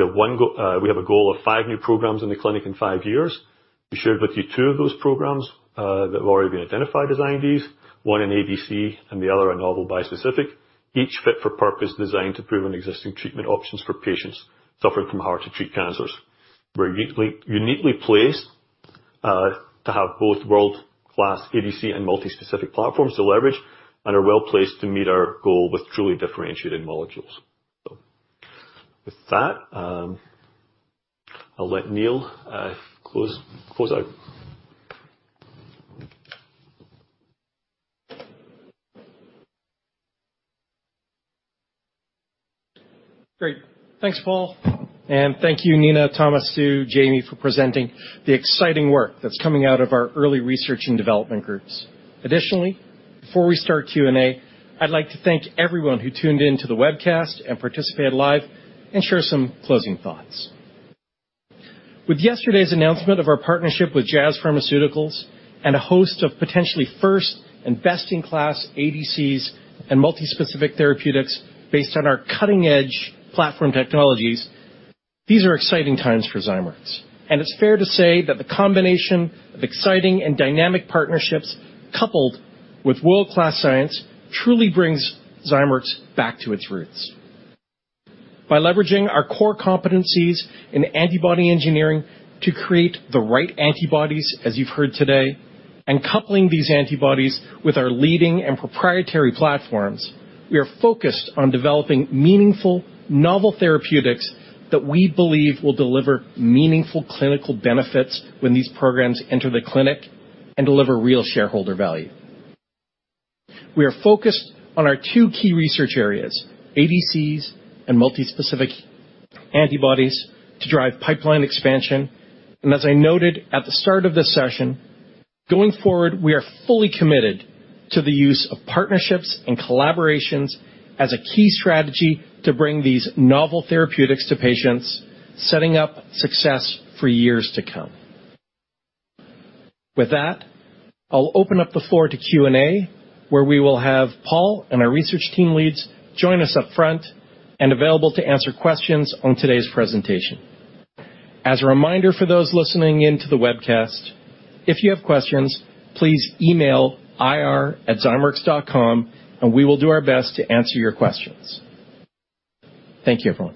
have one go. We have a goal of five new programs in the clinic in five years. We shared with you two of those programs that have already been identified as INDs, one in ADC and the other a novel bispecific, each fit for purpose designed to improve on existing treatment options for patients suffering from hard-to-treat cancers. We're uniquely placed to have both world-class ADC and multispecific platforms to leverage and are well-placed to meet our goal with truly differentiated molecules. With that, I'll let Neil close out. Great. Thanks, Paul. Thank you, Nina, Thomas, Sue, Jamie, for presenting the exciting work that's coming out of our early research and development groups. Additionally, before we start Q&A, I'd like to thank everyone who tuned in to the webcast and participated live and share some closing thoughts. With yesterday's announcement of our partnership with Jazz Pharmaceuticals and a host of potentially first and best-in-class ADCs and multispecific therapeutics based on our cutting-edge platform technologies, these are exciting times for Zymeworks. It's fair to say that the combination of exciting and dynamic partnerships coupled with world-class science truly brings Zymeworks back to its roots. By leveraging our core competencies in antibody engineering to create the right antibodies, as you've heard today, and coupling these antibodies with our leading and proprietary platforms, we are focused on developing meaningful novel therapeutics that we believe will deliver meaningful clinical benefits when these programs enter the clinic and deliver real shareholder value. We are focused on our two key research areas, ADCs and multi-specific antibodies, to drive pipeline expansion. As I noted at the start of this session, going forward, we are fully committed to the use of partnerships and collaborations as a key strategy to bring these novel therapeutics to patients, setting up success for years to come. With that, I'll open up the floor to Q&A, where we will have Paul and our research team leads join us up front and available to answer questions on today's presentation. As a reminder for those listening in to the webcast, if you have questions, please email ir@zymeworks.com, and we will do our best to answer your questions. Thank you, everyone.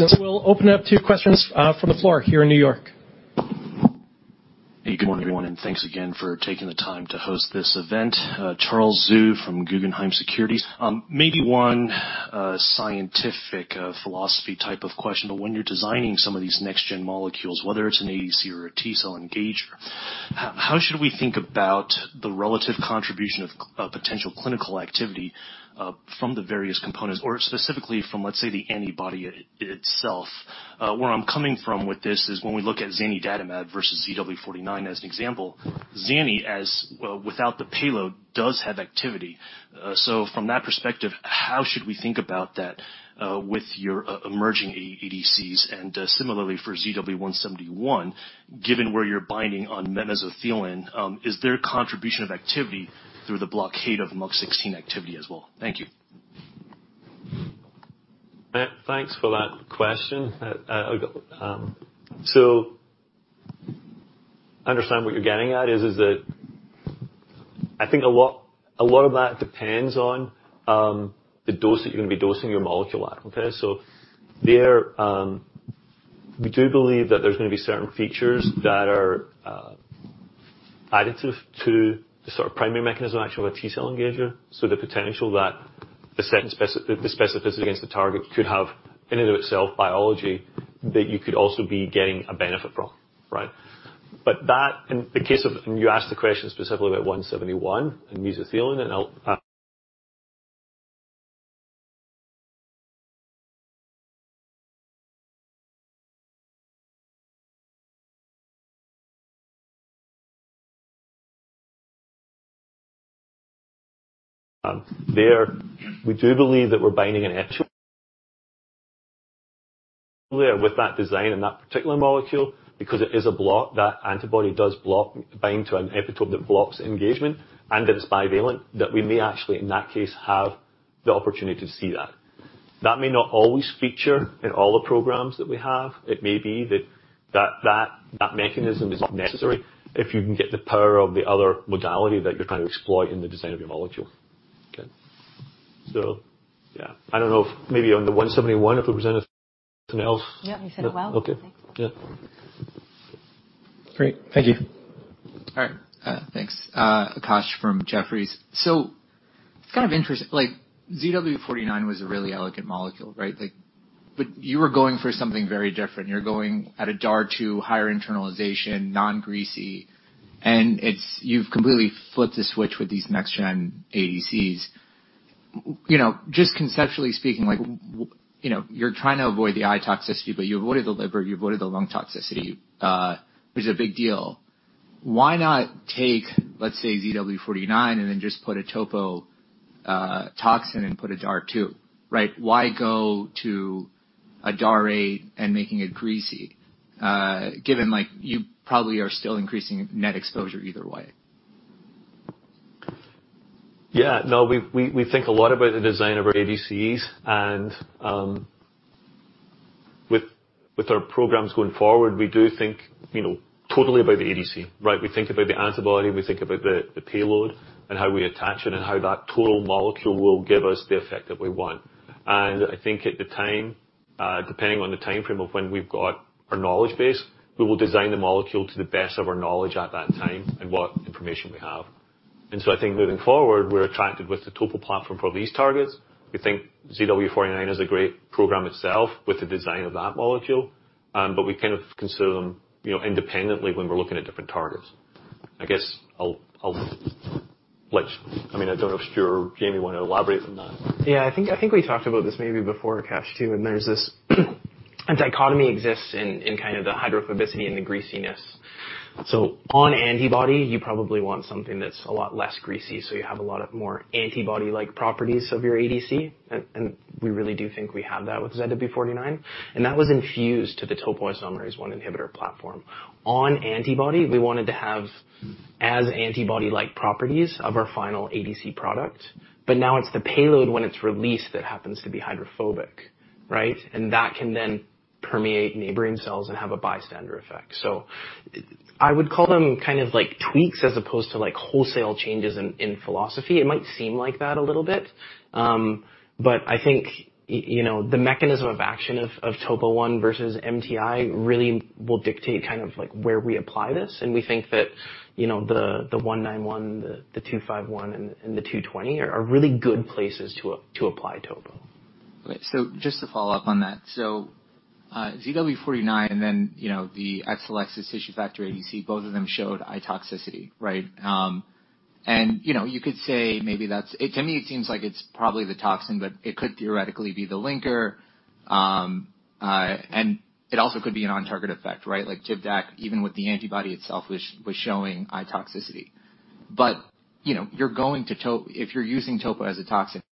Excellent. We'll open up to questions from the floor here in New York. Hey, good morning, everyone, and thanks again for taking the time to host this event. Charles Zhu from Guggenheim Securities. Maybe one scientific philosophy type of question. When you're designing some of these next gen molecules, whether it's an ADC or a T-cell engager, how should we think about the relative contribution of potential clinical activity from the various components or specifically from, let's say, the antibody itself? Where I'm coming from with this is when we look at zanidatamab versus ZW49 as an example, zanidatamab without the payload does have activity. So from that perspective, how should we think about that with your emerging ADCs and similarly for ZW171, given where you're binding on mesothelin, is there contribution of activity through the blockade of MUC16 activity as well? Thank you. Charles Zhu, thanks for that question. Understand what you're getting at is that I think a lot of that depends on the dose that you're gonna be dosing your molecule at, okay? We do believe that there's gonna be certain features that are additive to the sort of primary mechanism of action of a T-cell engager. The potential that the specificity against the target could have in and of itself biology that you could also be getting a benefit from, right? You asked the question specifically about ZW171 and mesothelin. There we do believe that we're binding an epitope there with that design and that particular molecule because it is a block. That antibody does bind to an epitope that blocks engagement and that it's bivalent, that we may actually, in that case, have the opportunity to see that. That may not always feature in all the programs that we have. It may be that mechanism is not necessary if you can get the power of the other modality that you're trying to exploit in the design of your molecule. Okay. Yeah. I don't know if maybe on the ZW171 if it was something else. Yeah. You said it well. Okay. Yeah. Great. Thank you. All right. Thanks. Akash from Jefferies. It's kind of interesting. Like ZW49 was a really elegant molecule, right? Like, but you were going for something very different. You're going at a DAR2 higher internalization, non-greasy, and it's you've completely flipped the switch with these next gen ADCs. You know, just conceptually speaking, like, you know, you're trying to avoid the eye toxicity, but you avoided the liver, you avoided the lung toxicity, which is a big deal. Why not take, let's say, ZW49 and then just put a topo toxin and put a DAR2, right? Why go to a DAR8 and making it greasy, given, like you probably are still increasing net exposure either way? Yeah. No, we think a lot about the design of our ADCs and, with our programs going forward, we do think, you know, totally about the ADC, right? We think about the antibody, we think about the payload and how we attach it and how that total molecule will give us the effect that we want. I think at the time, depending on the timeframe of when we've got our knowledge base, we will design the molecule to the best of our knowledge at that time and what information we have. I think moving forward, we're attracted with the topo platform for these targets. We think ZW49 is a great program itself with the design of that molecule. We kind of consider them, you know, independently when we're looking at different targets. I guess I'll let... I mean, I don't know if you or Jamie wanna elaborate on that. Yeah. I think we talked about this maybe before, Akash, too, and there's this dichotomy exists in kind of the hydrophobicity and the greasiness. On antibody, you probably want something that's a lot less greasy, so you have a lot more antibody-like properties of your ADC. We really do think we have that with ZW49, and that's using the topoisomerase I inhibitor platform. On antibody, we wanted to have as antibody-like properties of our final ADC product. Now it's the payload when it's released that happens to be hydrophobic, right? That can then permeate neighboring cells and have a bystander effect. I would call them kind of like tweaks as opposed to like wholesale changes in philosophy. It might seem like that a little bit, but I think you know, the mechanism of action of topo I versus MTI really will dictate kind of like where we apply this. We think that, you know, the ZW191, the ZW251, and the ZW220 are really good places to apply topo. Right. Just to follow up on that. ZW49 and then, you know, the Exelixis tissue factor ADC, both of them showed eye toxicity, right? To me it seems like it's probably the toxin, but it could theoretically be the linker. And it also could be a non-target effect, right? Like Tivdak, even with the antibody itself was showing eye toxicity. You know, if you're using topo as a toxic-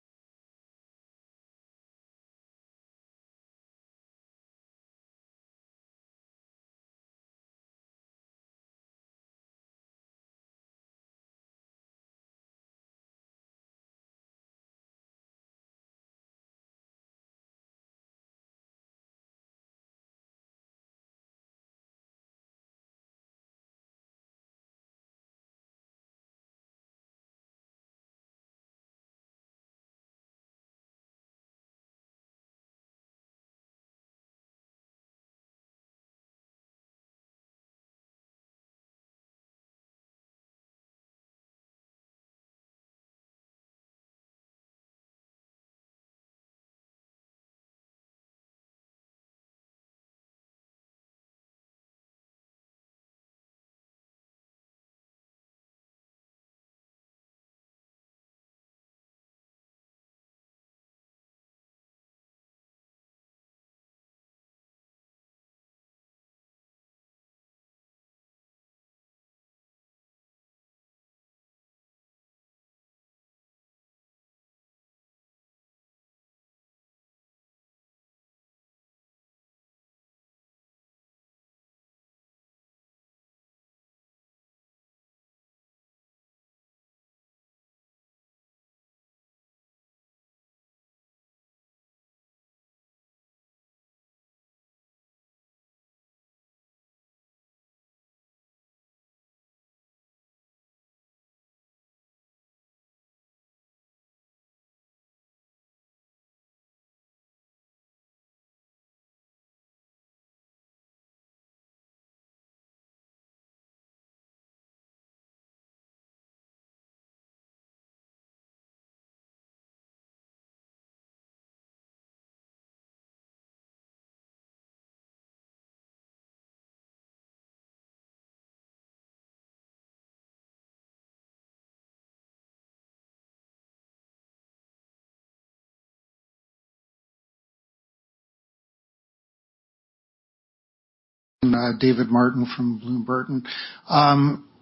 David Martin from Bloom Burton.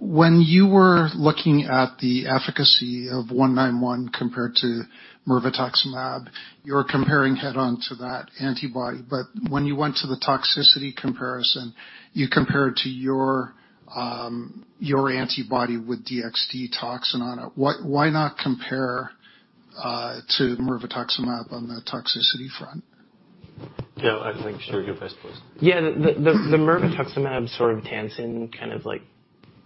When you were looking at the efficacy of 191 compared to mirvetuximab, you're comparing head-on to that antibody. When you went to the toxicity comparison, you compare it to your antibody with DXd toxin on it. Why not compare to mirvetuximab on the toxicity front? Yeah, I think Surena can best place. Yeah. The Mirvetuximab soravtansine kind of like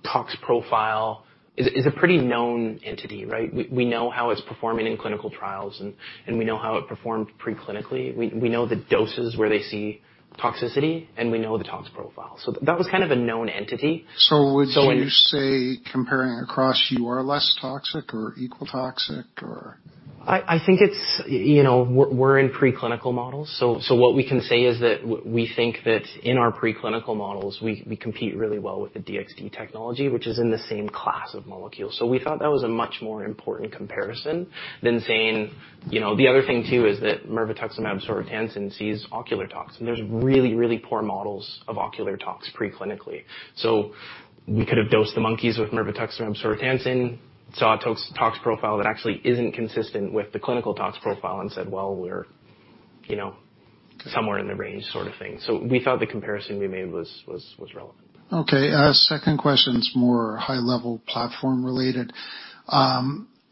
tox profile is a pretty known entity, right? We know how it's performing in clinical trials and we know how it performed pre-clinically. We know the doses where they see toxicity, and we know the tox profile. That was kind of a known entity. when- Would you say comparing across, you are less toxic or equal toxic or? I think it's, you know, we're in preclinical models. What we can say is that we think that in our preclinical models, we compete really well with the DXd technology, which is in the same class of molecules. We thought that was a much more important comparison than saying, you know. The other thing too is that Mirvetuximab soravtansine causes ocular tox, and there's really poor models of ocular tox preclinically. We could have dosed the monkeys with Mirvetuximab soravtansine, saw a tox profile that actually isn't consistent with the clinical tox profile and said, "Well, we're, you know, somewhere in the range," sort of thing. We thought the comparison we made was relevant. Okay. Second question is more high level platform related.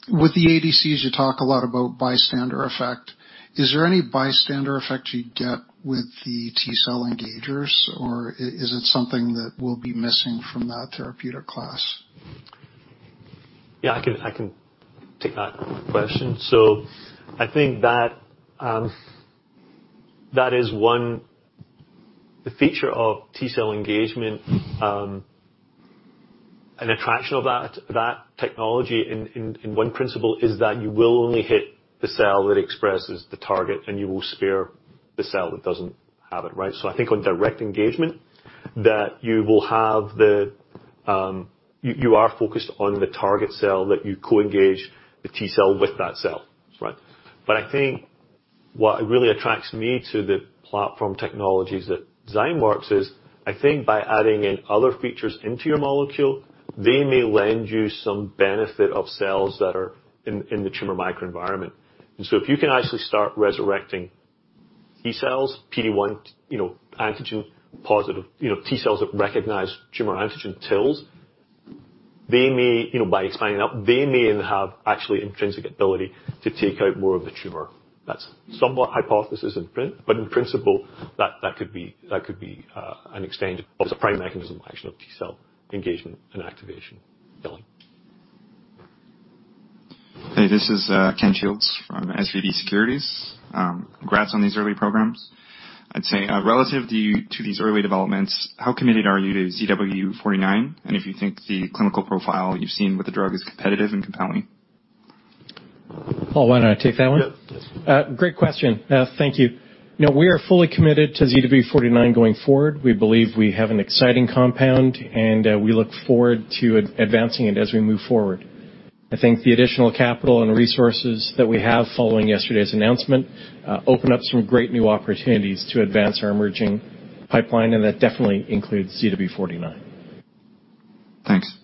With the ADCs, you talk a lot about bystander effect. Is there any bystander effect you'd get with the T-cell engagers, or is it something that will be missing from that therapeutic class? Yeah, I can take that question. I think that is one. The feature of T-cell engagement, an attraction of that technology in one principle is that you will only hit the cell that expresses the target, and you will spare the cell that doesn't have it, right? I think on direct engagement that you will have the. You are focused on the target cell that you co-engage the T-cell with that cell, right? I think. What really attracts me to the platform technologies that Zymeworks is, I think by adding in other features into your molecule, they may lend you some benefit of cells that are in the tumor microenvironment. If you can actually start resurrecting T-cells, PD-1, you know, antigen positive, you know, T-cells that recognize tumor antigen TILs, they may, you know, by expanding that, they may have actually intrinsic ability to take out more of the tumor. That's somewhat hypothesis in principle, that could be an extended obvious primary mechanism of action of T-cell engagement and activation. Billy? Hey, this is Ken Shields from SVB Securities. Congrats on these early programs. I'd say, relative to these early developments, how committed are you to ZW49, and if you think the clinical profile you've seen with the drug is competitive and compelling? Paul, why don't I take that one? Yep. Yes. Great question. Thank you. No, we are fully committed to ZW49 going forward. We believe we have an exciting compound, and we look forward to advancing it as we move forward. I think the additional capital and resources that we have following yesterday's announcement open up some great new opportunities to advance our emerging pipeline, and that definitely includes ZW49. Thanks.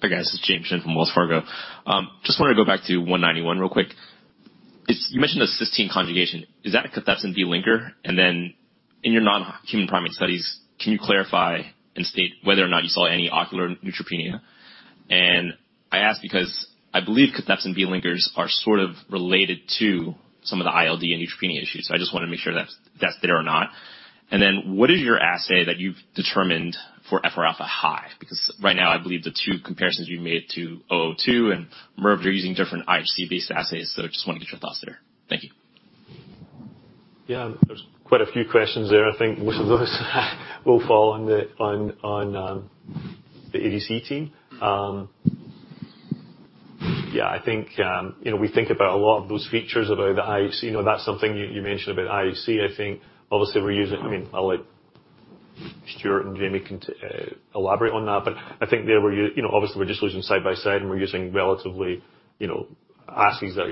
Hi, guys. This is James Shin from Wells Fargo. Just wanted to go back to ZW191 real quick. You mentioned a cysteine conjugation. Is that a cathepsin B linker? In your non-human primate studies, can you clarify and state whether or not you saw any ocular neutropenia? I ask because I believe cathepsin B linkers are sort of related to some of the ILD and neutropenia issues. I just wanna make sure that's there or not. What is your assay that you've determined for FRα high? Because right now, I believe the two comparisons you made to STRO-002 and Merck, they're using different IHC-based assays. Just wanna get your thoughts there. Thank you. Yeah. There's quite a few questions there. I think most of those will fall on the ADC team. Yeah, I think, you know, we think about a lot of those features about the IHC. You know, that's something you mentioned about IHC, I think. Obviously, we're using. I mean, I'll let Stuart and Jamie elaborate on that. But I think that we're, you know, obviously we're just looking side by side, and we're using relatively, you know, assays that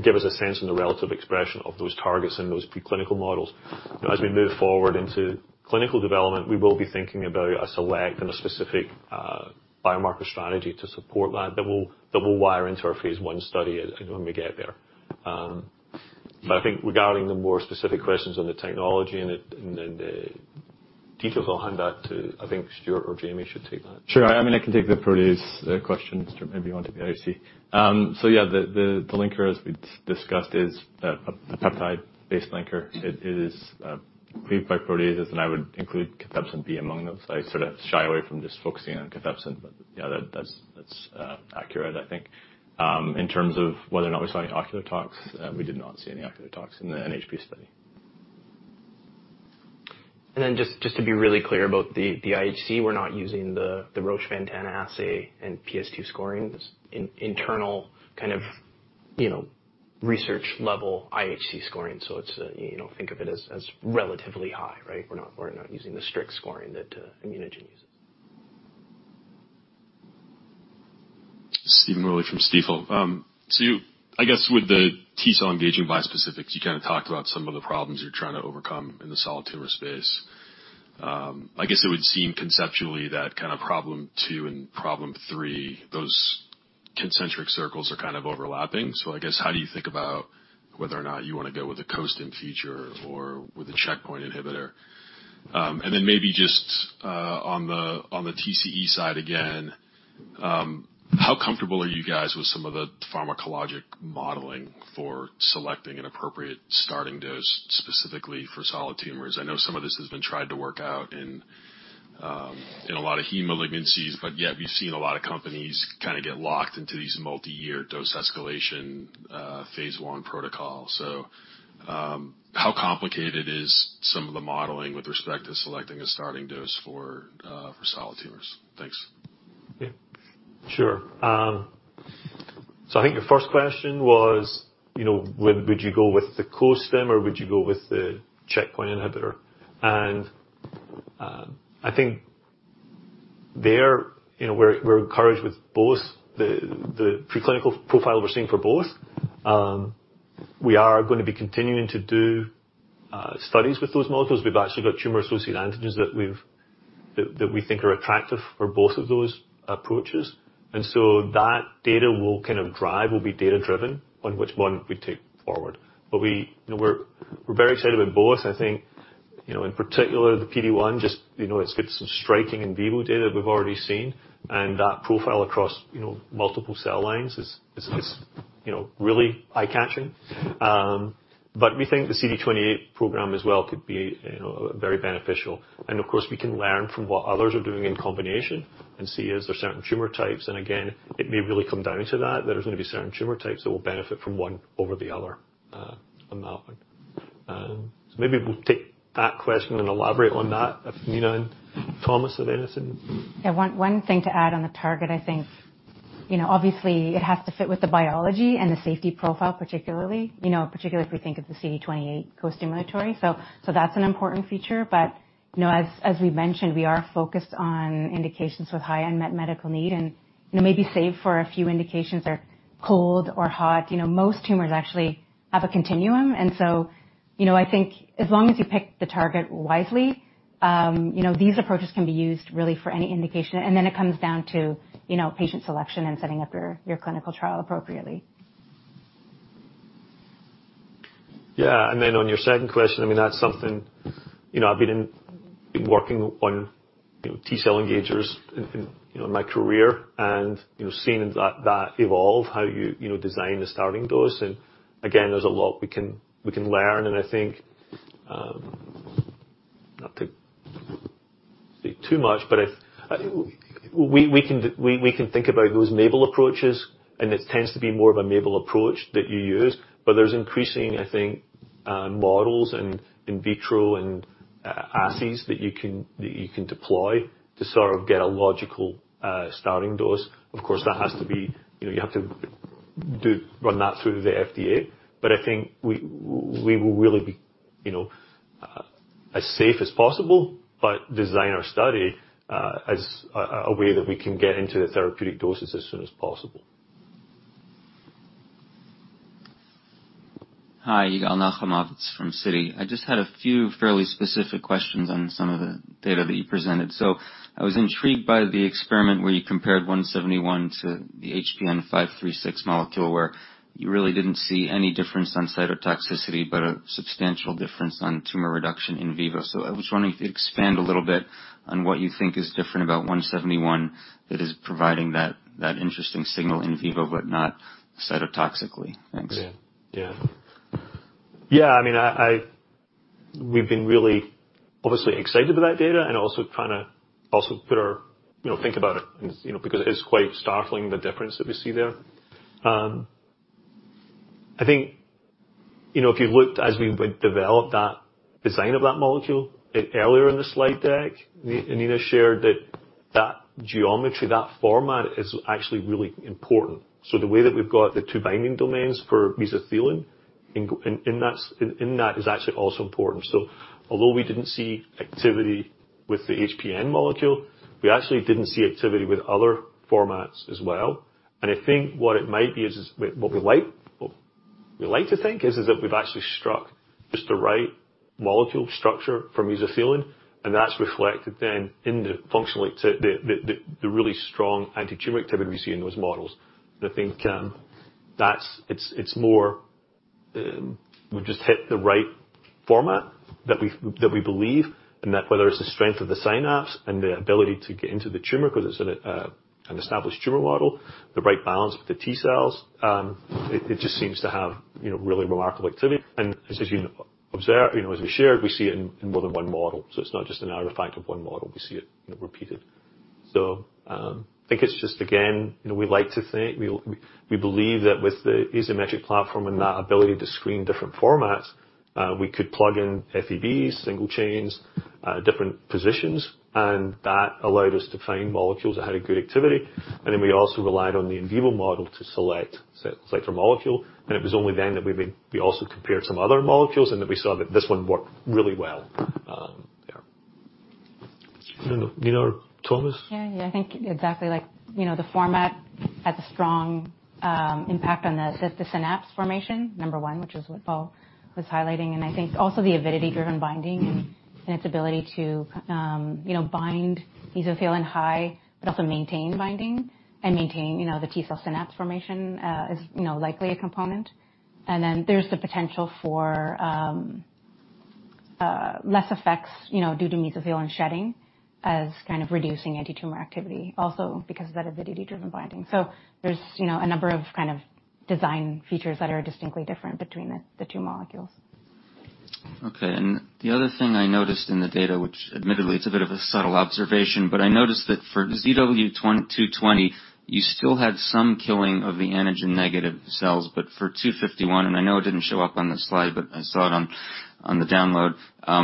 give us a sense of the relative expression of those targets and those preclinical models. As we move forward into clinical development, we will be thinking about a select and a specific biomarker strategy to support that will wire into our phase one study as, you know, when we get there. I think regarding the more specific questions on the technology and the details, I'll hand that to, I think Stuart or Jamie should take that. Sure. I mean, I can take the protease question. Stuart, maybe you want to take the IHC. The linker, as we discussed is a peptide-based linker. It is cleaved by proteases, and I would include cathepsin B among those. I sort of shy away from just focusing on cathepsin, but that's accurate, I think. In terms of whether or not we saw any ocular tox, we did not see any ocular tox in the NHP study? Just to be really clear, about the IHC, we're not using the Roche Ventana assay and PS2+ scoring. It's internal kind of, you know, research level IHC scoring. It's, you know, think of it as relatively high, right? We're not using the strict scoring that ImmunoGen uses. I guess with the T-cell engaging bispecifics, you kinda talked about some of the problems you're trying to overcome in the solid tumor space. I guess it would seem conceptually that kind of problem two and problem three, those concentric circles are kind of overlapping. I guess how do you think about whether or not you wanna go with a costim feature or with a checkpoint inhibitor? Then maybe just on the TCE side again, how comfortable are you guys with some of the pharmacologic modeling for selecting an appropriate starting dose, specifically for solid tumors? I know some of this has been tried to work out in a lot of heme malignancies, but yet we've seen a lot of companies kinda get locked into these multi-year dose escalation phase 1 protocol. How complicated is some of the modeling with respect to selecting a starting dose for solid tumors? Thanks. Yeah. Sure. So I think your first question was, you know, would you go with the costim or would you go with the checkpoint inhibitor? I think there, you know, we're encouraged with both. The preclinical profile we're seeing for both. We are gonna be continuing to do studies with those models. We've actually got tumor-associated antigens that we think are attractive for both of those approaches. That data will kind of drive, will be data-driven on which one we take forward. You know, we're very excited with both. I think, you know, in particular, the PD-1 just, you know, it's got some striking in vivo data we've already seen, and that profile across, you know, multiple cell lines is, you know, really eye-catching. We think the CD28 program as well could be, you know, very beneficial. Of course, we can learn from what others are doing in combination and see if there are certain tumor types. Again, it may really come down to that. There's gonna be certain tumor types that will benefit from one over the other, on that one. Maybe we'll take that question and elaborate on that if Nina and Thomas have anything. Yeah. One thing to add on the target, I think. You know, obviously, it has to fit with the biology and the safety profile, particularly. You know, particularly if we think of the CD28 costimulatory. That's an important feature. You know, as we've mentioned, we are focused on indications with high unmet medical need and, you know, maybe save for a few indications or cold or hot, you know, most tumors actually have a continuum. You know, I think as long as you pick the target wisely, you know, these approaches can be used really for any indication. Then it comes down to, you know, patient selection and setting up your clinical trial appropriately. Yeah. On your second question, I mean, that's something you know, I've been working on, you know, T-cell engagers in, you know, my career and, you know, seeing that evolve, how you know, design the starting dose. Again, there's a lot we can learn. I think, not to say too much, but we can think about those MABEL approaches, and it tends to be more of a MABEL approach that you use. There's increasing, I think, models and in vitro and assays that you can deploy to sort of get a logical starting dose. Of course, that has to be. You know, you have to run that through the FDA. I think we will really be, you know, as safe as possible, but design our study as a way that we can get into the therapeutic doses as soon as possible. Hi. Yigal Nochomovitz from Citi. I just had a few fairly specific questions on some of the data that you presented. I was intrigued by the experiment where you compared 171 to the HPN536 molecule, where you really didn't see any difference on cytotoxicity, but a substantial difference on tumor reduction in vivo. I was wondering if you expand a little bit on what you think is different about 171 that is providing that interesting signal in vivo, but not cytotoxically. Thanks. Yeah. I mean, we've been really obviously excited with that data and also kinda put our. You know, think about it, you know, because it's quite startling, the difference that we see there. I think, you know, if you looked as we would develop that design of that molecule earlier in the slide deck, Nina shared that geometry, that format is actually really important. The way that we've got the two binding domains for mesothelin in that is actually also important. Although we didn't see activity with the HPN molecule, we actually didn't see activity with other formats as well. I think what it might be is what we like to think is that we've actually struck just the right molecule structure for mesothelin, and that's reflected then in the functionality of the really strong antitumor activity we see in those models. I think that's more, we've just hit the right format that we believe, and that whether it's the strength of the synapse and the ability to get into the tumor, because it's an established tumor model, the right balance with the T-cells, it just seems to have, you know, really remarkable activity. As you observe, you know, as we shared, we see it in more than one model, so it's not just an artifact of one model. We see it, you know, repeated. I think it's just again, you know, We believe that with the Azymetric platform and that ability to screen different formats, we could plug in Fabs, single chains, different positions, and that allowed us to find molecules that had a good activity. We also relied on the in vivo model to select a molecule, and it was only then that we also compared some other molecules and then we saw that this one worked really well. Yeah. Nina or Thomas? Yeah. I think exactly like, you know, the format has a strong impact on the synapse formation, number one, which is what Paul was highlighting. I think also the avidity driven binding and its ability to, you know, bind mesothelin high, but also maintain binding and maintain, you know, the T-cell synapse formation is, you know, likely a component. There's the potential for less effects, you know, due to mesothelin shedding as kind of reducing antitumor activity also because of that avidity driven binding. There's, you know, a number of kind of design features that are distinctly different between the two molecules. Okay. The other thing I noticed in the data, which admittedly it's a bit of a subtle observation, but I noticed that for ZW220, you still had some killing of the antigen-negative cells. For ZW251, and I know it didn't show up on the slide, but I saw it on the download.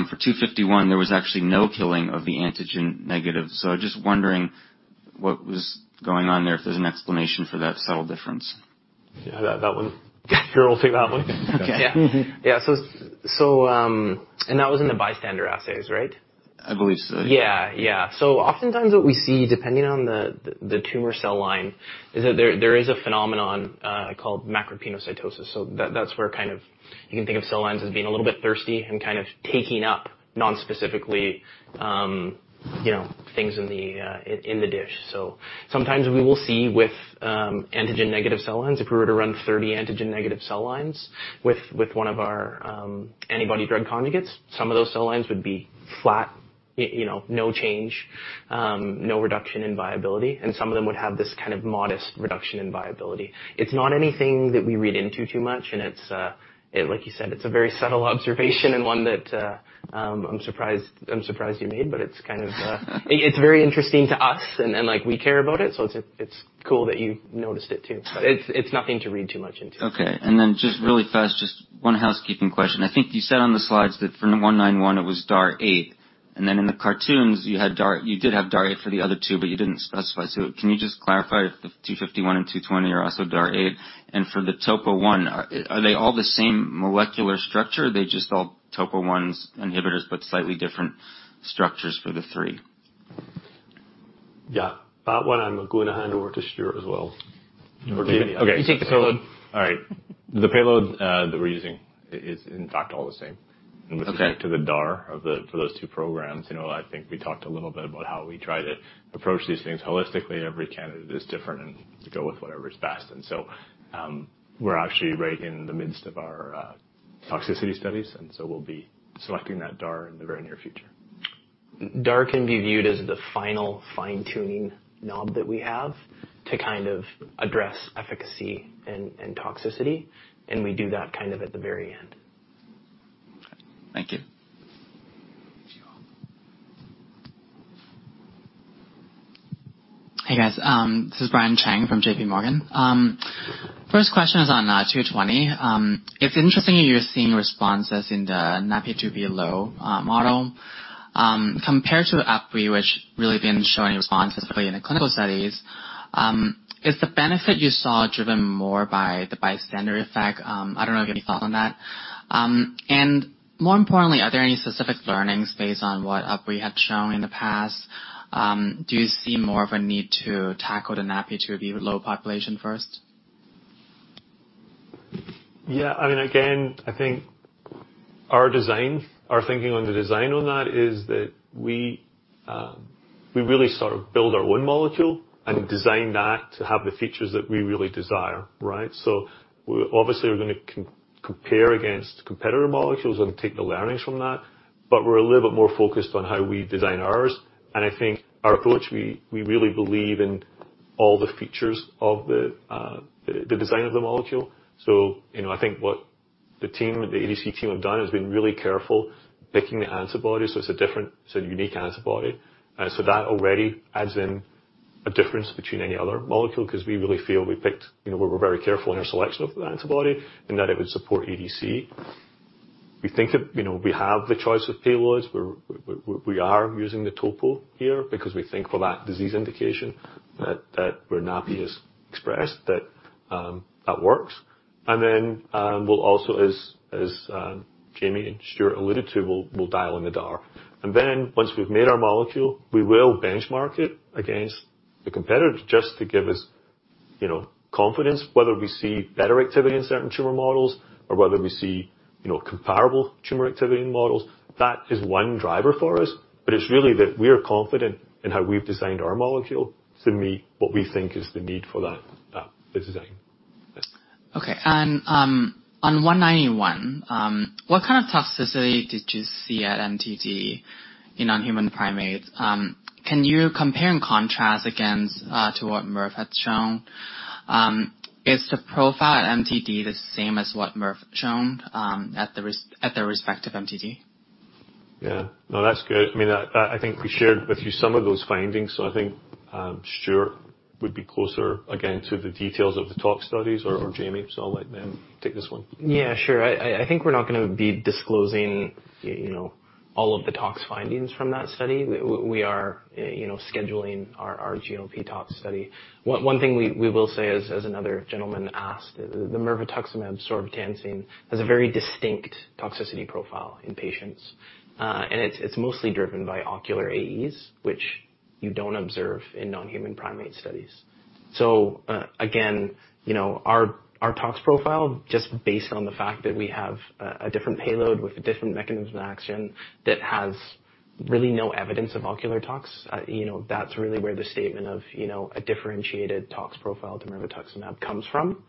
For ZW251, there was actually no killing of the antigen-negative. Just wondering what was going on there, if there's an explanation for that subtle difference. Yeah, that one. Sure, we'll take that one. Okay. Yeah. So, that was in the bystander assays, right? I believe so, yeah. Yeah, yeah. Oftentimes what we see, depending on the tumor cell line, is that there is a phenomenon called macropinocytosis. That's where kind of you can think of cell lines as being a little bit thirsty and kind of taking up non-specifically, you know, things in the dish. Sometimes we will see with antigen-negative cell lines, if we were to run 30 antigen-negative cell lines with one of our antibody-drug conjugates, some of those cell lines would be flat, you know, no change, no reduction in viability, and some of them would have this kind of modest reduction in viability. It's not anything that we read into too much, and it's, like you said, it's a very subtle observation and one that, I'm surprised you made, but it's very interesting to us and, like, we care about it, so it's cool that you noticed it too. But it's nothing to read too much into. Okay. Just really fast, just one housekeeping question. I think you said on the slides that for 191 it was DAR 8, and then in the cartoons you had DAR. You did have DAR 8 for the other two, but you didn't specify. Can you just clarify if the 251 and 220 are also DAR 8? And for the topo-1, are they all the same molecular structure? Are they just all topo-1 inhibitors, but slightly different structures for the three? Yeah. That one I'm going to hand over to Stuart as well. Or Jamie. You take the payload. All right. The payload that we're using is in fact all the same. Okay. With respect to the DAR for those two programs, you know, I think we talked a little bit about how we try to approach these things holistically. Every candidate is different, and we go with whatever is best. We're actually right in the midst of our toxicity studies, and so we'll be selecting that DAR in the very near future. DAR can be viewed as the final fine-tuning knob that we have to kind of address efficacy and toxicity, and we do that kind of at the very end. Thank you. Sure. Hey, guys. This is Brian Cheng from JPMorgan. First question is on ZW220. It's interesting you're seeing responses in the NaPi2b low model. Compared to UpRi, which really been showing responses for you in the clinical studies, is the benefit you saw driven more by the bystander effect? I don't know if you have any thought on that. And more importantly, are there any specific learnings based on what UpRi had shown in the past? Do you see more of a need to tackle the NaPi2b low population first? Yeah. I mean, again, I think our design, our thinking on the design on that is that we really sort of build our own molecule. Okay. Design that to have the features that we really desire, right? We obviously are gonna compare against competitor molecules and take the learnings from that. We're a little bit more focused on how we design ours. I think our approach, we really believe in all the features of the design of the molecule. You know, I think what the team, the ADC team have done has been really careful picking the antibodies. It's a different. It's a unique antibody. That already adds in a difference between any other molecule 'cause we really feel we picked. You know, we were very careful in our selection of that antibody and that it would support ADC. We think that, you know, we have the choice of payloads. We are using the topo here because we think for that disease indication that where NaPi2b is expressed that works. We'll also, as Jamie and Stuart alluded to, dial in the DAR. Once we've made our molecule, we will benchmark it against the competitors just to give us, you know, confidence whether we see better activity in certain tumor models or whether we see, you know, comparable tumor activity in models. That is one driver for us. It's really that we're confident in how we've designed our molecule to meet what we think is the need for that design. Yes. On 191, what kind of toxicity did you see at MTD in non-human primates? Can you compare and contrast against to what Mirv had shown? Is the profile at MTD the same as what Mirv shown at the respective MTD? Yeah. No, that's good. I mean, I think we shared with you some of those findings. I think Stuart would be closer again to the details of the tox studies or Jamie. I'll let them take this one. Yeah, sure. I think we're not gonna be disclosing, you know, all of the tox findings from that study. We are, you know, scheduling our GLP tox study. One thing we will say as another gentleman asked, the Mirvetuximab soravtansine has a very distinct toxicity profile in patients. It's mostly driven by ocular AEs, which you don't observe in non-human primate studies. Again, you know, our tox profile just based on the fact that we have a different payload with a different mechanism of action that has really no evidence of ocular tox, you know, that's really where the statement of, you know, a differentiated tox profile to mirvetuximab comes from.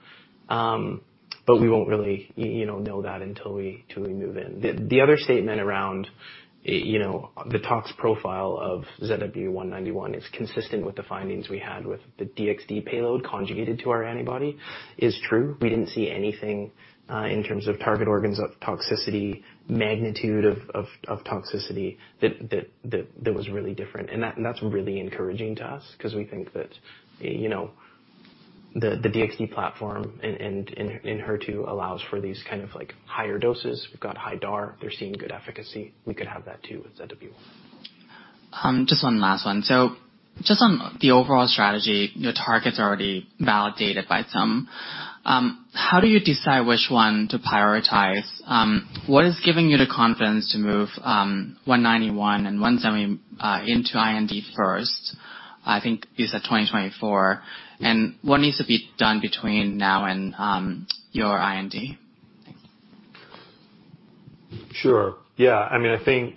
We won't really, you know that until we till we move in. The other statement around, you know, the tox profile of ZW191 is consistent with the findings we had with the DXd payload conjugated to our antibody is true. We didn't see anything in terms of target organs of toxicity, magnitude of toxicity that was really different. That's really encouraging to us 'cause we think that, you know, the DXd platform in HER2 allows for these kind of like higher doses. We've got high DAR. They're seeing good efficacy. We could have that too with ZW. Just one last one. Just on the overall strategy, your targets are already validated by some. How do you decide which one to prioritize? What is giving you the confidence to move ZW191 and ZW171 into IND first? I think you said 2024. What needs to be done between now and your IND? Sure. Yeah. I mean, I think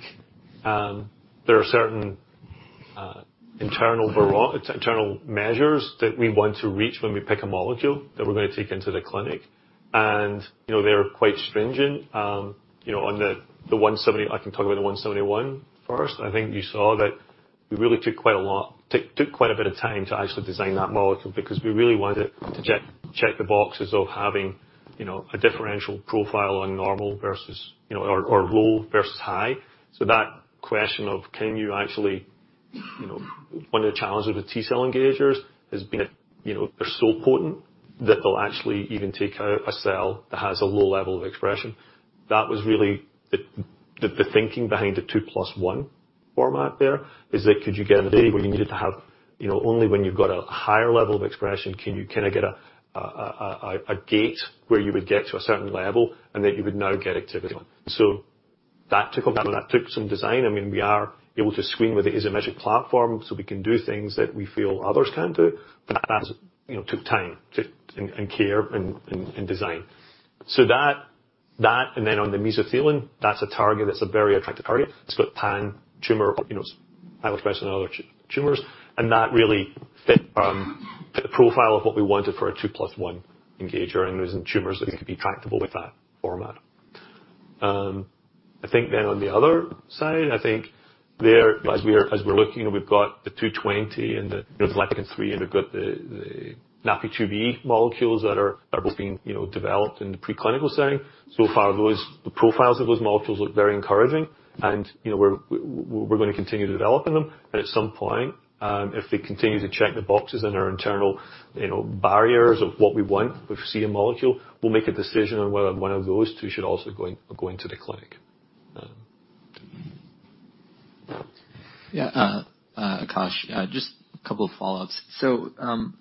there are certain internal measures that we want to reach when we pick a molecule that we're gonna take into the clinic. You know, they're quite stringent. You know, on the ZW171, I can talk about the ZW171 first. I think you saw that we really took quite a bit of time to actually design that molecule because we really wanted to check the boxes of having, you know, a differential profile on normal versus, you know, or low versus high. That question of can you actually, you know. One of the challenges with T-cell engagers has been, you know, they're so potent that they'll actually even take out a cell that has a low level of expression. That was really the thinking behind the 2+1 format there, is that could you get a day where you needed to have, you know, only when you've got a higher level of expression can you kinda get a gate where you would get to a certain level and that you would now get activity. That took some design. I mean, we are able to screen with the Azymetric platform, so we can do things that we feel others can't do. But that's, you know took time and care and design. That, and then on the mesothelin, that's a target that's a very attractive target. It's got pan-tumor, it's highly expressed on other tumors, and that really fit the profile of what we wanted for a 2 + 1 engager, and it was in tumors that it could be tractable with that format. I think on the other side, as we're looking, we've got the 220 and the 251, and we've got the NaPi2b molecules that are both being developed in the preclinical setting. So far, the profiles of those molecules look very encouraging, and we're gonna continue developing them. At some point, if they continue to check the boxes in our internal, you know, barriers of what we want, we see a molecule, we'll make a decision on whether one of those two should also go into the clinic. Yeah, Akash, just a couple of follow-ups.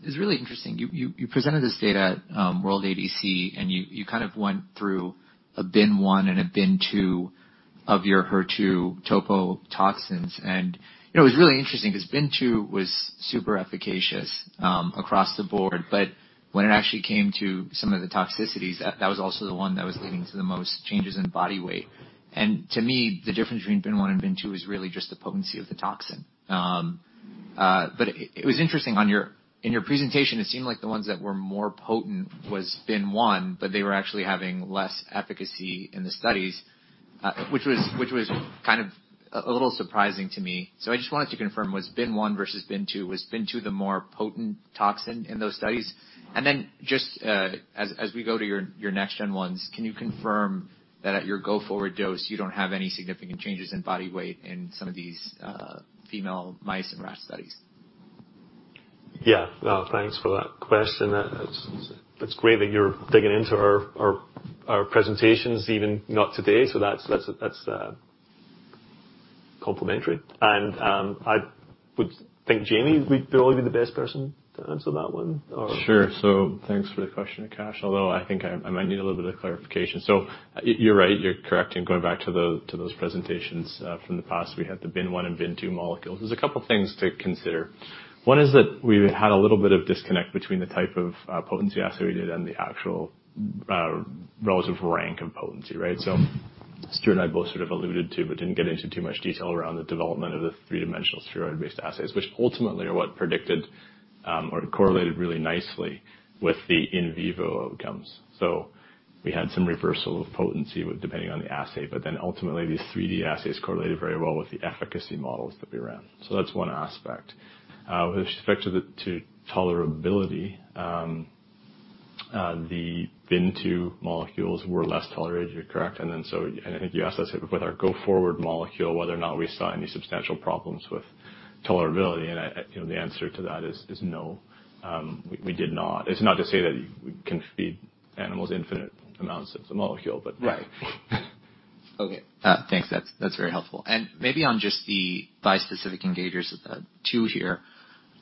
It's really interesting, you presented this data at World ADC, and you kind of went through bin 1 and bin 2 of your HER2 toxins. You know, it was really interesting 'cause bin 2 was super efficacious across the board. When it actually came to some of the toxicities, that was also the one that was leading to the most changes in body weight. To me, the difference between bin 1 and bin 2 is really just the potency of the toxin. It was interesting. In your presentation, it seemed like the ones that were more potent was bin 1, but they were actually having less efficacy in the studies, which was kind of a little surprising to me. I just wanted to confirm, was bin one versus bin two, was bin two the more potent toxin in those studies? Then just, as we go to your next-gen ones, can you confirm that at your go-forward dose, you don't have any significant changes in body weight in some of these, female mice and rat studies? Yeah. Well, thanks for that question. That's great that you're digging into our presentations even not today. That's complementary. I would think Jamie would probably be the best person to answer that one or. Sure. Thanks for the question, Akash. Although, I think I might need a little bit of clarification. You're right, you're correct in going back to those presentations from the past. We had the bin one and bin two molecules. There's a couple of things to consider. One is that we had a little bit of disconnect between the type of potency assay we did and the actual relative rank of potency, right? Stuart and I both sort of alluded to, but didn't get into too much detail around the development of the three-dimensional spheroid-based assays, which ultimately are what predicted or correlated really nicely with the in vivo outcomes. We had some reversal of potency with depending on the assay, but then ultimately these 3D assays correlated very well with the efficacy models that we ran. That's one aspect. With respect to tolerability, the bin two molecules were less tolerated, you're correct. I think you asked us with our go-forward molecule whether or not we saw any substantial problems with tolerability. You know, the answer to that is no. We did not. It's not to say that we can feed animals infinite amounts of the molecule, but right. Okay, thanks. That's very helpful. Maybe on just the bispecific engagers of the two here.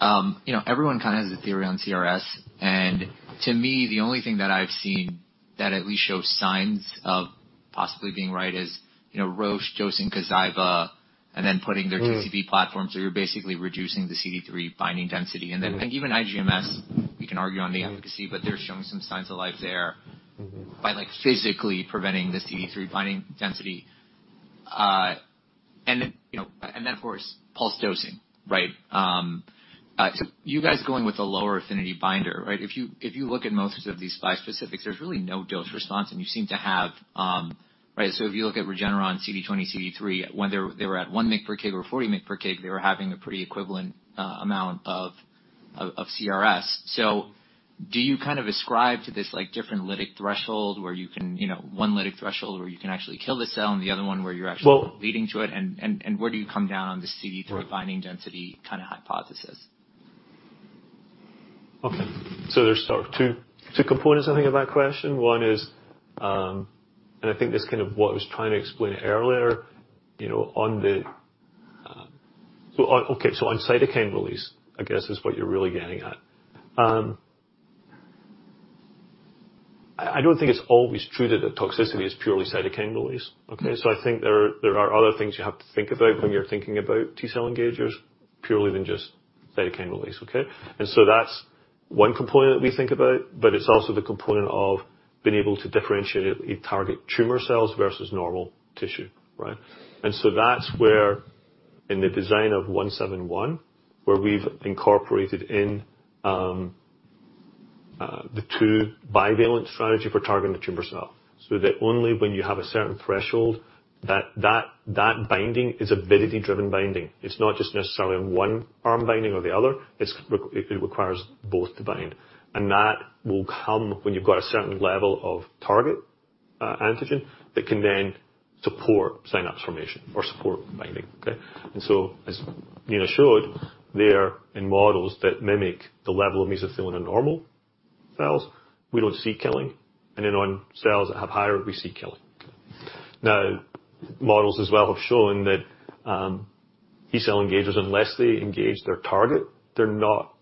You know, everyone kinda has a theory on CRS, and to me, the only thing that I've seen that at least shows signs of possibly being right is, you know, Roche dosing Kymriah and then putting their TCB platform. You're basically reducing the CD3 binding density. I think even IGM's, we can argue on the efficacy, but they're showing some signs of life there. Mm-hmm. By like physically preventing this CD3 binding density. And then of course, pulse dosing, right? So you guys going with a lower affinity binder, right? If you look at most of these bispecifics, there's really no dose response, and you seem to have. Right? So if you look at Regeneron CD20 CD3, when they were at 1 mg per kg or 40 mg per kg, they were having a pretty equivalent amount of CRS. So do you kind of ascribe to this like different lytic threshold where you can, you know, one lytic threshold where you can actually kill the cell and the other one where you're actually leading to it? And where do you come down on the CD3 binding density kinda hypothesis? Okay. There's sort of two components, I think, of that question. One is, and I think this is kind of what I was trying to explain earlier, you know, on cytokine release, I guess, is what you're really getting at. I don't think it's always true that the toxicity is purely cytokine release, okay? I think there are other things you have to think about when you're thinking about T-cell engagers purely than just cytokine release, okay? That's one component we think about, but it's also the component of being able to differentiate. It targets tumor cells versus normal tissue, right? That's where in the design of ZW171, where we've incorporated in the two bivalent strategy for targeting the tumor cell, so that only when you have a certain threshold, that binding is avidity-driven binding. It's not just necessarily one arm binding or the other. It requires both to bind. That will come when you've got a certain level of target antigen that can then support synapse formation or support binding. Okay? As Nina showed there in models that mimic the level of mesothelin in normal cells, we don't see killing. Then on cells that have higher, we see killing. Models as well have shown that T-cell engagers, unless they engage their target, they're not.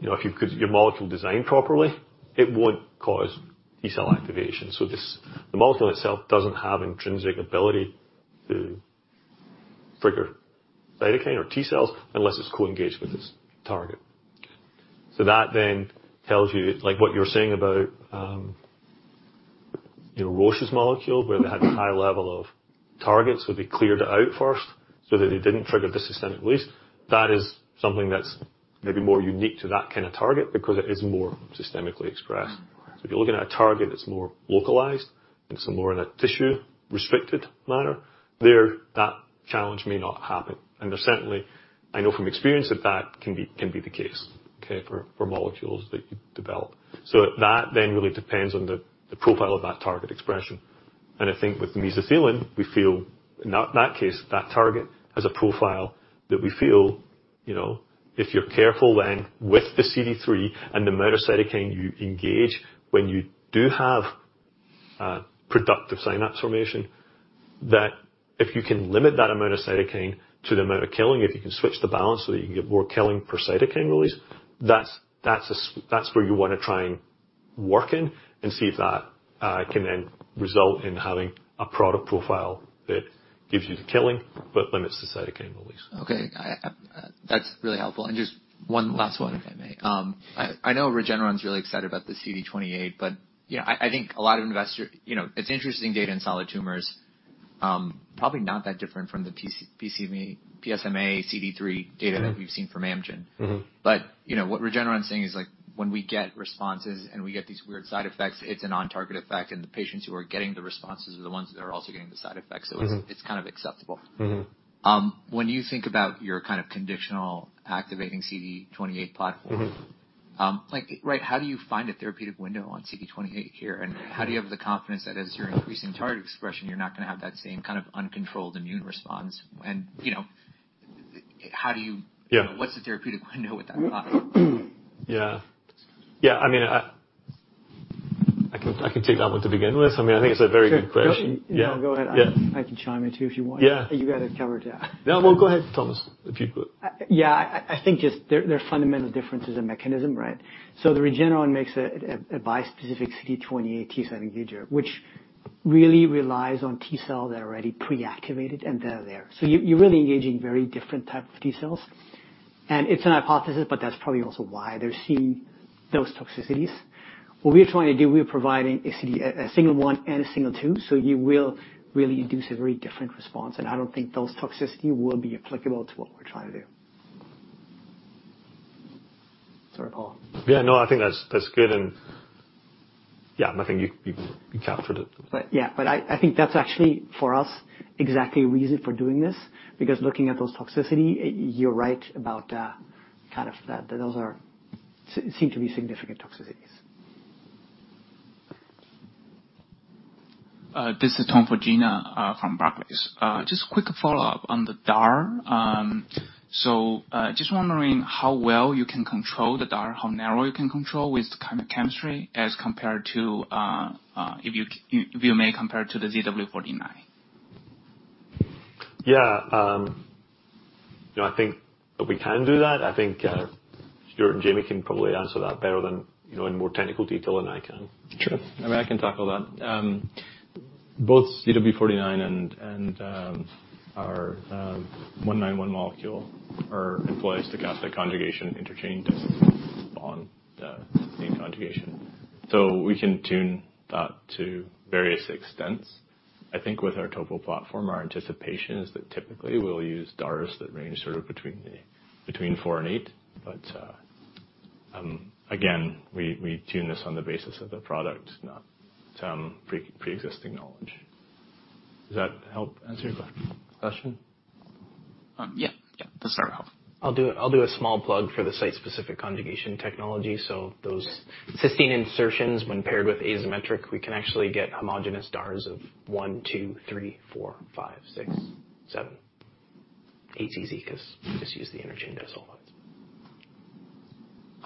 You know, if your molecule designed properly, it would cause T-cell activation. This. The molecule itself doesn't have intrinsic ability to trigger cytokine or T-cells unless it's co-engaged with its target. Okay. That tells you, like what you're saying about, you know, Roche's molecule where they had this high level of targets, would be cleared out first so that it didn't trigger the systemic release. That is something that's maybe more unique to that kind of target because it is more systemically expressed. Mm-hmm. If you're looking at a target that's more localized and so more in a tissue-restricted manner, there that challenge may not happen. There's certainly, I know from experience, that that can be the case, okay, for molecules that you develop. That then really depends on the profile of that target expression. I think with mesothelin, we feel in that case, that target has a profile that we feel, you know, if you're careful then with the CD3 and the amount of cytokine you engage when you do have productive synapse formation, that if you can limit that amount of cytokine to the amount of killing, if you can switch the balance so that you can get more killing per cytokine release, that's where you wanna try and work in and see if that can then result in having a product profile that gives you the killing but limits the cytokine release. Okay. That's really helpful. Just one last one, if I may. I know Regeneron's really excited about the CD28, but I think a lot of investor. It's interesting data in solid tumors, probably not that different from the PSMAxCD3 data. Mm-hmm. that we've seen from Amgen. Mm-hmm. You know, what Regeneron's saying is, like, when we get responses and we get these weird side effects, it's a non-target effect, and the patients who are getting the responses are the ones that are also getting the side effects. Mm-hmm. It's kind of acceptable. Mm-hmm. When you think about your kind of conditional activating CD28 platform. Mm-hmm. Like, right, how do you find a therapeutic window on CD28 here? How do you have the confidence that as you're increasing target expression, you're not gonna have that same kind of uncontrolled immune response? You know, how do you- Yeah. You know, what's the therapeutic window with that product? Yeah. I mean, I can take that one to begin with. I mean, I think it's a very good question. Sure. Yeah. No, go ahead. Yeah. I can chime in too if you want. Yeah. You got it covered. No, well, go ahead, Thomas, if you could. Yeah. I think there are fundamental differences in mechanism, right? Regeneron makes a bispecific CD28 T-cell engager, which really relies on T-cells that are already pre-activated and they're there. So you're really engaging a very different type of T-cells. It's a hypothesis, but that's probably also why they're seeing those toxicities. What we're trying to do, we're providing a CD3 and a CD28, so you will really induce a very different response, and I don't think those toxicities will be applicable to what we're trying to do. Sorry, Paul. Yeah, no, I think that's good. Yeah, no, I think you captured it. I think that's actually for us exactly a reason for doing this because looking at those toxicities, you're right about kind of those seem to be significant toxicities. This is Tom Cujino from Barclays. Just quick follow-up on the DAR. So, just wondering how well you can control the DAR, how narrow you can control with the kind of chemistry as compared to, if you may compare to the ZW49. Yeah. You know, I think that we can do that. I think, Stuart and Jamie can probably answer that better than, you know, in more technical detail than I can. Sure. I mean, I can tackle that. Both ZW49 and our 191 molecule employ the cysteine conjugation interchain on the same conjugation. So we can tune that to various extents. I think with our topo platform, our anticipation is that typically we'll use DARs that range sort of between 4 and 8. But again, we tune this on the basis of the product, not some preexisting knowledge. Does that help answer your question? Yeah. Yeah. That's very helpful. I'll do a small plug for the site-specific conjugation technology. Sure. Cysteine insertions when paired with Azymetric, we can actually get homogeneous DARs of 1, 2, 3, 4, 5, 6, 7. Eight is easy 'cause we just use the interchain those whole ones.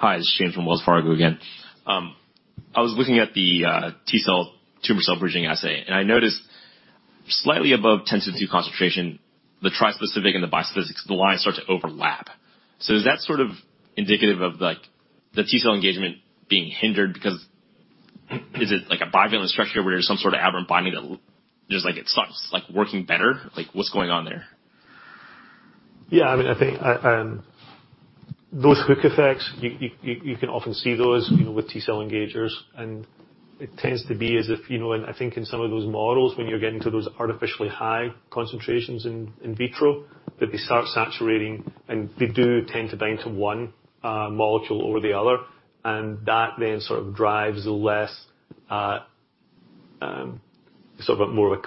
Hi, this is James Shin from Wells Fargo again. I was looking at the T-cell tumor cell bridging assay, and I noticed slightly above 10 EC50 concentration, the trispecific and the bispecifics, the lines start to overlap. Is that sort of indicative of, like, the T-cell engagement being hindered. Is it like a bivalent structure where there's some sort of aberrant binding that just like it starts, like, working better? Like, what's going on there? Yeah, I mean, I think, those hook effects, you can often see those, you know, with T-cell engagers, and it tends to be as if, you know, and I think in some of those models when you're getting to those artificially high concentrations in vitro, that they start saturating, and they do tend to bind to one, sort of more of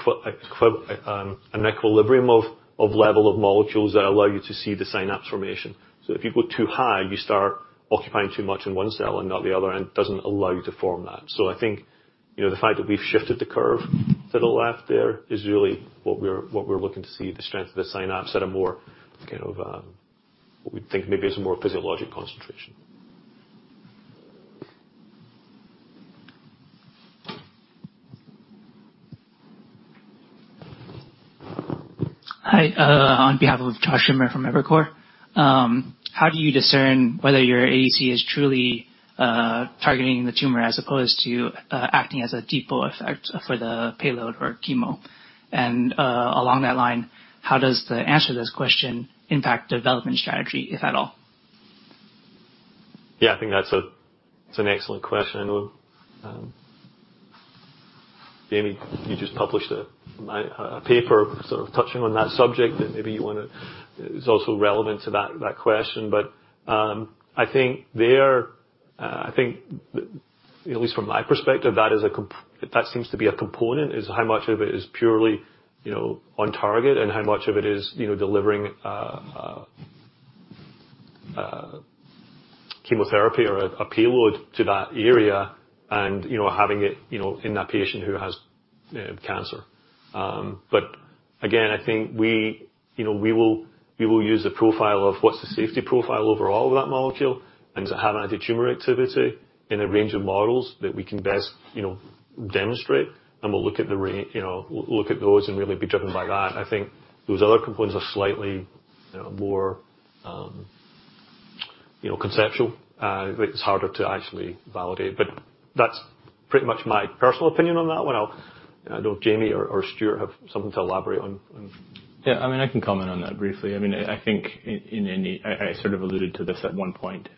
an equilibrium of level of molecules that allow you to see the synapse formation. If you go too high, you start occupying too much in one cell and not the other, and it doesn't allow you to form that. I think, you know, the fact that we've shifted the curve to the left there is really what we're looking to see, the strength of the synapse at a more kind of, what we'd think maybe is a more physiologic concentration. Hi. On behalf of Josh Schimmer from Evercore. How do you discern whether your ADC is truly targeting the tumor as opposed to acting as a depot effect for the payload or chemo? Along that line, how does the answer to this question impact development strategy, if at all? Yeah, I think that's an excellent question. I know, Jamie, you just published a paper sort of touching on that subject that maybe you wanna. It's also relevant to that question. I think at least from my perspective, that seems to be a component is how much of it is purely, you know, on target and how much of it is, you know, delivering chemotherapy or a payload to that area and, you know, having it, you know, in that patient who has cancer. I think we, you know, we will use the profile of what's the safety profile overall of that molecule and does it have anti-tumor activity in a range of models that we can best, you know, demonstrate. We'll look at you know, look at those and really be driven by that. I think those other components are slightly more, you know, conceptual. It's harder to actually validate. But that's pretty much my personal opinion on that one. I don't know if Jamie or Stuart have something to elaborate on. Yeah, I mean, I can comment on that briefly. I mean, I think I sort of alluded to this at one point,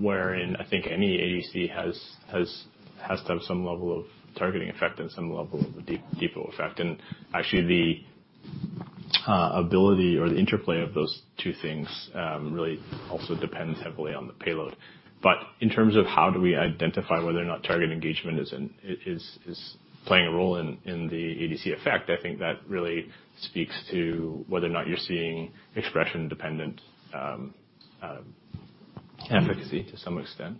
wherein I think any ADC has to have some level of targeting effect and some level of depot effect. Actually, the ability or the interplay of those two things really also depends heavily on the payload. In terms of how do we identify whether or not target engagement is playing a role in the ADC effect, I think that really speaks to whether or not you're seeing expression-dependent efficacy to some extent.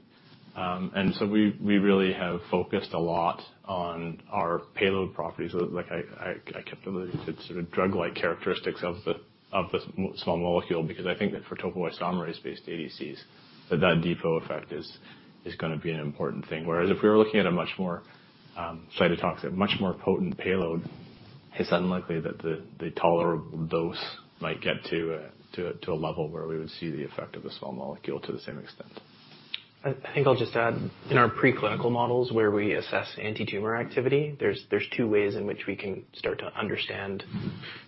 We really have focused a lot on our payload properties like I contributed to the sort of drug-like characteristics of the small molecule, because I think that for topoisomerase-based ADCs, that depot effect is gonna be an important thing. Whereas if we were looking at a much more cytotoxic, much more potent payload, it's unlikely that the tolerable dose might get to a level where we would see the effect of the small molecule to the same extent. I think I'll just add, in our preclinical models where we assess antitumor activity, there's two ways in which we can start to understand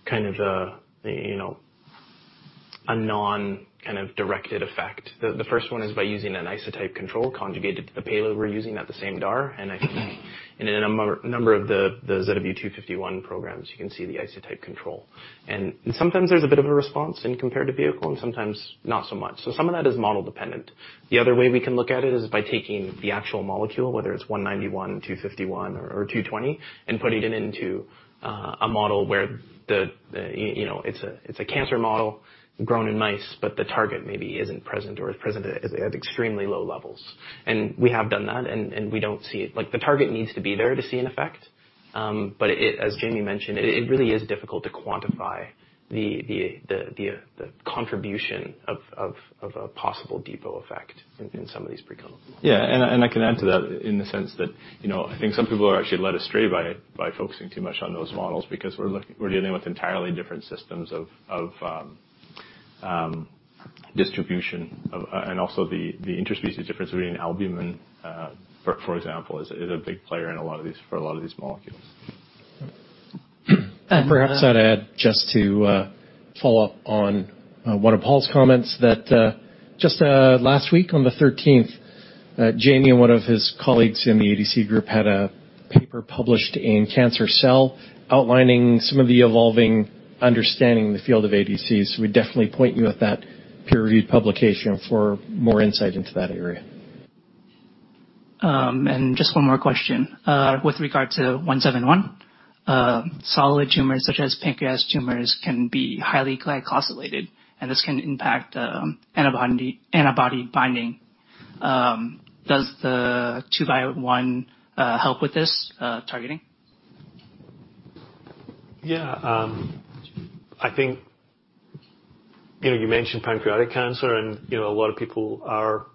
kind of the you know a non-kind of directed effect. The first one is by using an isotype control conjugated to the payload we're using at the same DAR. I think in a number of the ZW251 programs, you can see the isotype control. Sometimes there's a bit of a response when compared to vehicle and sometimes not so much. Some of that is model dependent. The other way we can look at it is by taking the actual molecule, whether it's ZW191, ZW251, or ZW220, and putting it into a model where you know, it's a cancer model grown in mice, but the target maybe isn't present or is present at extremely low levels. We have done that, and we don't see it. Like, the target needs to be there to see an effect. As Jamie mentioned, it really is difficult to quantify the contribution of a possible depot effect in some of these preclinical models. Yeah. I can add to that in the sense that, you know, I think some people are actually led astray by focusing too much on those models because we're dealing with entirely different systems of distribution. Also, the interspecies difference between albumin, for example, is a big player in a lot of these molecules. And perhaps- I just want to add just to follow up on one of Paul's comments that just last week on the thirteenth Jamie and one of his colleagues in the ADC group had a paper published in Cancer Cell outlining some of the evolving understanding in the field of ADCs. We definitely point you at that peer-reviewed publication for more insight into that area. Just one more question. Sure. With regard to 171, solid tumors such as pancreas tumors can be highly glycosylated, and this can impact antibody binding. Does the two-by-one help with this targeting? I think, you know, you mentioned pancreatic cancer and, you know, a lot of people are.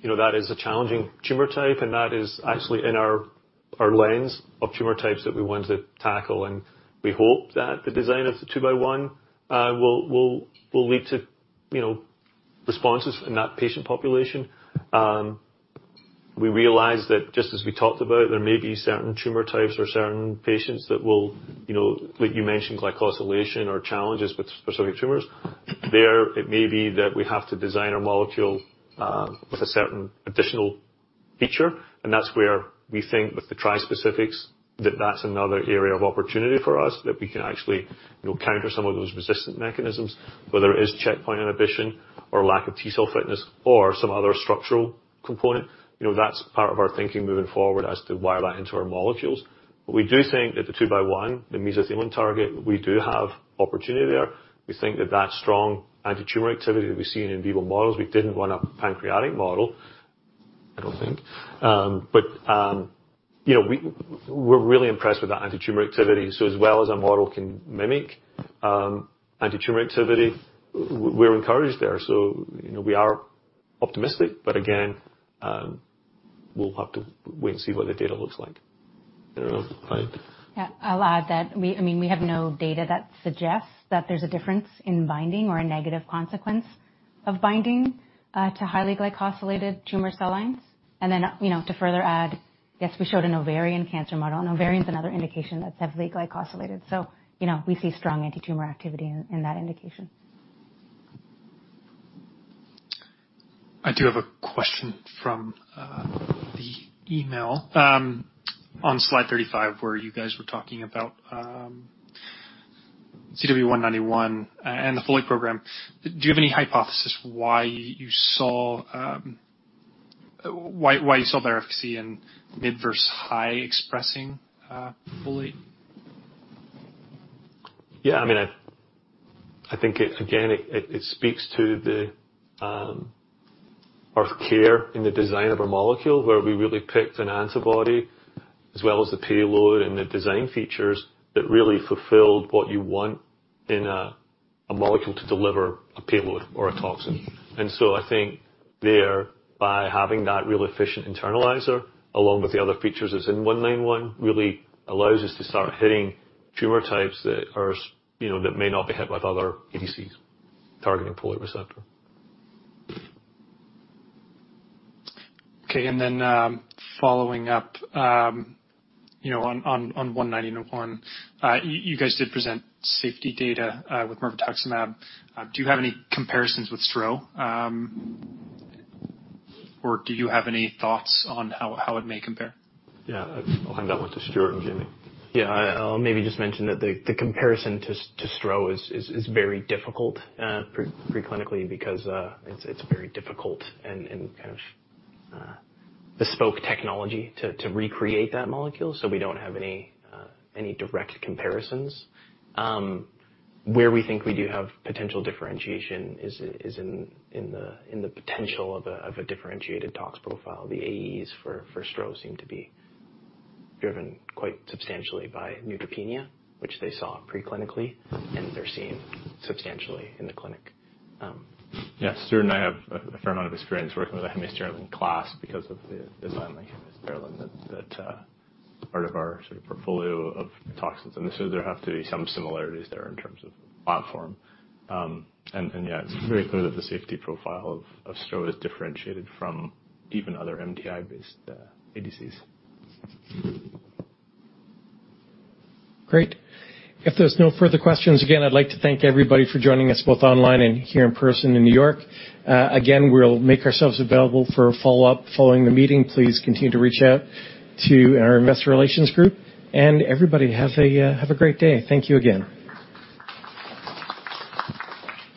You know, that is a challenging tumor type, and that is actually in our lens of tumor types that we want to tackle. We hope that the design of the two-by-one will lead to, you know, responses in that patient population. We realize that just as we talked about, there may be certain tumor types or certain patients that will, you know, like you mentioned, glycosylation or challenges with specific tumors. There, it may be that we have to design our molecule with a certain additional feature, and that's where we think with the tri-specifics, that's another area of opportunity for us that we can actually, you know, counter some of those resistant mechanisms, whether it is checkpoint inhibition or lack of T-cell fitness or some other structural component. You know, that's part of our thinking moving forward as to wire that into our molecules. But we do think that the two-by-one, the mesothelin target, we do have opportunity there. We think that that strong antitumor activity that we see in vivo models, we didn't run a pancreatic model, I don't think. But you know, we're really impressed with that antitumor activity. As well as a model can mimic antitumor activity, we're encouraged there. You know, we are optimistic. Again, we'll have to wait and see what the data looks like. You know? Right. Yeah. I'll add that I mean, we have no data that suggests that there's a difference in binding or a negative consequence of binding to highly glycosylated tumor cell lines. You know, to further add, yes, we showed an ovarian cancer model, and ovarian is another indication that's heavily glycosylated. You know, we see strong antitumor activity in that indication. I do have a question from the email. On slide 35, where you guys were talking about ZW191 and the folate program. Do you have any hypothesis why you saw better efficacy in mid versus high expressing folate? Yeah. I mean, I think it again speaks to our care in the design of our molecule, where we really picked an antibody as well as the payload and the design features that really fulfilled what you want in a molecule to deliver a payload or a toxin. I think there, by having that real efficient internalizer along with the other features as in ZW191, really allows us to start hitting tumor types that you know may not be hit with other ADCs targeting folate receptor. Following up, you know, on ZW191. You guys did present safety data with mirvetuximab. Do you have any comparisons with STRO? Or do you have any thoughts on how it may compare? Yeah. I'll hand that one to Stuart and Jamie. Yeah. I'll maybe just mention that the comparison to STRO is very difficult preclinically because it's very difficult and kind of bespoke technology to recreate that molecule. We don't have any direct comparisons. Where we think we do have potential differentiation is in the potential of a differentiated tox profile. The AEs for STRO seem to be driven quite substantially by neutropenia, which they saw preclinically, and they're seeing substantially in the clinic. Yeah. Stuart and I have a fair amount of experience working with the hemiasterlin class because of the design of the hemiasterlin that part of our sort of portfolio of toxins. There have to be some similarities there in terms of platform. Yeah, it's very clear that the safety profile of STRO is differentiated from even other MTI-based ADCs. Great. If there's no further questions, again, I'd like to thank everybody for joining us both online and here in person in New York. Again, we'll make ourselves available for a follow-up following the meeting. Please continue to reach out to our investor relations group. Everybody, have a great day. Thank you again.